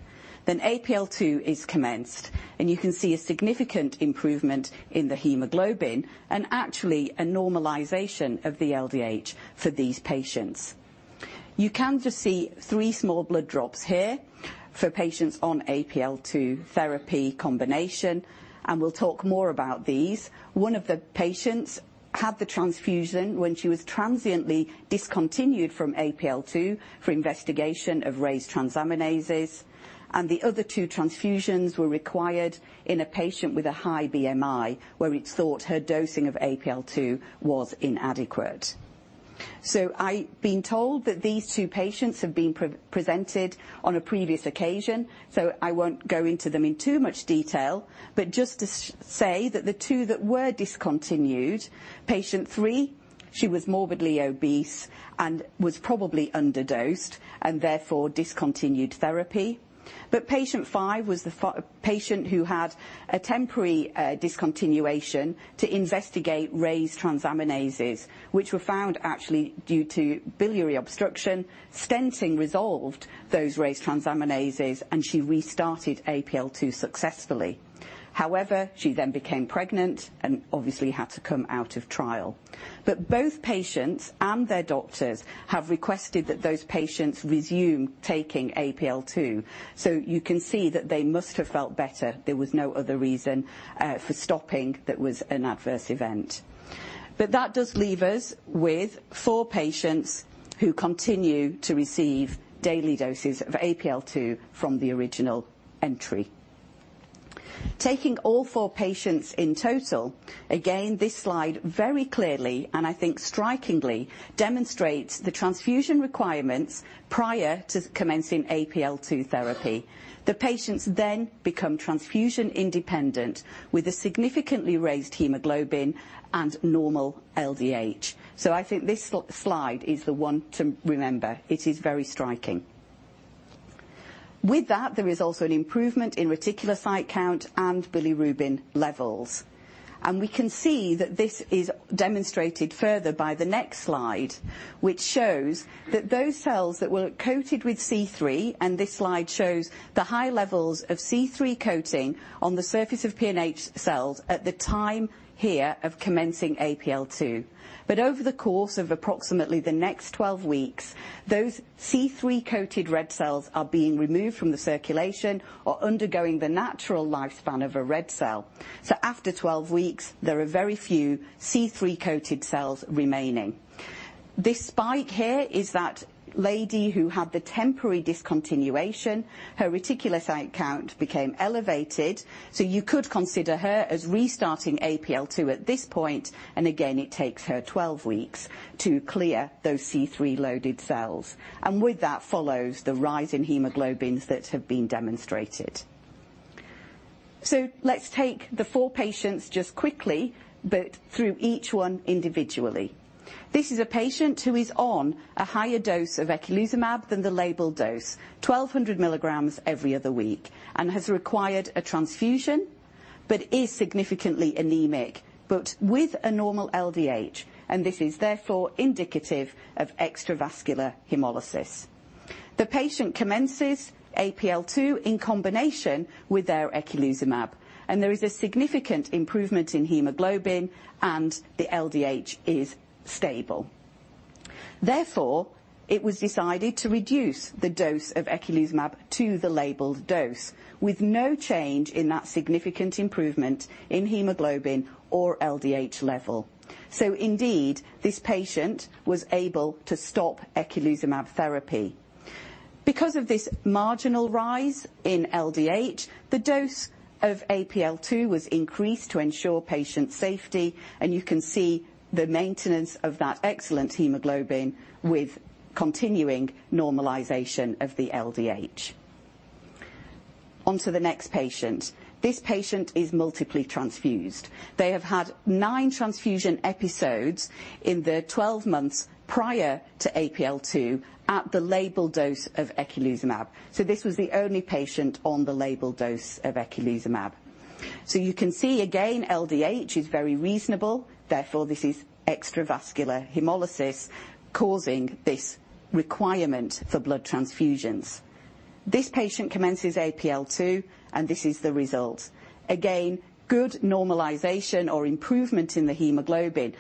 APL-2 is commenced, and you can see a significant improvement in the hemoglobin and actually a normalization of the LDH for these patients. You can just see three small blood drops here for patients on APL-2 therapy combination, and we'll talk more about these. One of the patients had the transfusion when she was transiently discontinued from APL-2 for investigation of raised transaminases, and the other two transfusions were required in a patient with a high BMI, where it's thought her dosing of APL-2 was inadequate. I've been told that these two patients have been presented on a previous occasion, so I won't go into them in too much detail. Just to say that the two that were discontinued, patient three, she was morbidly obese and was probably underdosed and therefore discontinued therapy. Patient five was the patient who had a temporary discontinuation to investigate raised transaminases, which were found actually due to biliary obstruction. Stenting resolved those raised transaminases, and she restarted APL-2 successfully. She then became pregnant and obviously had to come out of trial. Both patients and their doctors have requested that those patients resume taking APL-2. You can see that they must have felt better. There was no other reason for stopping that was an adverse event. That does leave us with four patients who continue to receive daily doses of APL-2 from the original entry. Taking all four patients in total, again, this slide very clearly, and I think strikingly, demonstrates the transfusion requirements prior to commencing APL-2 therapy. The patients then become transfusion independent with a significantly raised hemoglobin and normal LDH. I think this slide is the one to remember. It is very striking. With that, there is also an improvement in reticulocyte count and bilirubin levels. We can see that this is demonstrated further by the next slide, which shows that those cells that were coated with C3. This slide shows the high levels of C3 coating on the surface of PNH cells at the time here of commencing APL-2. Over the course of approximately the next 12 weeks, those C3-coated red cells are being removed from the circulation or undergoing the natural lifespan of a red cell. After 12 weeks, there are very few C3-coated cells remaining. This spike here is that lady who had the temporary discontinuation. Her reticulocyte count became elevated, so you could consider her as restarting APL-2 at this point. Again, it takes her 12 weeks to clear those C3-loaded cells. With that follows the rise in hemoglobins that have been demonstrated. Let's take the four patients just quickly, but through each one individually. This is a patient who is on a higher dose of eculizumab than the labeled dose, 1,200 milligrams every other week, and has required a transfusion but is significantly anemic, but with a normal LDH, and this is therefore indicative of extravascular hemolysis. The patient commences APL-2 in combination with their eculizumab, and there is a significant improvement in hemoglobin and the LDH is stable. Therefore, it was decided to reduce the dose of eculizumab to the labeled dose with no change in that significant improvement in hemoglobin or LDH level. Indeed, this patient was able to stop eculizumab therapy. Because of this marginal rise in LDH, the dose of APL-2 was increased to ensure patient safety, and you can see the maintenance of that excellent hemoglobin with continuing normalization of the LDH. On to the next patient. This patient is multiply transfused. They have had nine transfusion episodes in the 12 months prior to APL-2 at the label dose of eculizumab. This was the only patient on the label dose of eculizumab. You can see, again, LDH is very reasonable, therefore, this is extravascular hemolysis causing this requirement for blood transfusions. This patient commences APL-2, and this is the result. Again, good normalization or improvement in the hemoglobin.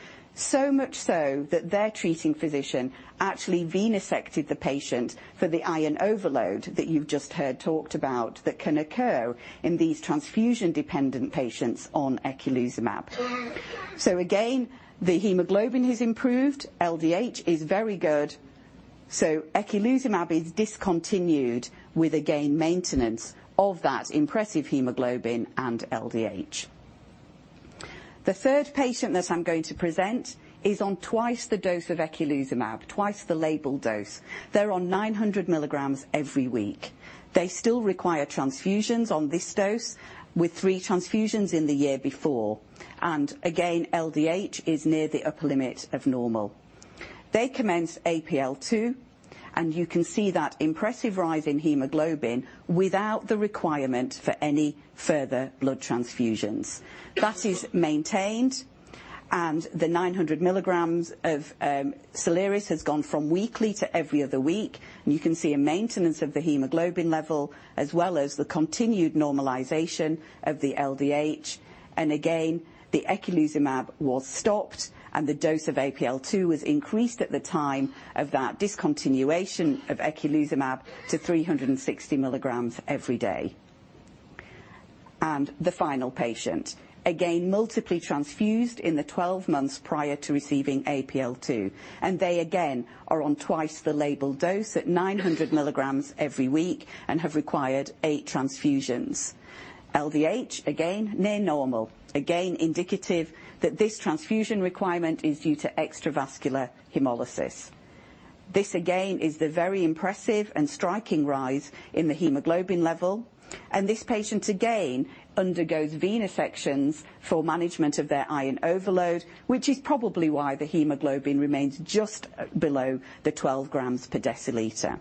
Much so that their treating physician actually venosected the patient for the iron overload that you've just heard talked about that can occur in these transfusion-dependent patients on eculizumab. Again, the hemoglobin has improved. LDH is very good. Eculizumab is discontinued with, again, maintenance of that impressive hemoglobin and LDH. The third patient that I'm going to present is on twice the dose of eculizumab, twice the label dose. They're on 900 milligrams every week. They still require transfusions on this dose, with three transfusions in the year before. Again, LDH is near the upper limit of normal. They commence APL-2, and you can see that impressive rise in hemoglobin without the requirement for any further blood transfusions. That is maintained, and the 900 milligrams of SOLIRIS has gone from weekly to every other week, and you can see a maintenance of the hemoglobin level, as well as the continued normalization of the LDH. Again, the eculizumab was stopped, and the dose of APL-2 was increased at the time of that discontinuation of eculizumab to 360 milligrams every day. The final patient. Again, multiply transfused in the 12 months prior to receiving APL-2, and they again are on twice the label dose at 900 milligrams every week and have required eight transfusions. LDH, again, near normal. Again, indicative that this transfusion requirement is due to extravascular hemolysis. This, again, is the very impressive and striking rise in the hemoglobin level, and this patient again undergoes venesections for management of their iron overload, which is probably why the hemoglobin remains just below the 12 grams per deciliter.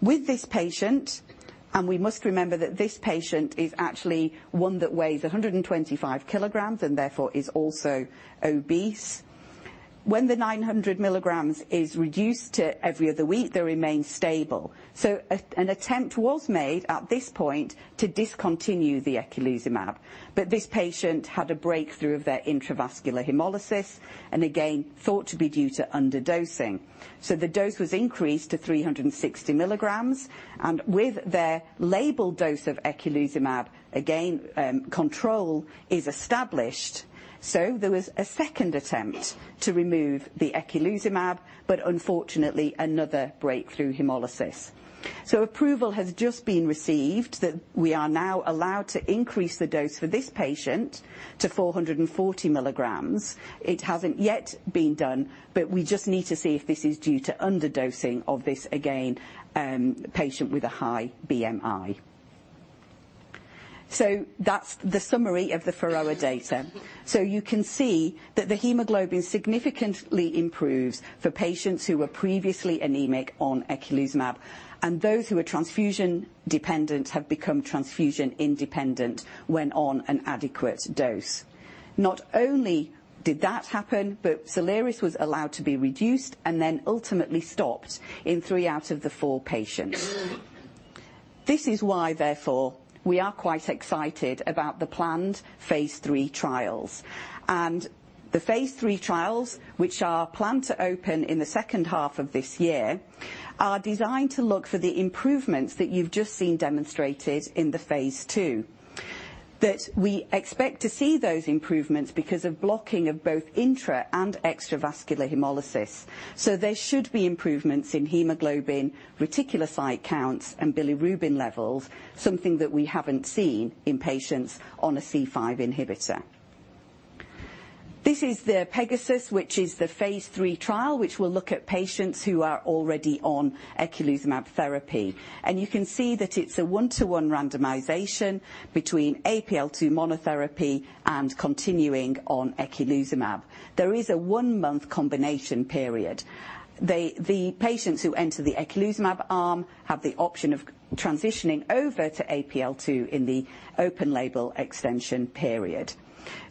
With this patient, and we must remember that this patient is actually one that weighs 125 kilograms and therefore is also obese. When the 900 milligrams is reduced to every other week, they remain stable. An attempt was made at this point to discontinue the eculizumab. This patient had a breakthrough of their intravascular hemolysis, and again, thought to be due to underdosing. The dose was increased to 360 milligrams. With their label dose of eculizumab, again, control is established. There was a second attempt to remove the eculizumab, but unfortunately, another breakthrough hemolysis. Approval has just been received that we are now allowed to increase the dose for this patient to 440 milligrams. It hasn't yet been done, we just need to see if this is due to underdosing of this, again, patient with a high BMI. That's the summary of the PHAROAH data. You can see that the hemoglobin significantly improves for patients who were previously anemic on eculizumab, and those who are transfusion-dependent have become transfusion-independent when on an adequate dose. Not only did that happen, SOLIRIS was allowed to be reduced and then ultimately stopped in 3 out of the 4 patients. This is why, therefore, we are quite excited about the planned phase III trials. The phase III trials, which are planned to open in the second half of this year, are designed to look for the improvements that you've just seen demonstrated in the phase II. That we expect to see those improvements because of blocking of both intra and extravascular hemolysis. There should be improvements in hemoglobin, reticulocyte counts, and bilirubin levels, something that we haven't seen in patients on a C5 inhibitor. This is the PEGASUS, which is the phase III trial, which will look at patients who are already on eculizumab therapy. You can see that it's a one-to-one randomization between APL-2 monotherapy and continuing on eculizumab. There is a one-month combination period. The patients who enter the eculizumab arm have the option of transitioning over to APL-2 in the open-label extension period.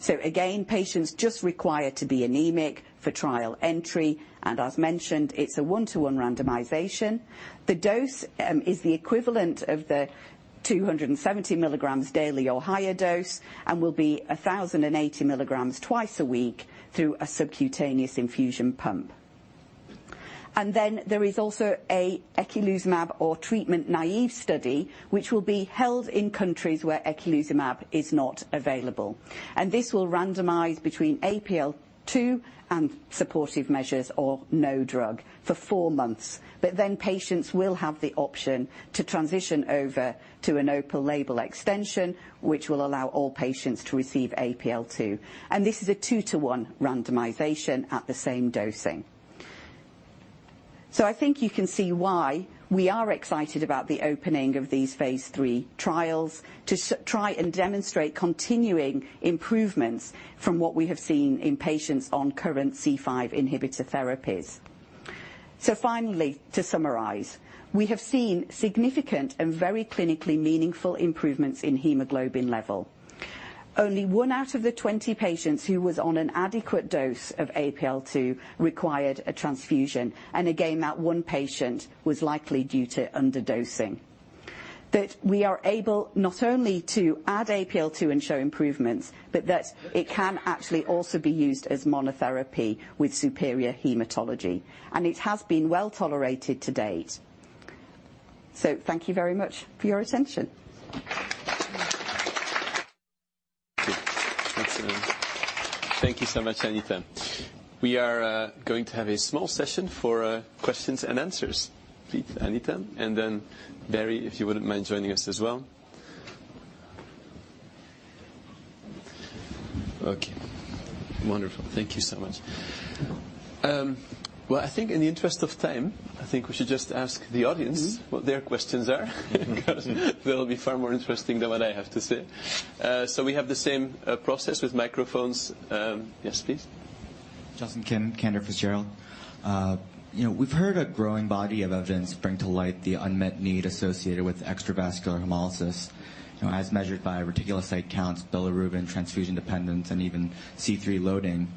Again, patients just require to be anemic for trial entry, and as mentioned, it's a one-to-one randomization. The dose is the equivalent of the 270 milligrams daily or higher dose and will be 1,080 milligrams twice a week through a subcutaneous infusion pump. There is also a eculizumab or treatment-naïve study, which will be held in countries where eculizumab is not available. This will randomize between APL-2 and supportive measures or no drug for 4 months. Patients will have the option to transition over to an open-label extension, which will allow all patients to receive APL-2. This is a two-to-one randomization at the same dosing. I think you can see why we are excited about the opening of these phase III trials to try and demonstrate continuing improvements from what we have seen in patients on current C5 inhibitor therapies. Finally, to summarize, we have seen significant and very clinically meaningful improvements in hemoglobin level. Only 1 out of the 20 patients who was on an adequate dose of APL-2 required a transfusion. Again, that 1 patient was likely due to underdosing. That we are able not only to add APL-2 and show improvements, but that it can actually also be used as monotherapy with superior hematology. It has been well-tolerated to date. Thank you very much for your attention. Thank you so much, Anita. We are going to have a small session for questions and answers. Please, Anita, and then Barry, if you wouldn't mind joining us as well. Okay, wonderful. Thank you so much. Well, I think in the interest of time, I think we should just ask the audience what their questions are because they'll be far more interesting than what I have to say. We have the same process with microphones. Yes, please. Justin Kim, Cantor Fitzgerald. We've heard a growing body of evidence bring to light the unmet need associated with extravascular hemolysis, as measured by reticulocyte counts, bilirubin, transfusion dependence, and even C3 loading.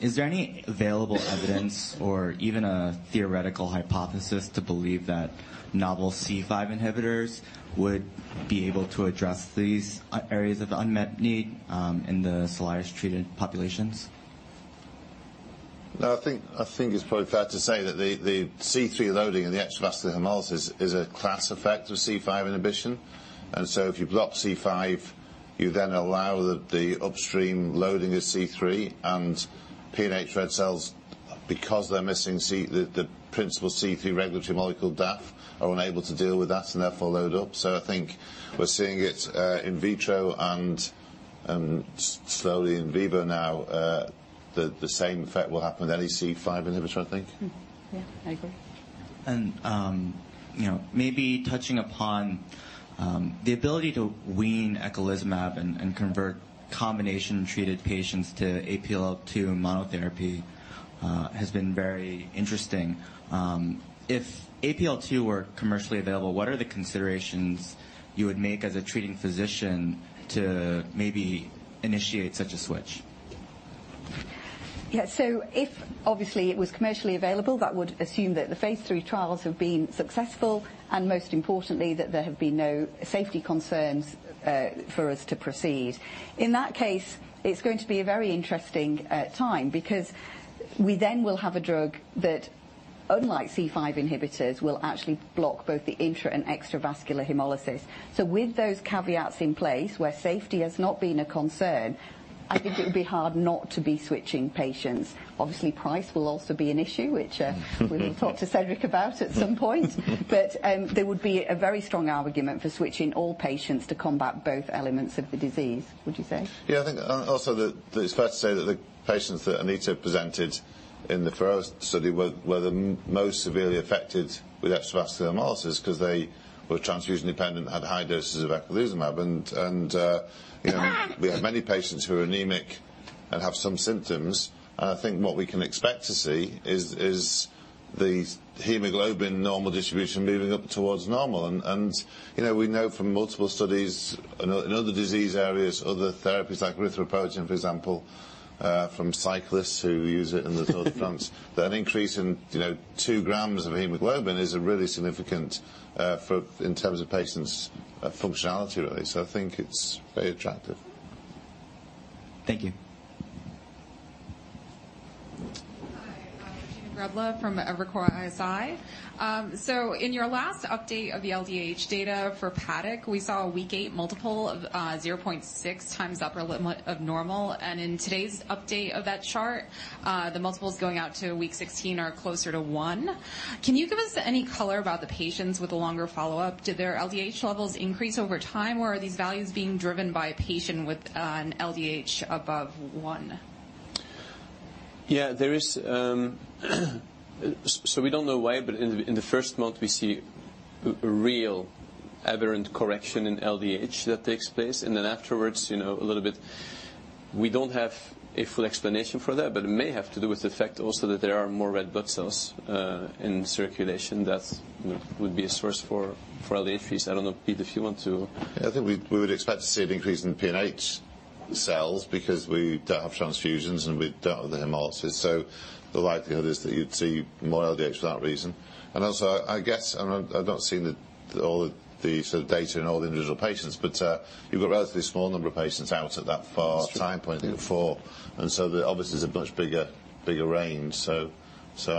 Is there any available evidence or even a theoretical hypothesis to believe that novel C5 inhibitors would be able to address these areas of unmet need in the SOLIRIS-treated populations? No, I think it's probably fair to say that the C3 loading and the extravascular hemolysis is a class effect of C5 inhibition. If you block C5, you then allow the upstream loading of C3 and PNH red cells, because they're missing the principal C3 regulatory molecule, DAF, are unable to deal with that and therefore load up. I think we're seeing it in vitro and slowly in vivo now. The same effect will happen with any C5 inhibitor, I think. Yeah, I agree. Maybe touching upon the ability to wean eculizumab and convert combination-treated patients to APL-2 monotherapy has been very interesting. If APL-2 were commercially available, what are the considerations you would make as a treating physician to maybe initiate such a switch? Yeah. If obviously it was commercially available, that would assume that the phase III trials have been successful and most importantly, that there have been no safety concerns for us to proceed. In that case, it's going to be a very interesting time because we then will have a drug that, unlike C5 inhibitors, will actually block both the intra and extravascular hemolysis. With those caveats in place where safety has not been a concern, I think it would be hard not to be switching patients. Obviously, price will also be an issue which we will talk to Cedric about at some point. There would be a very strong argument for switching all patients to combat both elements of the disease. Would you say? Yeah, I think also that it's fair to say that the patients that Anita presented in the first study were the most severely affected with extravascular hemolysis because they were transfusion-dependent, had high doses of eculizumab. We have many patients who are anemic and have some symptoms. I think what we can expect to see is the hemoglobin normal distribution moving up towards normal. We know from multiple studies in other disease areas, other therapies like erythropoietin, for example, from cyclists who use it in the Tour de France. That an increase in two grams of hemoglobin is really significant in terms of patients' functionality, really. I think it's very attractive. Thank you. Hi, Regina Grebla from Evercore ISI. In your last update of the LDH data for PADDOCK, we saw a week 8 multiple of 0.6 times upper limit of normal. In today's update of that chart, the multiples going out to week 16 are closer to one. Can you give us any color about the patients with a longer follow-up? Did their LDH levels increase over time, or are these values being driven by a patient with an LDH above one? Yeah. We don't know why, but in the first month, we see a real aberrant correction in LDH that takes place, and then afterwards, a little bit. We don't have a full explanation for that, but it may have to do with the fact also that there are more red blood cells in circulation that would be a source for LDH. I don't know, Pete, if you want to- I think we would expect to see an increase in PNH cells because we don't have transfusions and we don't have the hemolysis. The likelihood is that you'd see more LDH for that reason. Also, I guess, I've not seen all the data in all the individual patients, but you've got a relatively small number of patients out at that far time point, look at four. Obviously, there's a much bigger range. I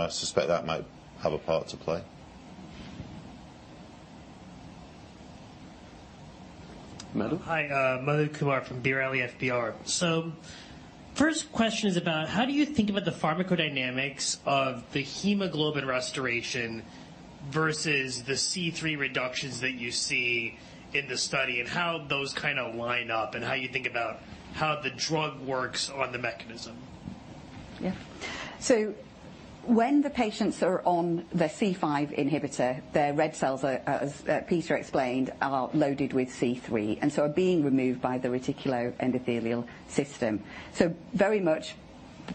suspect that might have a part to play. Madhu. Hi, Madhu Kumar from B. Riley FBR. First question is about how do you think about the pharmacodynamics of the hemoglobin restoration versus the C3 reductions that you see in the study, and how those line up, and how you think about how the drug works on the mechanism. When the patients are on the C5 inhibitor, their red cells, as Peter explained, are loaded with C3 and so are being removed by the reticuloendothelial system. Very much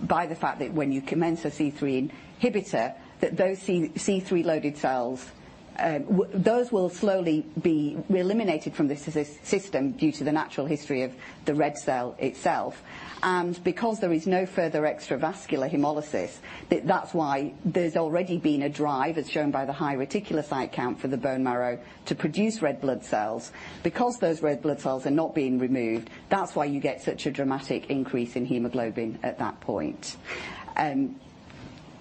by the fact that when you commence a C3 inhibitor, that those C3-loaded cells, those will slowly be eliminated from the system due to the natural history of the red cell itself. Because there is no further extravascular hemolysis, that's why there's already been a drive, as shown by the high reticulocyte count for the bone marrow, to produce red blood cells. Those red blood cells are not being removed, that's why you get such a dramatic increase in hemoglobin at that point. How do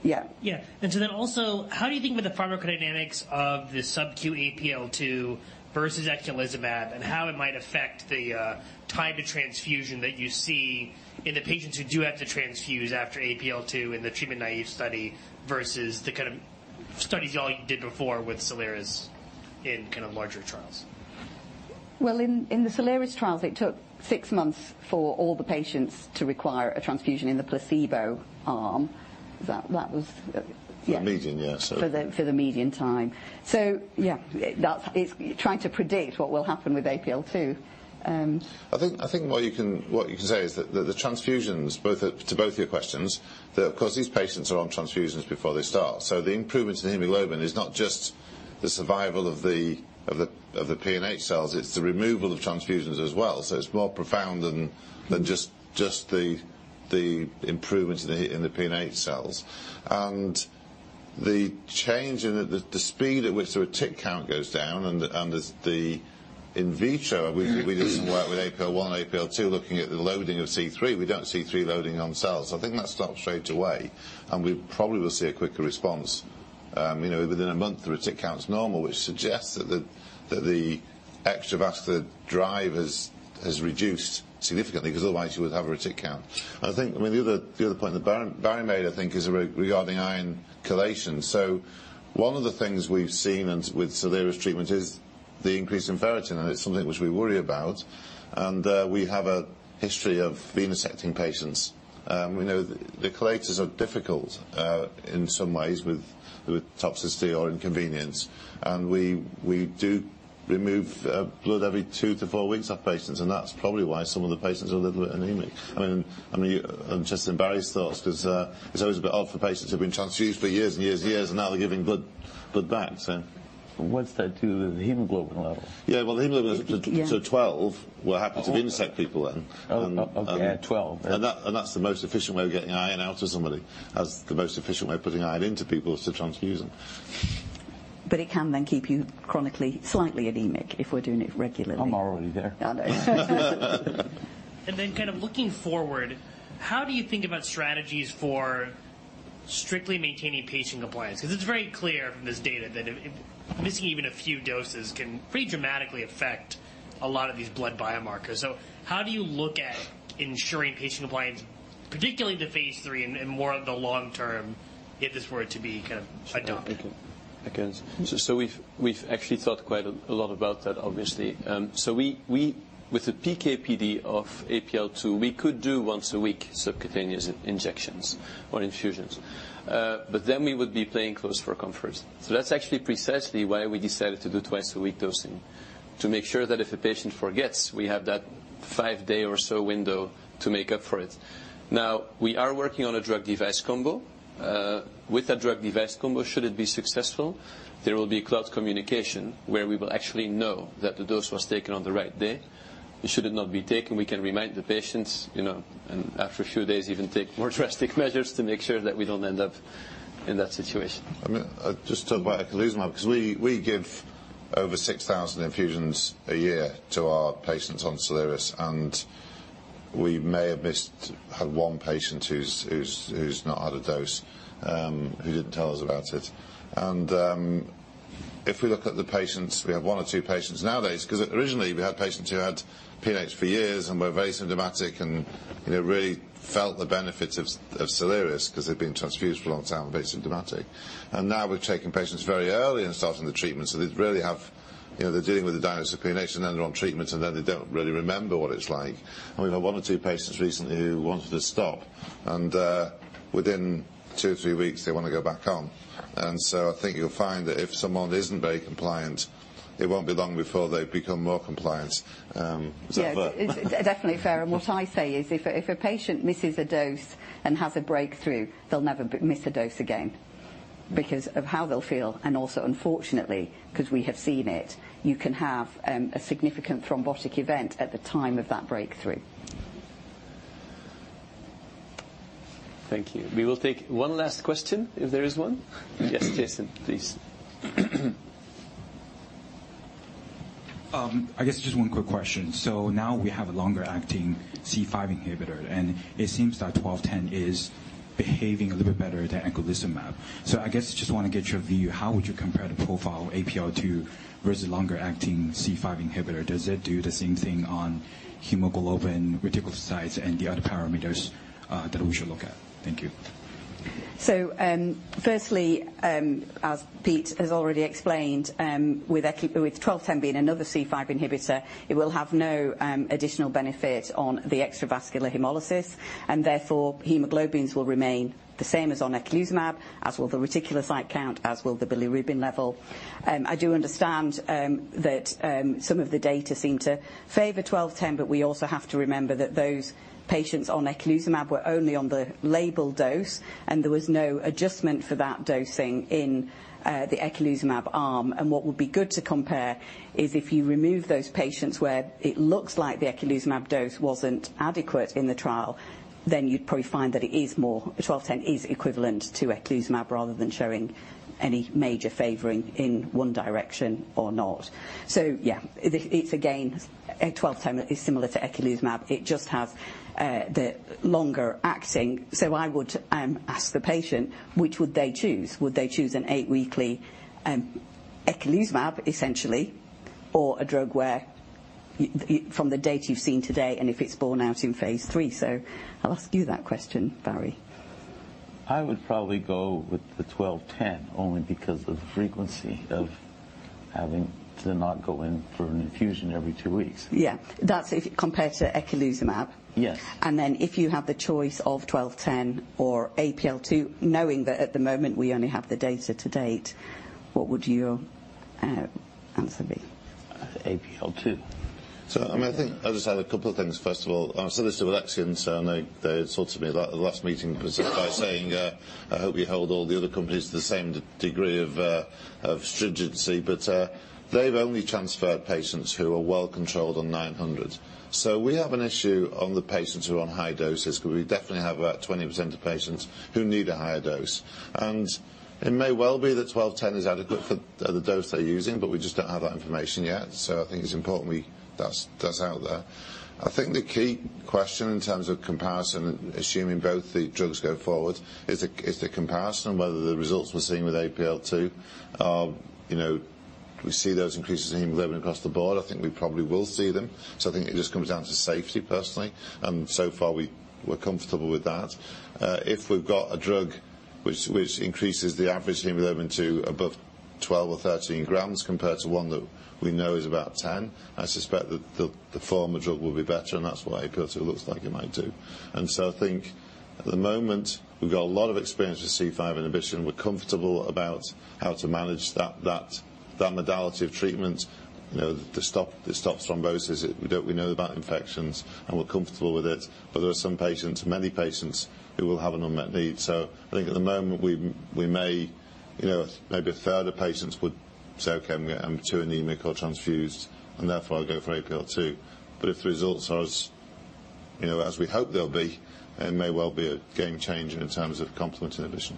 you think about the pharmacodynamics of the subQ APL-2 versus eculizumab and how it might affect the time to transfusion that you see in the patients who do have to transfuse after APL-2 in the treatment-naive study versus the kind of studies you all did before with Soliris in larger trials? Well, in the Soliris trials, it took six months for all the patients to require a transfusion in the placebo arm. The median. For the median time. Yeah. Trying to predict what will happen with APL-2. I think what you can say is that the transfusions, to both your questions, that of course, these patients are on transfusions before they start. The improvements in hemoglobin is not just the survival of the PNH cells, it's the removal of transfusions as well. It's more profound than just the improvements in the PNH cells. The change in the speed at which the retic count goes down and the in vitro, we did some work with APL-1 and APL-2 looking at the loading of C3. We don't see C3 loading on cells. I think that starts straight away, and we probably will see a quicker response. Within a month, the retic count is normal, which suggests that the extravascular drive has reduced significantly because otherwise you would have a retic count. I think the other point that Barry made, I think, is regarding iron chelation. One of the things we've seen with Soliris treatment is the increase in ferritin, and it's something which we worry about. We have a history of venesection patients. We know the chelators are difficult in some ways with toxicity or inconvenience. We do remove blood every two to four weeks off patients, and that's probably why some of the patients are a little bit anemic. I'm interested in Barry's thoughts because it's always a bit odd for patients who've been transfused for years and years and years, and now they're giving blood back. What's that do to the hemoglobin level? Yeah. Well, the hemoglobin. Yeah 12, we're happy to venesect people then. Oh, okay. 12. That's the most efficient way of getting iron out of somebody, as the most efficient way of putting iron into people is to transfuse them. It can then keep you chronically slightly anemic if we're doing it regularly. I'm already there. I know. Looking forward, how do you think about strategies for strictly maintaining patient compliance? Because it's very clear from this data that missing even a few doses can pretty dramatically affect a lot of these blood biomarkers. How do you look at ensuring patient compliance, particularly to phase III and more of the long-term if this were to be adopted? I can. We've actually thought quite a lot about that, obviously. With the PK/PD of APL-2, we could do once-a-week subcutaneous injections or infusions. We would be playing close for comfort. That's actually precisely why we decided to do twice-a-week dosing. To make sure that if a patient forgets, we have that five-day or so window to make up for it. Now, we are working on a drug device combo. With a drug device combo, should it be successful, there will be cloud communication where we will actually know that the dose was taken on the right day. Should it not be taken, we can remind the patients, and after a few days, even take more drastic measures to make sure that we don't end up in that situation. Just to talk about eculizumab, because we give over 6,000 infusions a year to our patients on SOLIRIS. We may have missed one patient who's not had a dose, who didn't tell us about it. If we look at the patients, we have one or two patients nowadays, because originally we had patients who had PNH for years and were very symptomatic and really felt the benefits of SOLIRIS because they'd been transfused for a long time and very symptomatic. Now we're taking patients very early and starting the treatment, so they're dealing with the diagnosis of PNH and then they're on treatment, and then they don't really remember what it's like. We've had one or two patients recently who wanted to stop, and within two or three weeks they want to go back on. I think you'll find that if someone isn't very compliant, it won't be long before they become more compliant. Is that fair? Yeah. It's definitely fair. What I say is if a patient misses a dose and has a breakthrough, they'll never miss a dose again because of how they'll feel, and also unfortunately, because we have seen it, you can have a significant thrombotic event at the time of that breakthrough. Thank you. We will take one last question if there is one. Yes, Jason, please. I guess just one quick question. Now we have a longer-acting C5 inhibitor, it seems that ALXN1210 is behaving a little bit better than eculizumab. I guess I just want to get your view, how would you compare the profile of APL-2 versus longer-acting C5 inhibitor? Does it do the same thing on hemoglobin, reticulocytes, and the other parameters that we should look at? Thank you. Firstly, as Pete has already explained, with ALXN1210 being another C5 inhibitor, it will have no additional benefit on the extravascular hemolysis. Therefore hemoglobins will remain the same as on eculizumab, as will the reticulocyte count, as will the bilirubin level. I do understand that some of the data seem to favor ALXN1210, we also have to remember that those patients on eculizumab were only on the label dose, there was no adjustment for that dosing in the eculizumab arm. What would be good to compare is if you remove those patients where it looks like the eculizumab dose wasn't adequate in the trial, then you'd probably find that ALXN1210 is equivalent to eculizumab rather than showing any major favoring in one direction or not. Yeah, it's again, ALXN1210 is similar to eculizumab. It just has the longer acting. I would ask the patient, which would they choose? Would they choose an eight weekly eculizumab essentially, or a drug where from the data you've seen today, and if it's borne out in phase III. I'll ask you that question, Barry. I would probably go with the 1210 only because of the frequency of having to not go in for an infusion every two weeks. Yeah. That's compared to eculizumab? Yes. Then if you have the choice of 1210 or APL-2, knowing that at the moment we only have the data to date, what would your answer be? APL-2. I think I'll just add a couple of things. First of all, I'm still with Alexion, I know they had talked to me at the last meeting precisely by saying, "I hope you hold all the other companies to the same degree of stringency." They've only transferred patients who are well-controlled on 900. We have an issue on the patients who are on high doses, because we definitely have about 20% of patients who need a higher dose. It may well be that 1210 is adequate for the dose they're using, but we just don't have that information yet. I think it's important that's out there. I think the key question in terms of comparison, assuming both the drugs go forward, is the comparison whether the results we're seeing with APL-2, we see those increases in hemoglobin across the board. I think we probably will see them. I think it just comes down to safety, personally. So far we're comfortable with that. If we've got a drug which increases the average hemoglobin to above 12 or 13 grams compared to one that we know is about 10, I suspect that the former drug will be better, and that's what APL-2 looks like it might do. At the moment, we've got a lot of experience with C5 inhibition. We're comfortable about how to manage that modality of treatment to stop thrombosis. We know about infections, we're comfortable with it. There are some patients, many patients who will have an unmet need. At the moment we may, maybe a third of patients would say, "Okay, I'm too anemic or transfused, and therefore I'll go for APL-2." If the results are as we hope they'll be, it may well be a game changer in terms of complement inhibition.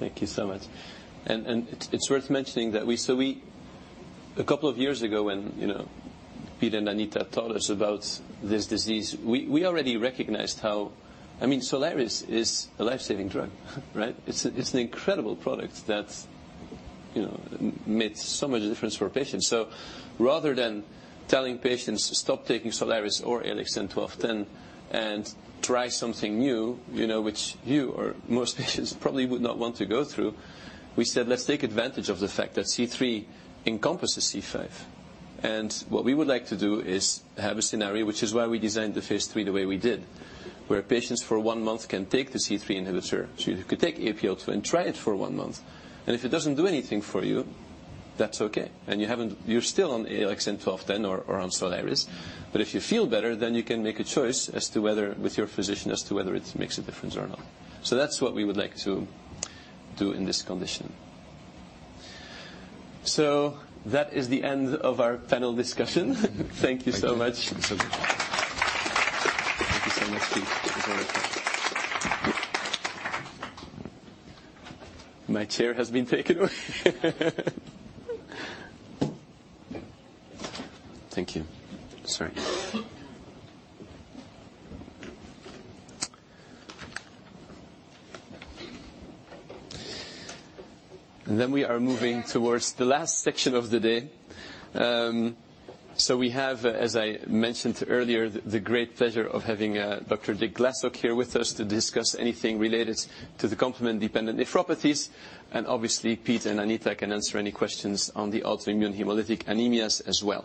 Thank you so much. It's worth mentioning that a couple of years ago when Pete and Anita told us about this disease, we already recognized SOLIRIS is a life-saving drug, right? It's an incredible product that's made so much difference for patients. Rather than telling patients to stop taking SOLIRIS or ALXN1210 and try something new, which you or most patients probably would not want to go through, we said, let's take advantage of the fact that C3 encompasses C5. What we would like to do is have a scenario, which is why we designed the phase III the way we did, where patients for one month can take the C3 inhibitor. You could take APL-2 and try it for one month, and if it doesn't do anything for you, that's okay, and you're still on ALXN1210 or on SOLIRIS. If you feel better, you can make a choice with your physician as to whether it makes a difference or not. That's what we would like to do in this condition. That is the end of our panel discussion. Thank you so much. Thank you so much. Thank you so much, Pete. No worries. My chair has been taken away. Thank you. Sorry. We are moving towards the last section of the day. We have, as I mentioned earlier, the great pleasure of having Dr. Dick Glassock here with us to discuss anything related to the complement-dependent nephropathies. And obviously, Pete and Anita can answer any questions on the autoimmune hemolytic anemias as well.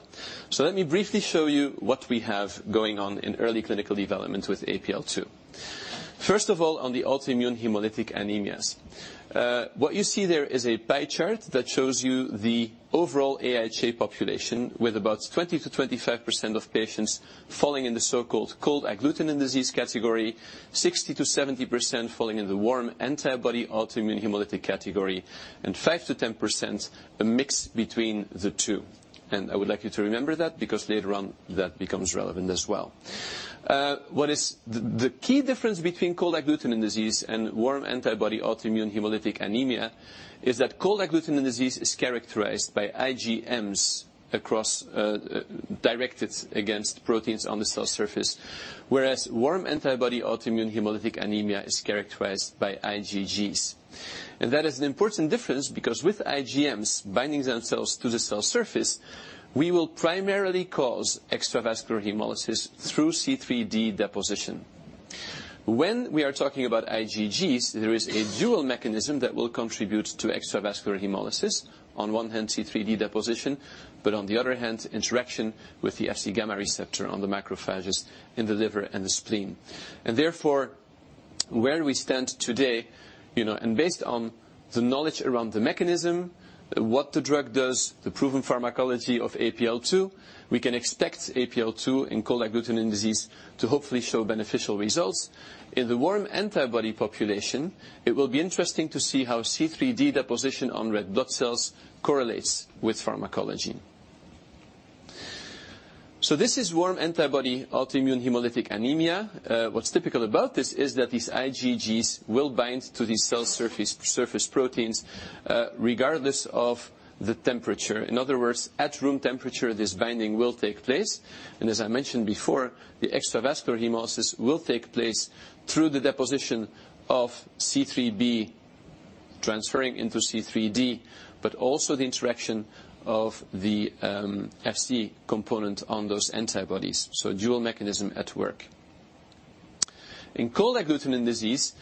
Let me briefly show you what we have going on in early clinical development with APL-2. First of all, on the autoimmune hemolytic anemias. What you see there is a pie chart that shows you the overall AIHA population with about 20%-25% of patients falling in the so-called cold agglutinin disease category, 60%-70% falling in the warm antibody autoimmune hemolytic category, and 5%-10% a mix between the two. I would like you to remember that, because later on that becomes relevant as well. The key difference between cold agglutinin disease and warm antibody autoimmune hemolytic anemia is that cold agglutinin disease is characterized by IgMs directed against proteins on the cell surface, whereas warm antibody autoimmune hemolytic anemia is characterized by IgGs. That is an important difference because with IgMs binding themselves to the cell surface, we will primarily cause extravascular hemolysis through C3d deposition. When we are talking about IgGs, there is a dual mechanism that will contribute to extravascular hemolysis. On one hand, C3d deposition, but on the other hand, interaction with the Fc gamma receptor on the macrophages in the liver and the spleen. Therefore, where we stand today, and based on the knowledge around the mechanism, what the drug does, the proven pharmacology of APL-2, we can expect APL-2 in cold agglutinin disease to hopefully show beneficial results. In the warm antibody population, it will be interesting to see how C3d deposition on red blood cells correlates with pharmacology. This is warm antibody autoimmune hemolytic anemia. What's typical about this is that these IgGs will bind to these cell surface proteins, regardless of the temperature. In other words, at room temperature, this binding will take place, and as I mentioned before, the extravascular hemolysis will take place through the deposition of C3b transferring into C3d, but also the interaction of the Fc component on those antibodies. Dual mechanism at work. In cold agglutinin disease,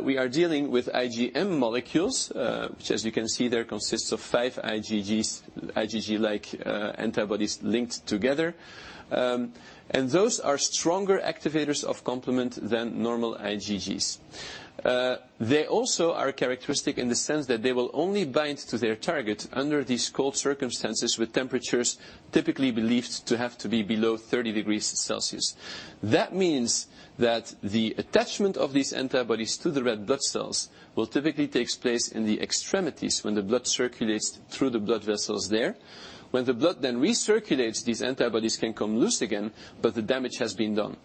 we are dealing with IgM molecules, which as you can see there, consists of five IgG-like antibodies linked together. Those are stronger activators of complement than normal IgGs. They also are characteristic in the sense that they will only bind to their target under these cold circumstances with temperatures typically believed to have to be below 30 degrees Celsius. That means that the attachment of these antibodies to the red blood cells will typically take place in the extremities when the blood circulates through the blood vessels there. When the blood then recirculates, these antibodies can come loose again, but the damage has been done.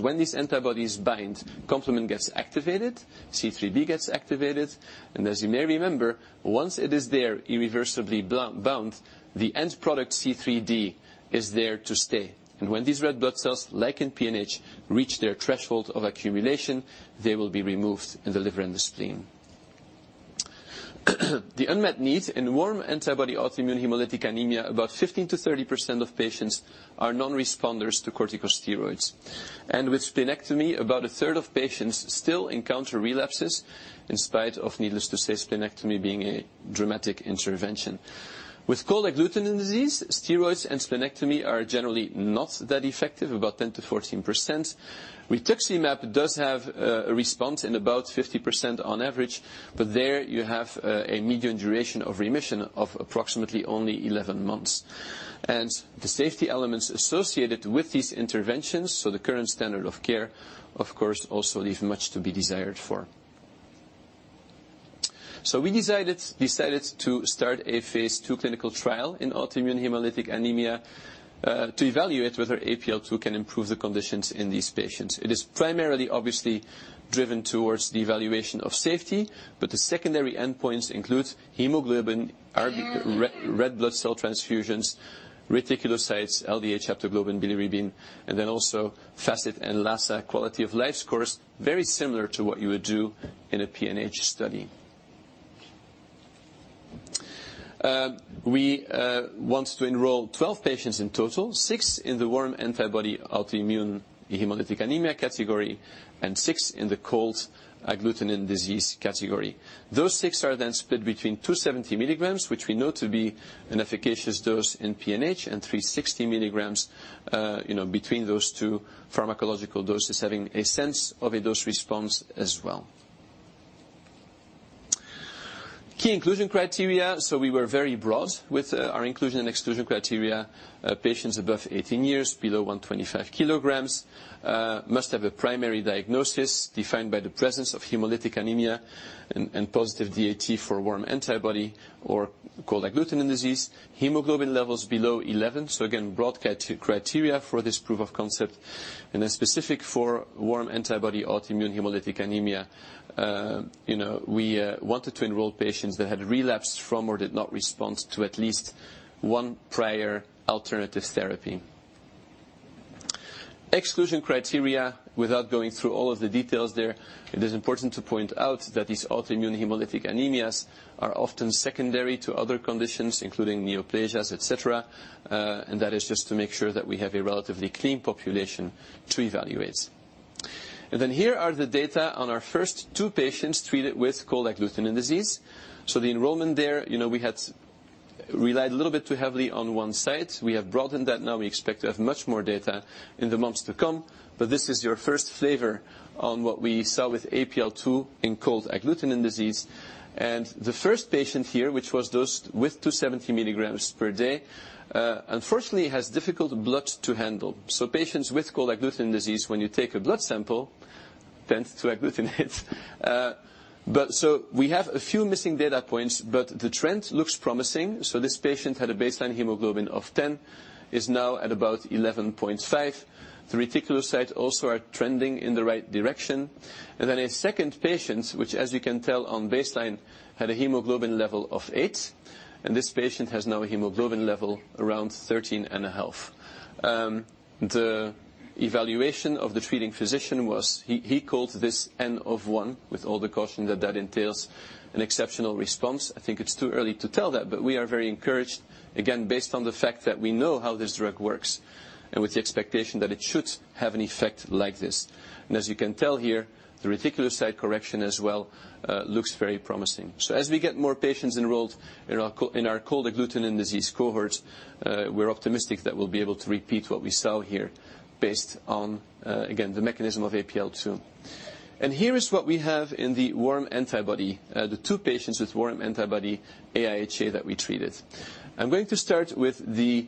When these antibodies bind, complement gets activated, C3d gets activated, and as you may remember, once it is there irreversibly bound, the end product, C3d, is there to stay. When these red blood cells, like in PNH, reach their threshold of accumulation, they will be removed in the liver and the spleen. The unmet need in warm antibody autoimmune hemolytic anemia, about 15%-30% of patients are non-responders to corticosteroids. With splenectomy, about a third of patients still encounter relapses, in spite of, needless to say, splenectomy being a dramatic intervention. With cold agglutinin disease, steroids and splenectomy are generally not that effective, about 10%-14%. Rituximab does have a response in about 50% on average, but there you have a median duration of remission of approximately only 11 months. The safety elements associated with these interventions, so the current standard of care, of course, also leave much to be desired for. We decided to start a phase II clinical trial in autoimmune hemolytic anemia, to evaluate whether APL-2 can improve the conditions in these patients. It is primarily obviously driven towards the evaluation of safety, but the secondary endpoints include hemoglobin, red blood cell transfusions, reticulocytes, LDH, haptoglobin, bilirubin, and also FACIT and LASA quality of life scores, very similar to what you would do in a PNH study. We want to enroll 12 patients in total, 6 in the warm antibody autoimmune hemolytic anemia category, and 6 in the cold agglutinin disease category. Those 6 are split between 2 70 milligrams, which we know to be an efficacious dose in PNH, and 3 60 milligrams, between those two pharmacological doses, having a sense of a dose response as well. Key inclusion criteria. We were very broad with our inclusion and exclusion criteria. Patients above 18 years, below 125 kilograms, must have a primary diagnosis defined by the presence of hemolytic anemia and positive DAT for a warm antibody or cold agglutinin disease, hemoglobin levels below 11. Again, broad criteria for this proof of concept. Specific for warm antibody autoimmune hemolytic anemia, we wanted to enroll patients that had relapsed from or did not respond to at least one prior alternative therapy. Exclusion criteria, without going through all of the details there, it is important to point out that these autoimmune hemolytic anemias are often secondary to other conditions, including neoplasias, et cetera, and that is just to make sure that we have a relatively clean population to evaluate. Here are the data on our first 2 patients treated with cold agglutinin disease. The enrollment there, we had relied a little bit too heavily on one site. We have broadened that now. We expect to have much more data in the months to come, but this is your first flavor on what we saw with APL-2 in cold agglutinin disease. The first patient here, which was dosed with 2 70 milligrams per day, unfortunately, has difficult blood to handle. Patients with cold agglutinin disease, when you take a blood sample, tends to agglutinate. We have a few missing data points, but the trend looks promising. This patient had a baseline hemoglobin of 10, is now at about 11.5. The reticulocytes also are trending in the right direction. A second patient, which, as you can tell on baseline, had a hemoglobin level of 8, and this patient has now a hemoglobin level around 13 and a half. The evaluation of the treating physician was, he called this N of 1, with all the caution that that entails, an exceptional response. I think it's too early to tell that, but we are very encouraged, again, based on the fact that we know how this drug works. With the expectation that it should have an effect like this. As you can tell here, the reticulocyte correction as well looks very promising. As we get more patients enrolled in our cold agglutinin disease cohort, we're optimistic that we'll be able to repeat what we saw here based on, again, the mechanism of APL-2. Here is what we have in the warm antibody, the 2 patients with warm antibody AIHA that we treated. I'm going to start with the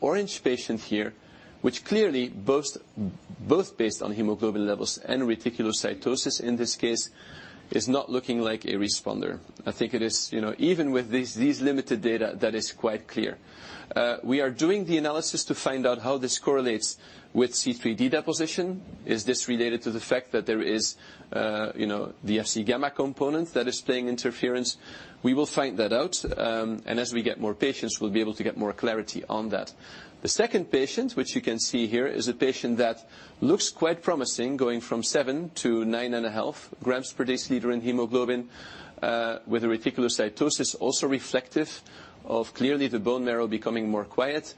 orange patient here, which clearly, both based on hemoglobin levels and reticulocytosis in this case, is not looking like a responder. I think it is, even with these limited data, that is quite clear. We are doing the analysis to find out how this correlates with C3d deposition. Is this related to the fact that there is the Fc gamma component that is playing interference? We will find that out. As we get more patients, we'll be able to get more clarity on that. The second patient, which you can see here, is a patient that looks quite promising, going from seven to nine and a half grams per deciliter in hemoglobin, with a reticulocytosis also reflective of clearly the bone marrow becoming more quiet.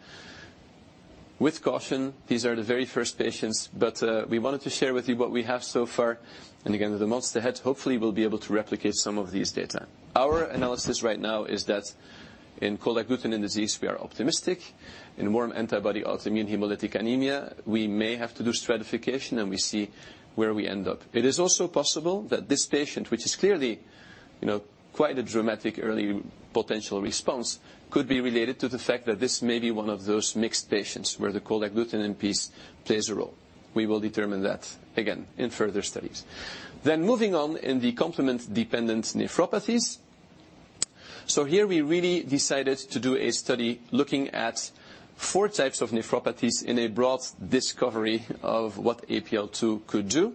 With caution, these are the very first patients, but we wanted to share with you what we have so far. Again, in the months ahead, hopefully we'll be able to replicate some of these data. Our analysis right now is that in cold agglutinin disease, we are optimistic. In warm antibody autoimmune hemolytic anemia, we may have to do stratification, and we see where we end up. It is also possible that this patient, which is clearly quite a dramatic early potential response, could be related to the fact that this may be one of those mixed patients, where the cold agglutinin piece plays a role. We will determine that again in further studies. Moving on in the complement-dependent nephropathies. Here we really decided to do a study looking at 4 types of nephropathies in a broad discovery of what APL-2 could do.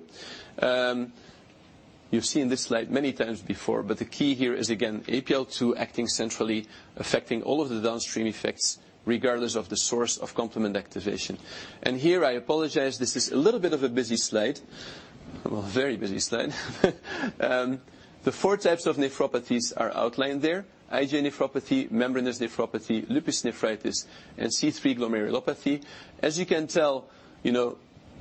You've seen this slide many times before, but the key here is, again, APL-2 acting centrally, affecting all of the downstream effects, regardless of the source of complement activation. Here, I apologize, this is a little bit of a busy slide. Very busy slide. The 4 types of nephropathies are outlined there: IgA nephropathy, membranous nephropathy, lupus nephritis, and C3 glomerulopathy. As you can tell,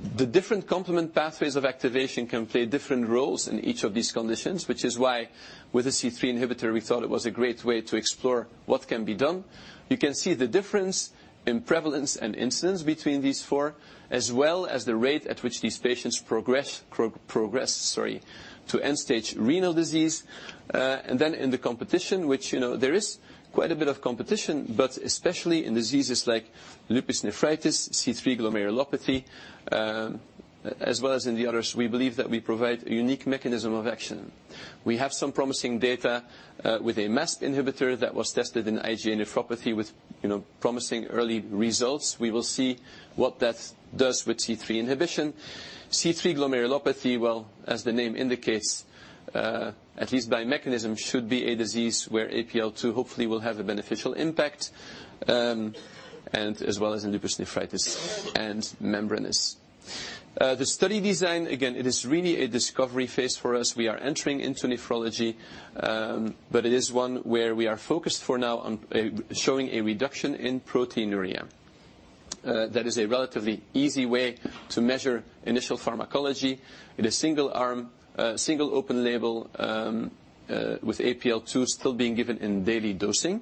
the different complement pathways of activation can play different roles in each of these conditions, which is why with a C3 inhibitor, we thought it was a great way to explore what can be done. You can see the difference in prevalence and incidence between these four, as well as the rate at which these patients progress to end-stage renal disease. In the competition, which there is quite a bit of competition, but especially in diseases like lupus nephritis, C3 glomerulopathy, as well as in the others, we believe that we provide a unique mechanism of action. We have some promising data with a mass inhibitor that was tested in IgA nephropathy with promising early results. We will see what that does with C3 inhibition. C3 glomerulopathy, as the name indicates, at least by mechanism, should be a disease where APL-2 hopefully will have a beneficial impact, and as well as in lupus nephritis and membranous. The study design, again, it is really a discovery phase for us. We are entering into nephrology, but it is one where we are focused for now on showing a reduction in proteinuria. That is a relatively easy way to measure initial pharmacology in a single arm, single open label with APL-2 still being given in daily dosing.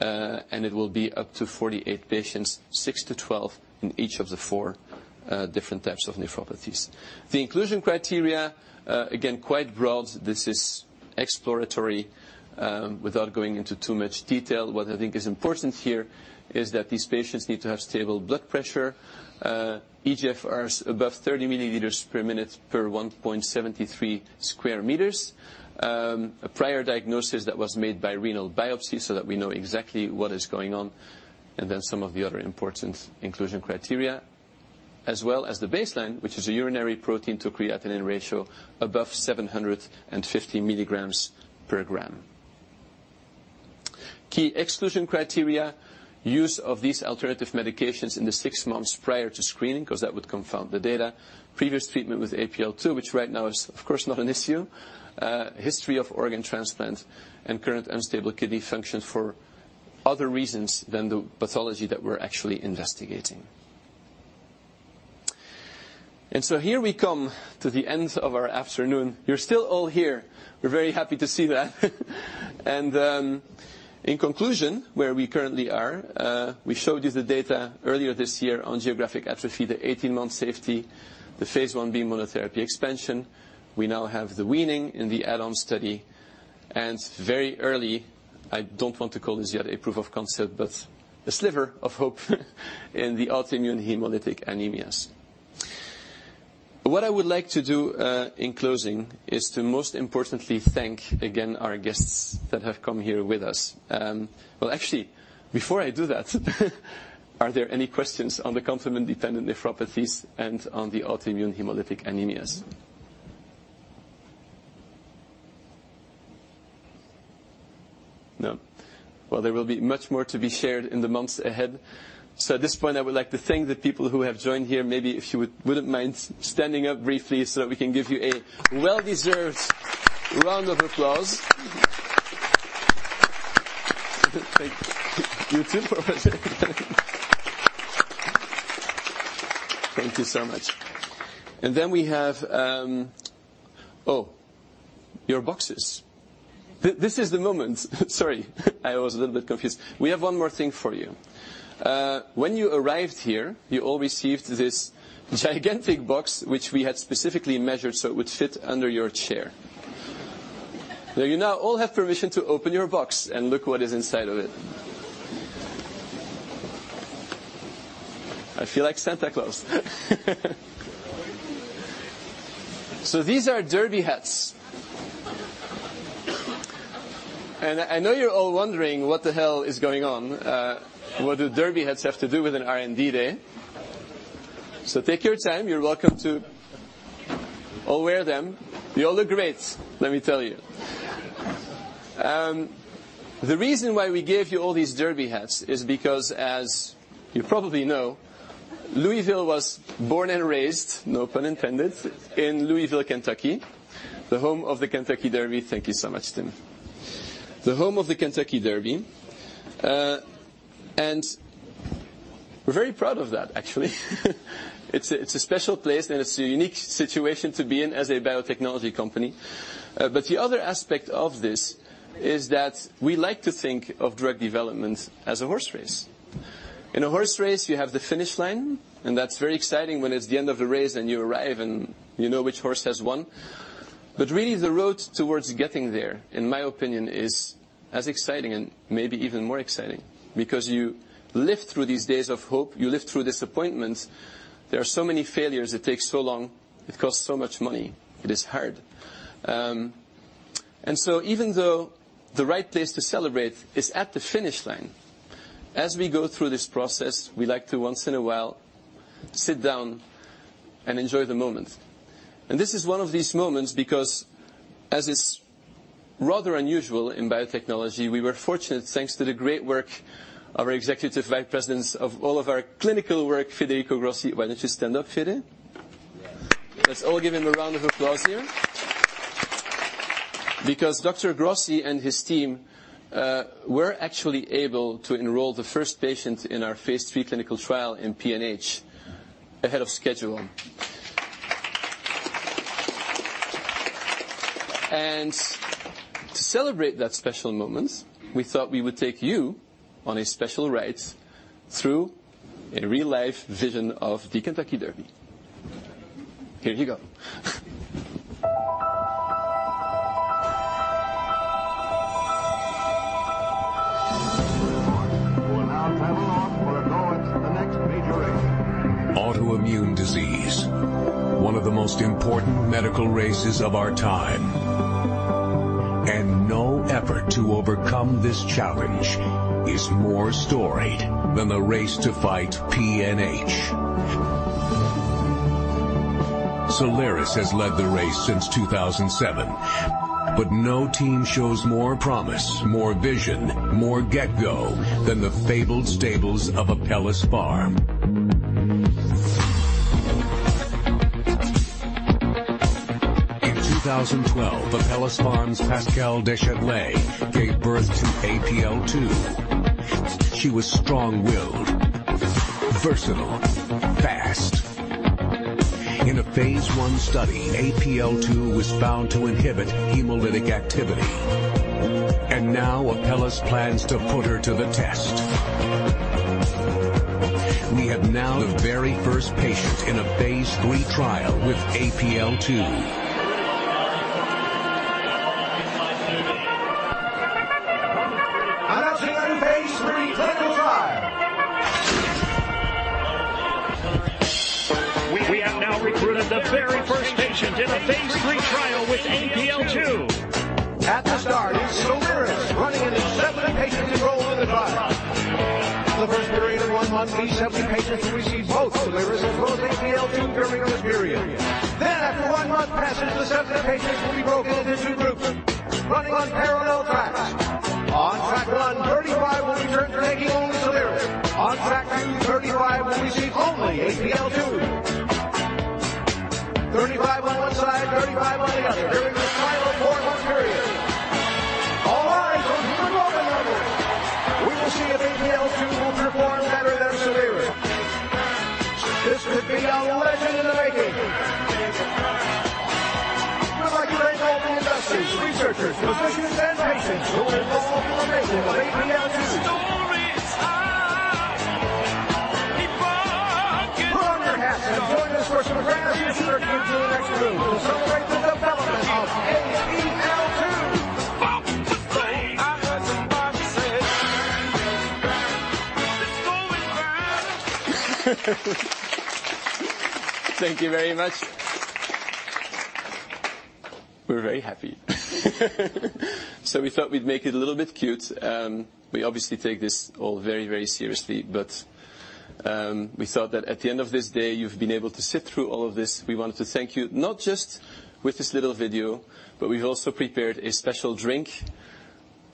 It will be up to 48 patients, 6 to 12 in each of the 4 different types of nephropathies. The inclusion criteria, again, quite broad. This is exploratory. Without going into too much detail, what I think is important here is that these patients need to have stable blood pressure, eGFRs above 30 milliliters per minute per 1.73 square meters, a prior diagnosis that was made by renal biopsy so that we know exactly what is going on, and then some of the other important inclusion criteria, as well as the baseline, which is a urinary protein to creatinine ratio above 750 milligrams per gram. Key exclusion criteria, use of these alternative medications in the six months prior to screening, because that would confound the data. Previous treatment with APL-2, which right now is, of course, not an issue. History of organ transplant, current unstable kidney function for other reasons than the pathology that we're actually investigating. Here we come to the end of our afternoon. You're still all here. We're very happy to see that. In conclusion, where we currently are, we showed you the data earlier this year on geographic atrophy, the 18-month safety, the phase I-B monotherapy expansion. We now have the weaning in the add-on study, and very early, I don't want to call this yet a proof of concept, but a sliver of hope in the autoimmune hemolytic anemias. What I would like to do in closing is to most importantly thank again our guests that have come here with us. Actually, before I do that, are there any questions on the complement-dependent nephropathies and on the autoimmune hemolytic anemias? No. There will be much more to be shared in the months ahead. At this point, I would like to thank the people who have joined here. Maybe if you wouldn't mind standing up briefly so that we can give you a well-deserved round of applause. Thank you. You too. Thank you so much. Then we have Oh, your boxes. This is the moment. Sorry, I was a little bit confused. We have one more thing for you. When you arrived here, you all received this gigantic box, which we had specifically measured so it would fit under your chair. You now all have permission to open your box and look what is inside of it. I feel like Santa Claus. These are derby hats. I know you're all wondering what the hell is going on. What do derby hats have to do with an R&D day? Take your time. You're welcome to all wear them. You all look great, let me tell you. The reason why we gave you all these derby hats is because, as you probably know, Apellis Pharmaceuticals was born and raised, no pun intended, in Louisville, Kentucky, the home of the Kentucky Derby. Thank you so much, Tim. The home of the Kentucky Derby, and we're very proud of that, actually. It's a special place, and it's a unique situation to be in as a biotechnology company. The other aspect of this is that we like to think of drug development as a horse race. In a horse race, you have the finish line, and that's very exciting when it's the end of the race and you arrive and you know which horse has won. Really, the road towards getting there, in my opinion, is as exciting and maybe even more exciting because you live through these days of hope, you live through disappointments. There are so many failures. It takes so long. It costs so much money. It is hard. Even though the right place to celebrate is at the finish line, as we go through this process, we like to, once in a while, sit down and enjoy the moment. This is one of these moments because, as is rather unusual in biotechnology, we were fortunate, thanks to the great work our executive vice presidents of all of our clinical work, Federico Grossi. Why don't you stand up, Fede? Let's all give him a round of applause here. Because Dr. Grossi and his team were actually able to enroll the first patient in our phase III clinical trial in PNH ahead of schedule. To celebrate that special moment, we thought we would take you on a special ride through a real-life vision of the Kentucky Derby. Here you go. Who are now 10 off, will have gone to the next major race. Autoimmune disease, one of the most important medical races of our time. No effort to overcome this challenge is more storied than the race to fight PNH. SOLIRIS has led the race since 2007, but no team shows more promise, more vision, more get-go than the fabled stables of Apellis Pharm. In 2012, Apellis Pharm's Pascal Deschatelets gave birth to APL-2. She was strong-willed, versatile, fast. In a phase I study, APL-2 was bound to inhibit hemolytic activity. Now Apellis plans to put her to the test. We have now the very first patient in a phase III trial with APL-2. luck to Apellis Pharmaceuticals, researchers, physicians, and patients who will benefit from the making of APL-2. Put on your hats and join us for some rare research into the next move. Celebrate the development of APL-2. Thank you very much. We're very happy. We thought we'd make it a little bit cute. We obviously take this all very seriously, but we thought that at the end of this day, you've been able to sit through all of this. We wanted to thank you, not just with this little video, but we've also prepared a special drink,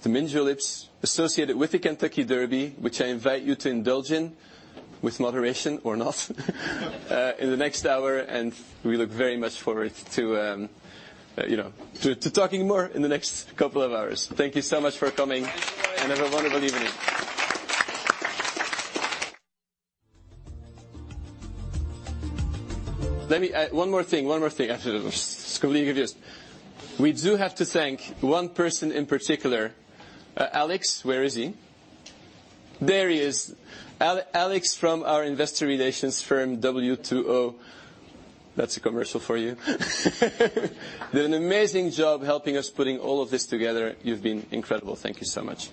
the mint juleps associated with the Kentucky Derby, which I invite you to indulge in with moderation or not in the next hour, and we look very much forward to talking more in the next couple of hours. Thank you so much for coming, and have a wonderful evening. Let me add one more thing after this. It's completely confused. We do have to thank one person in particular, Alex. Where is he? There he is. Alex from our investor relations firm, W2O. That's a commercial for you. Did an amazing job helping us putting all of this together. You've been incredible. Thank you so much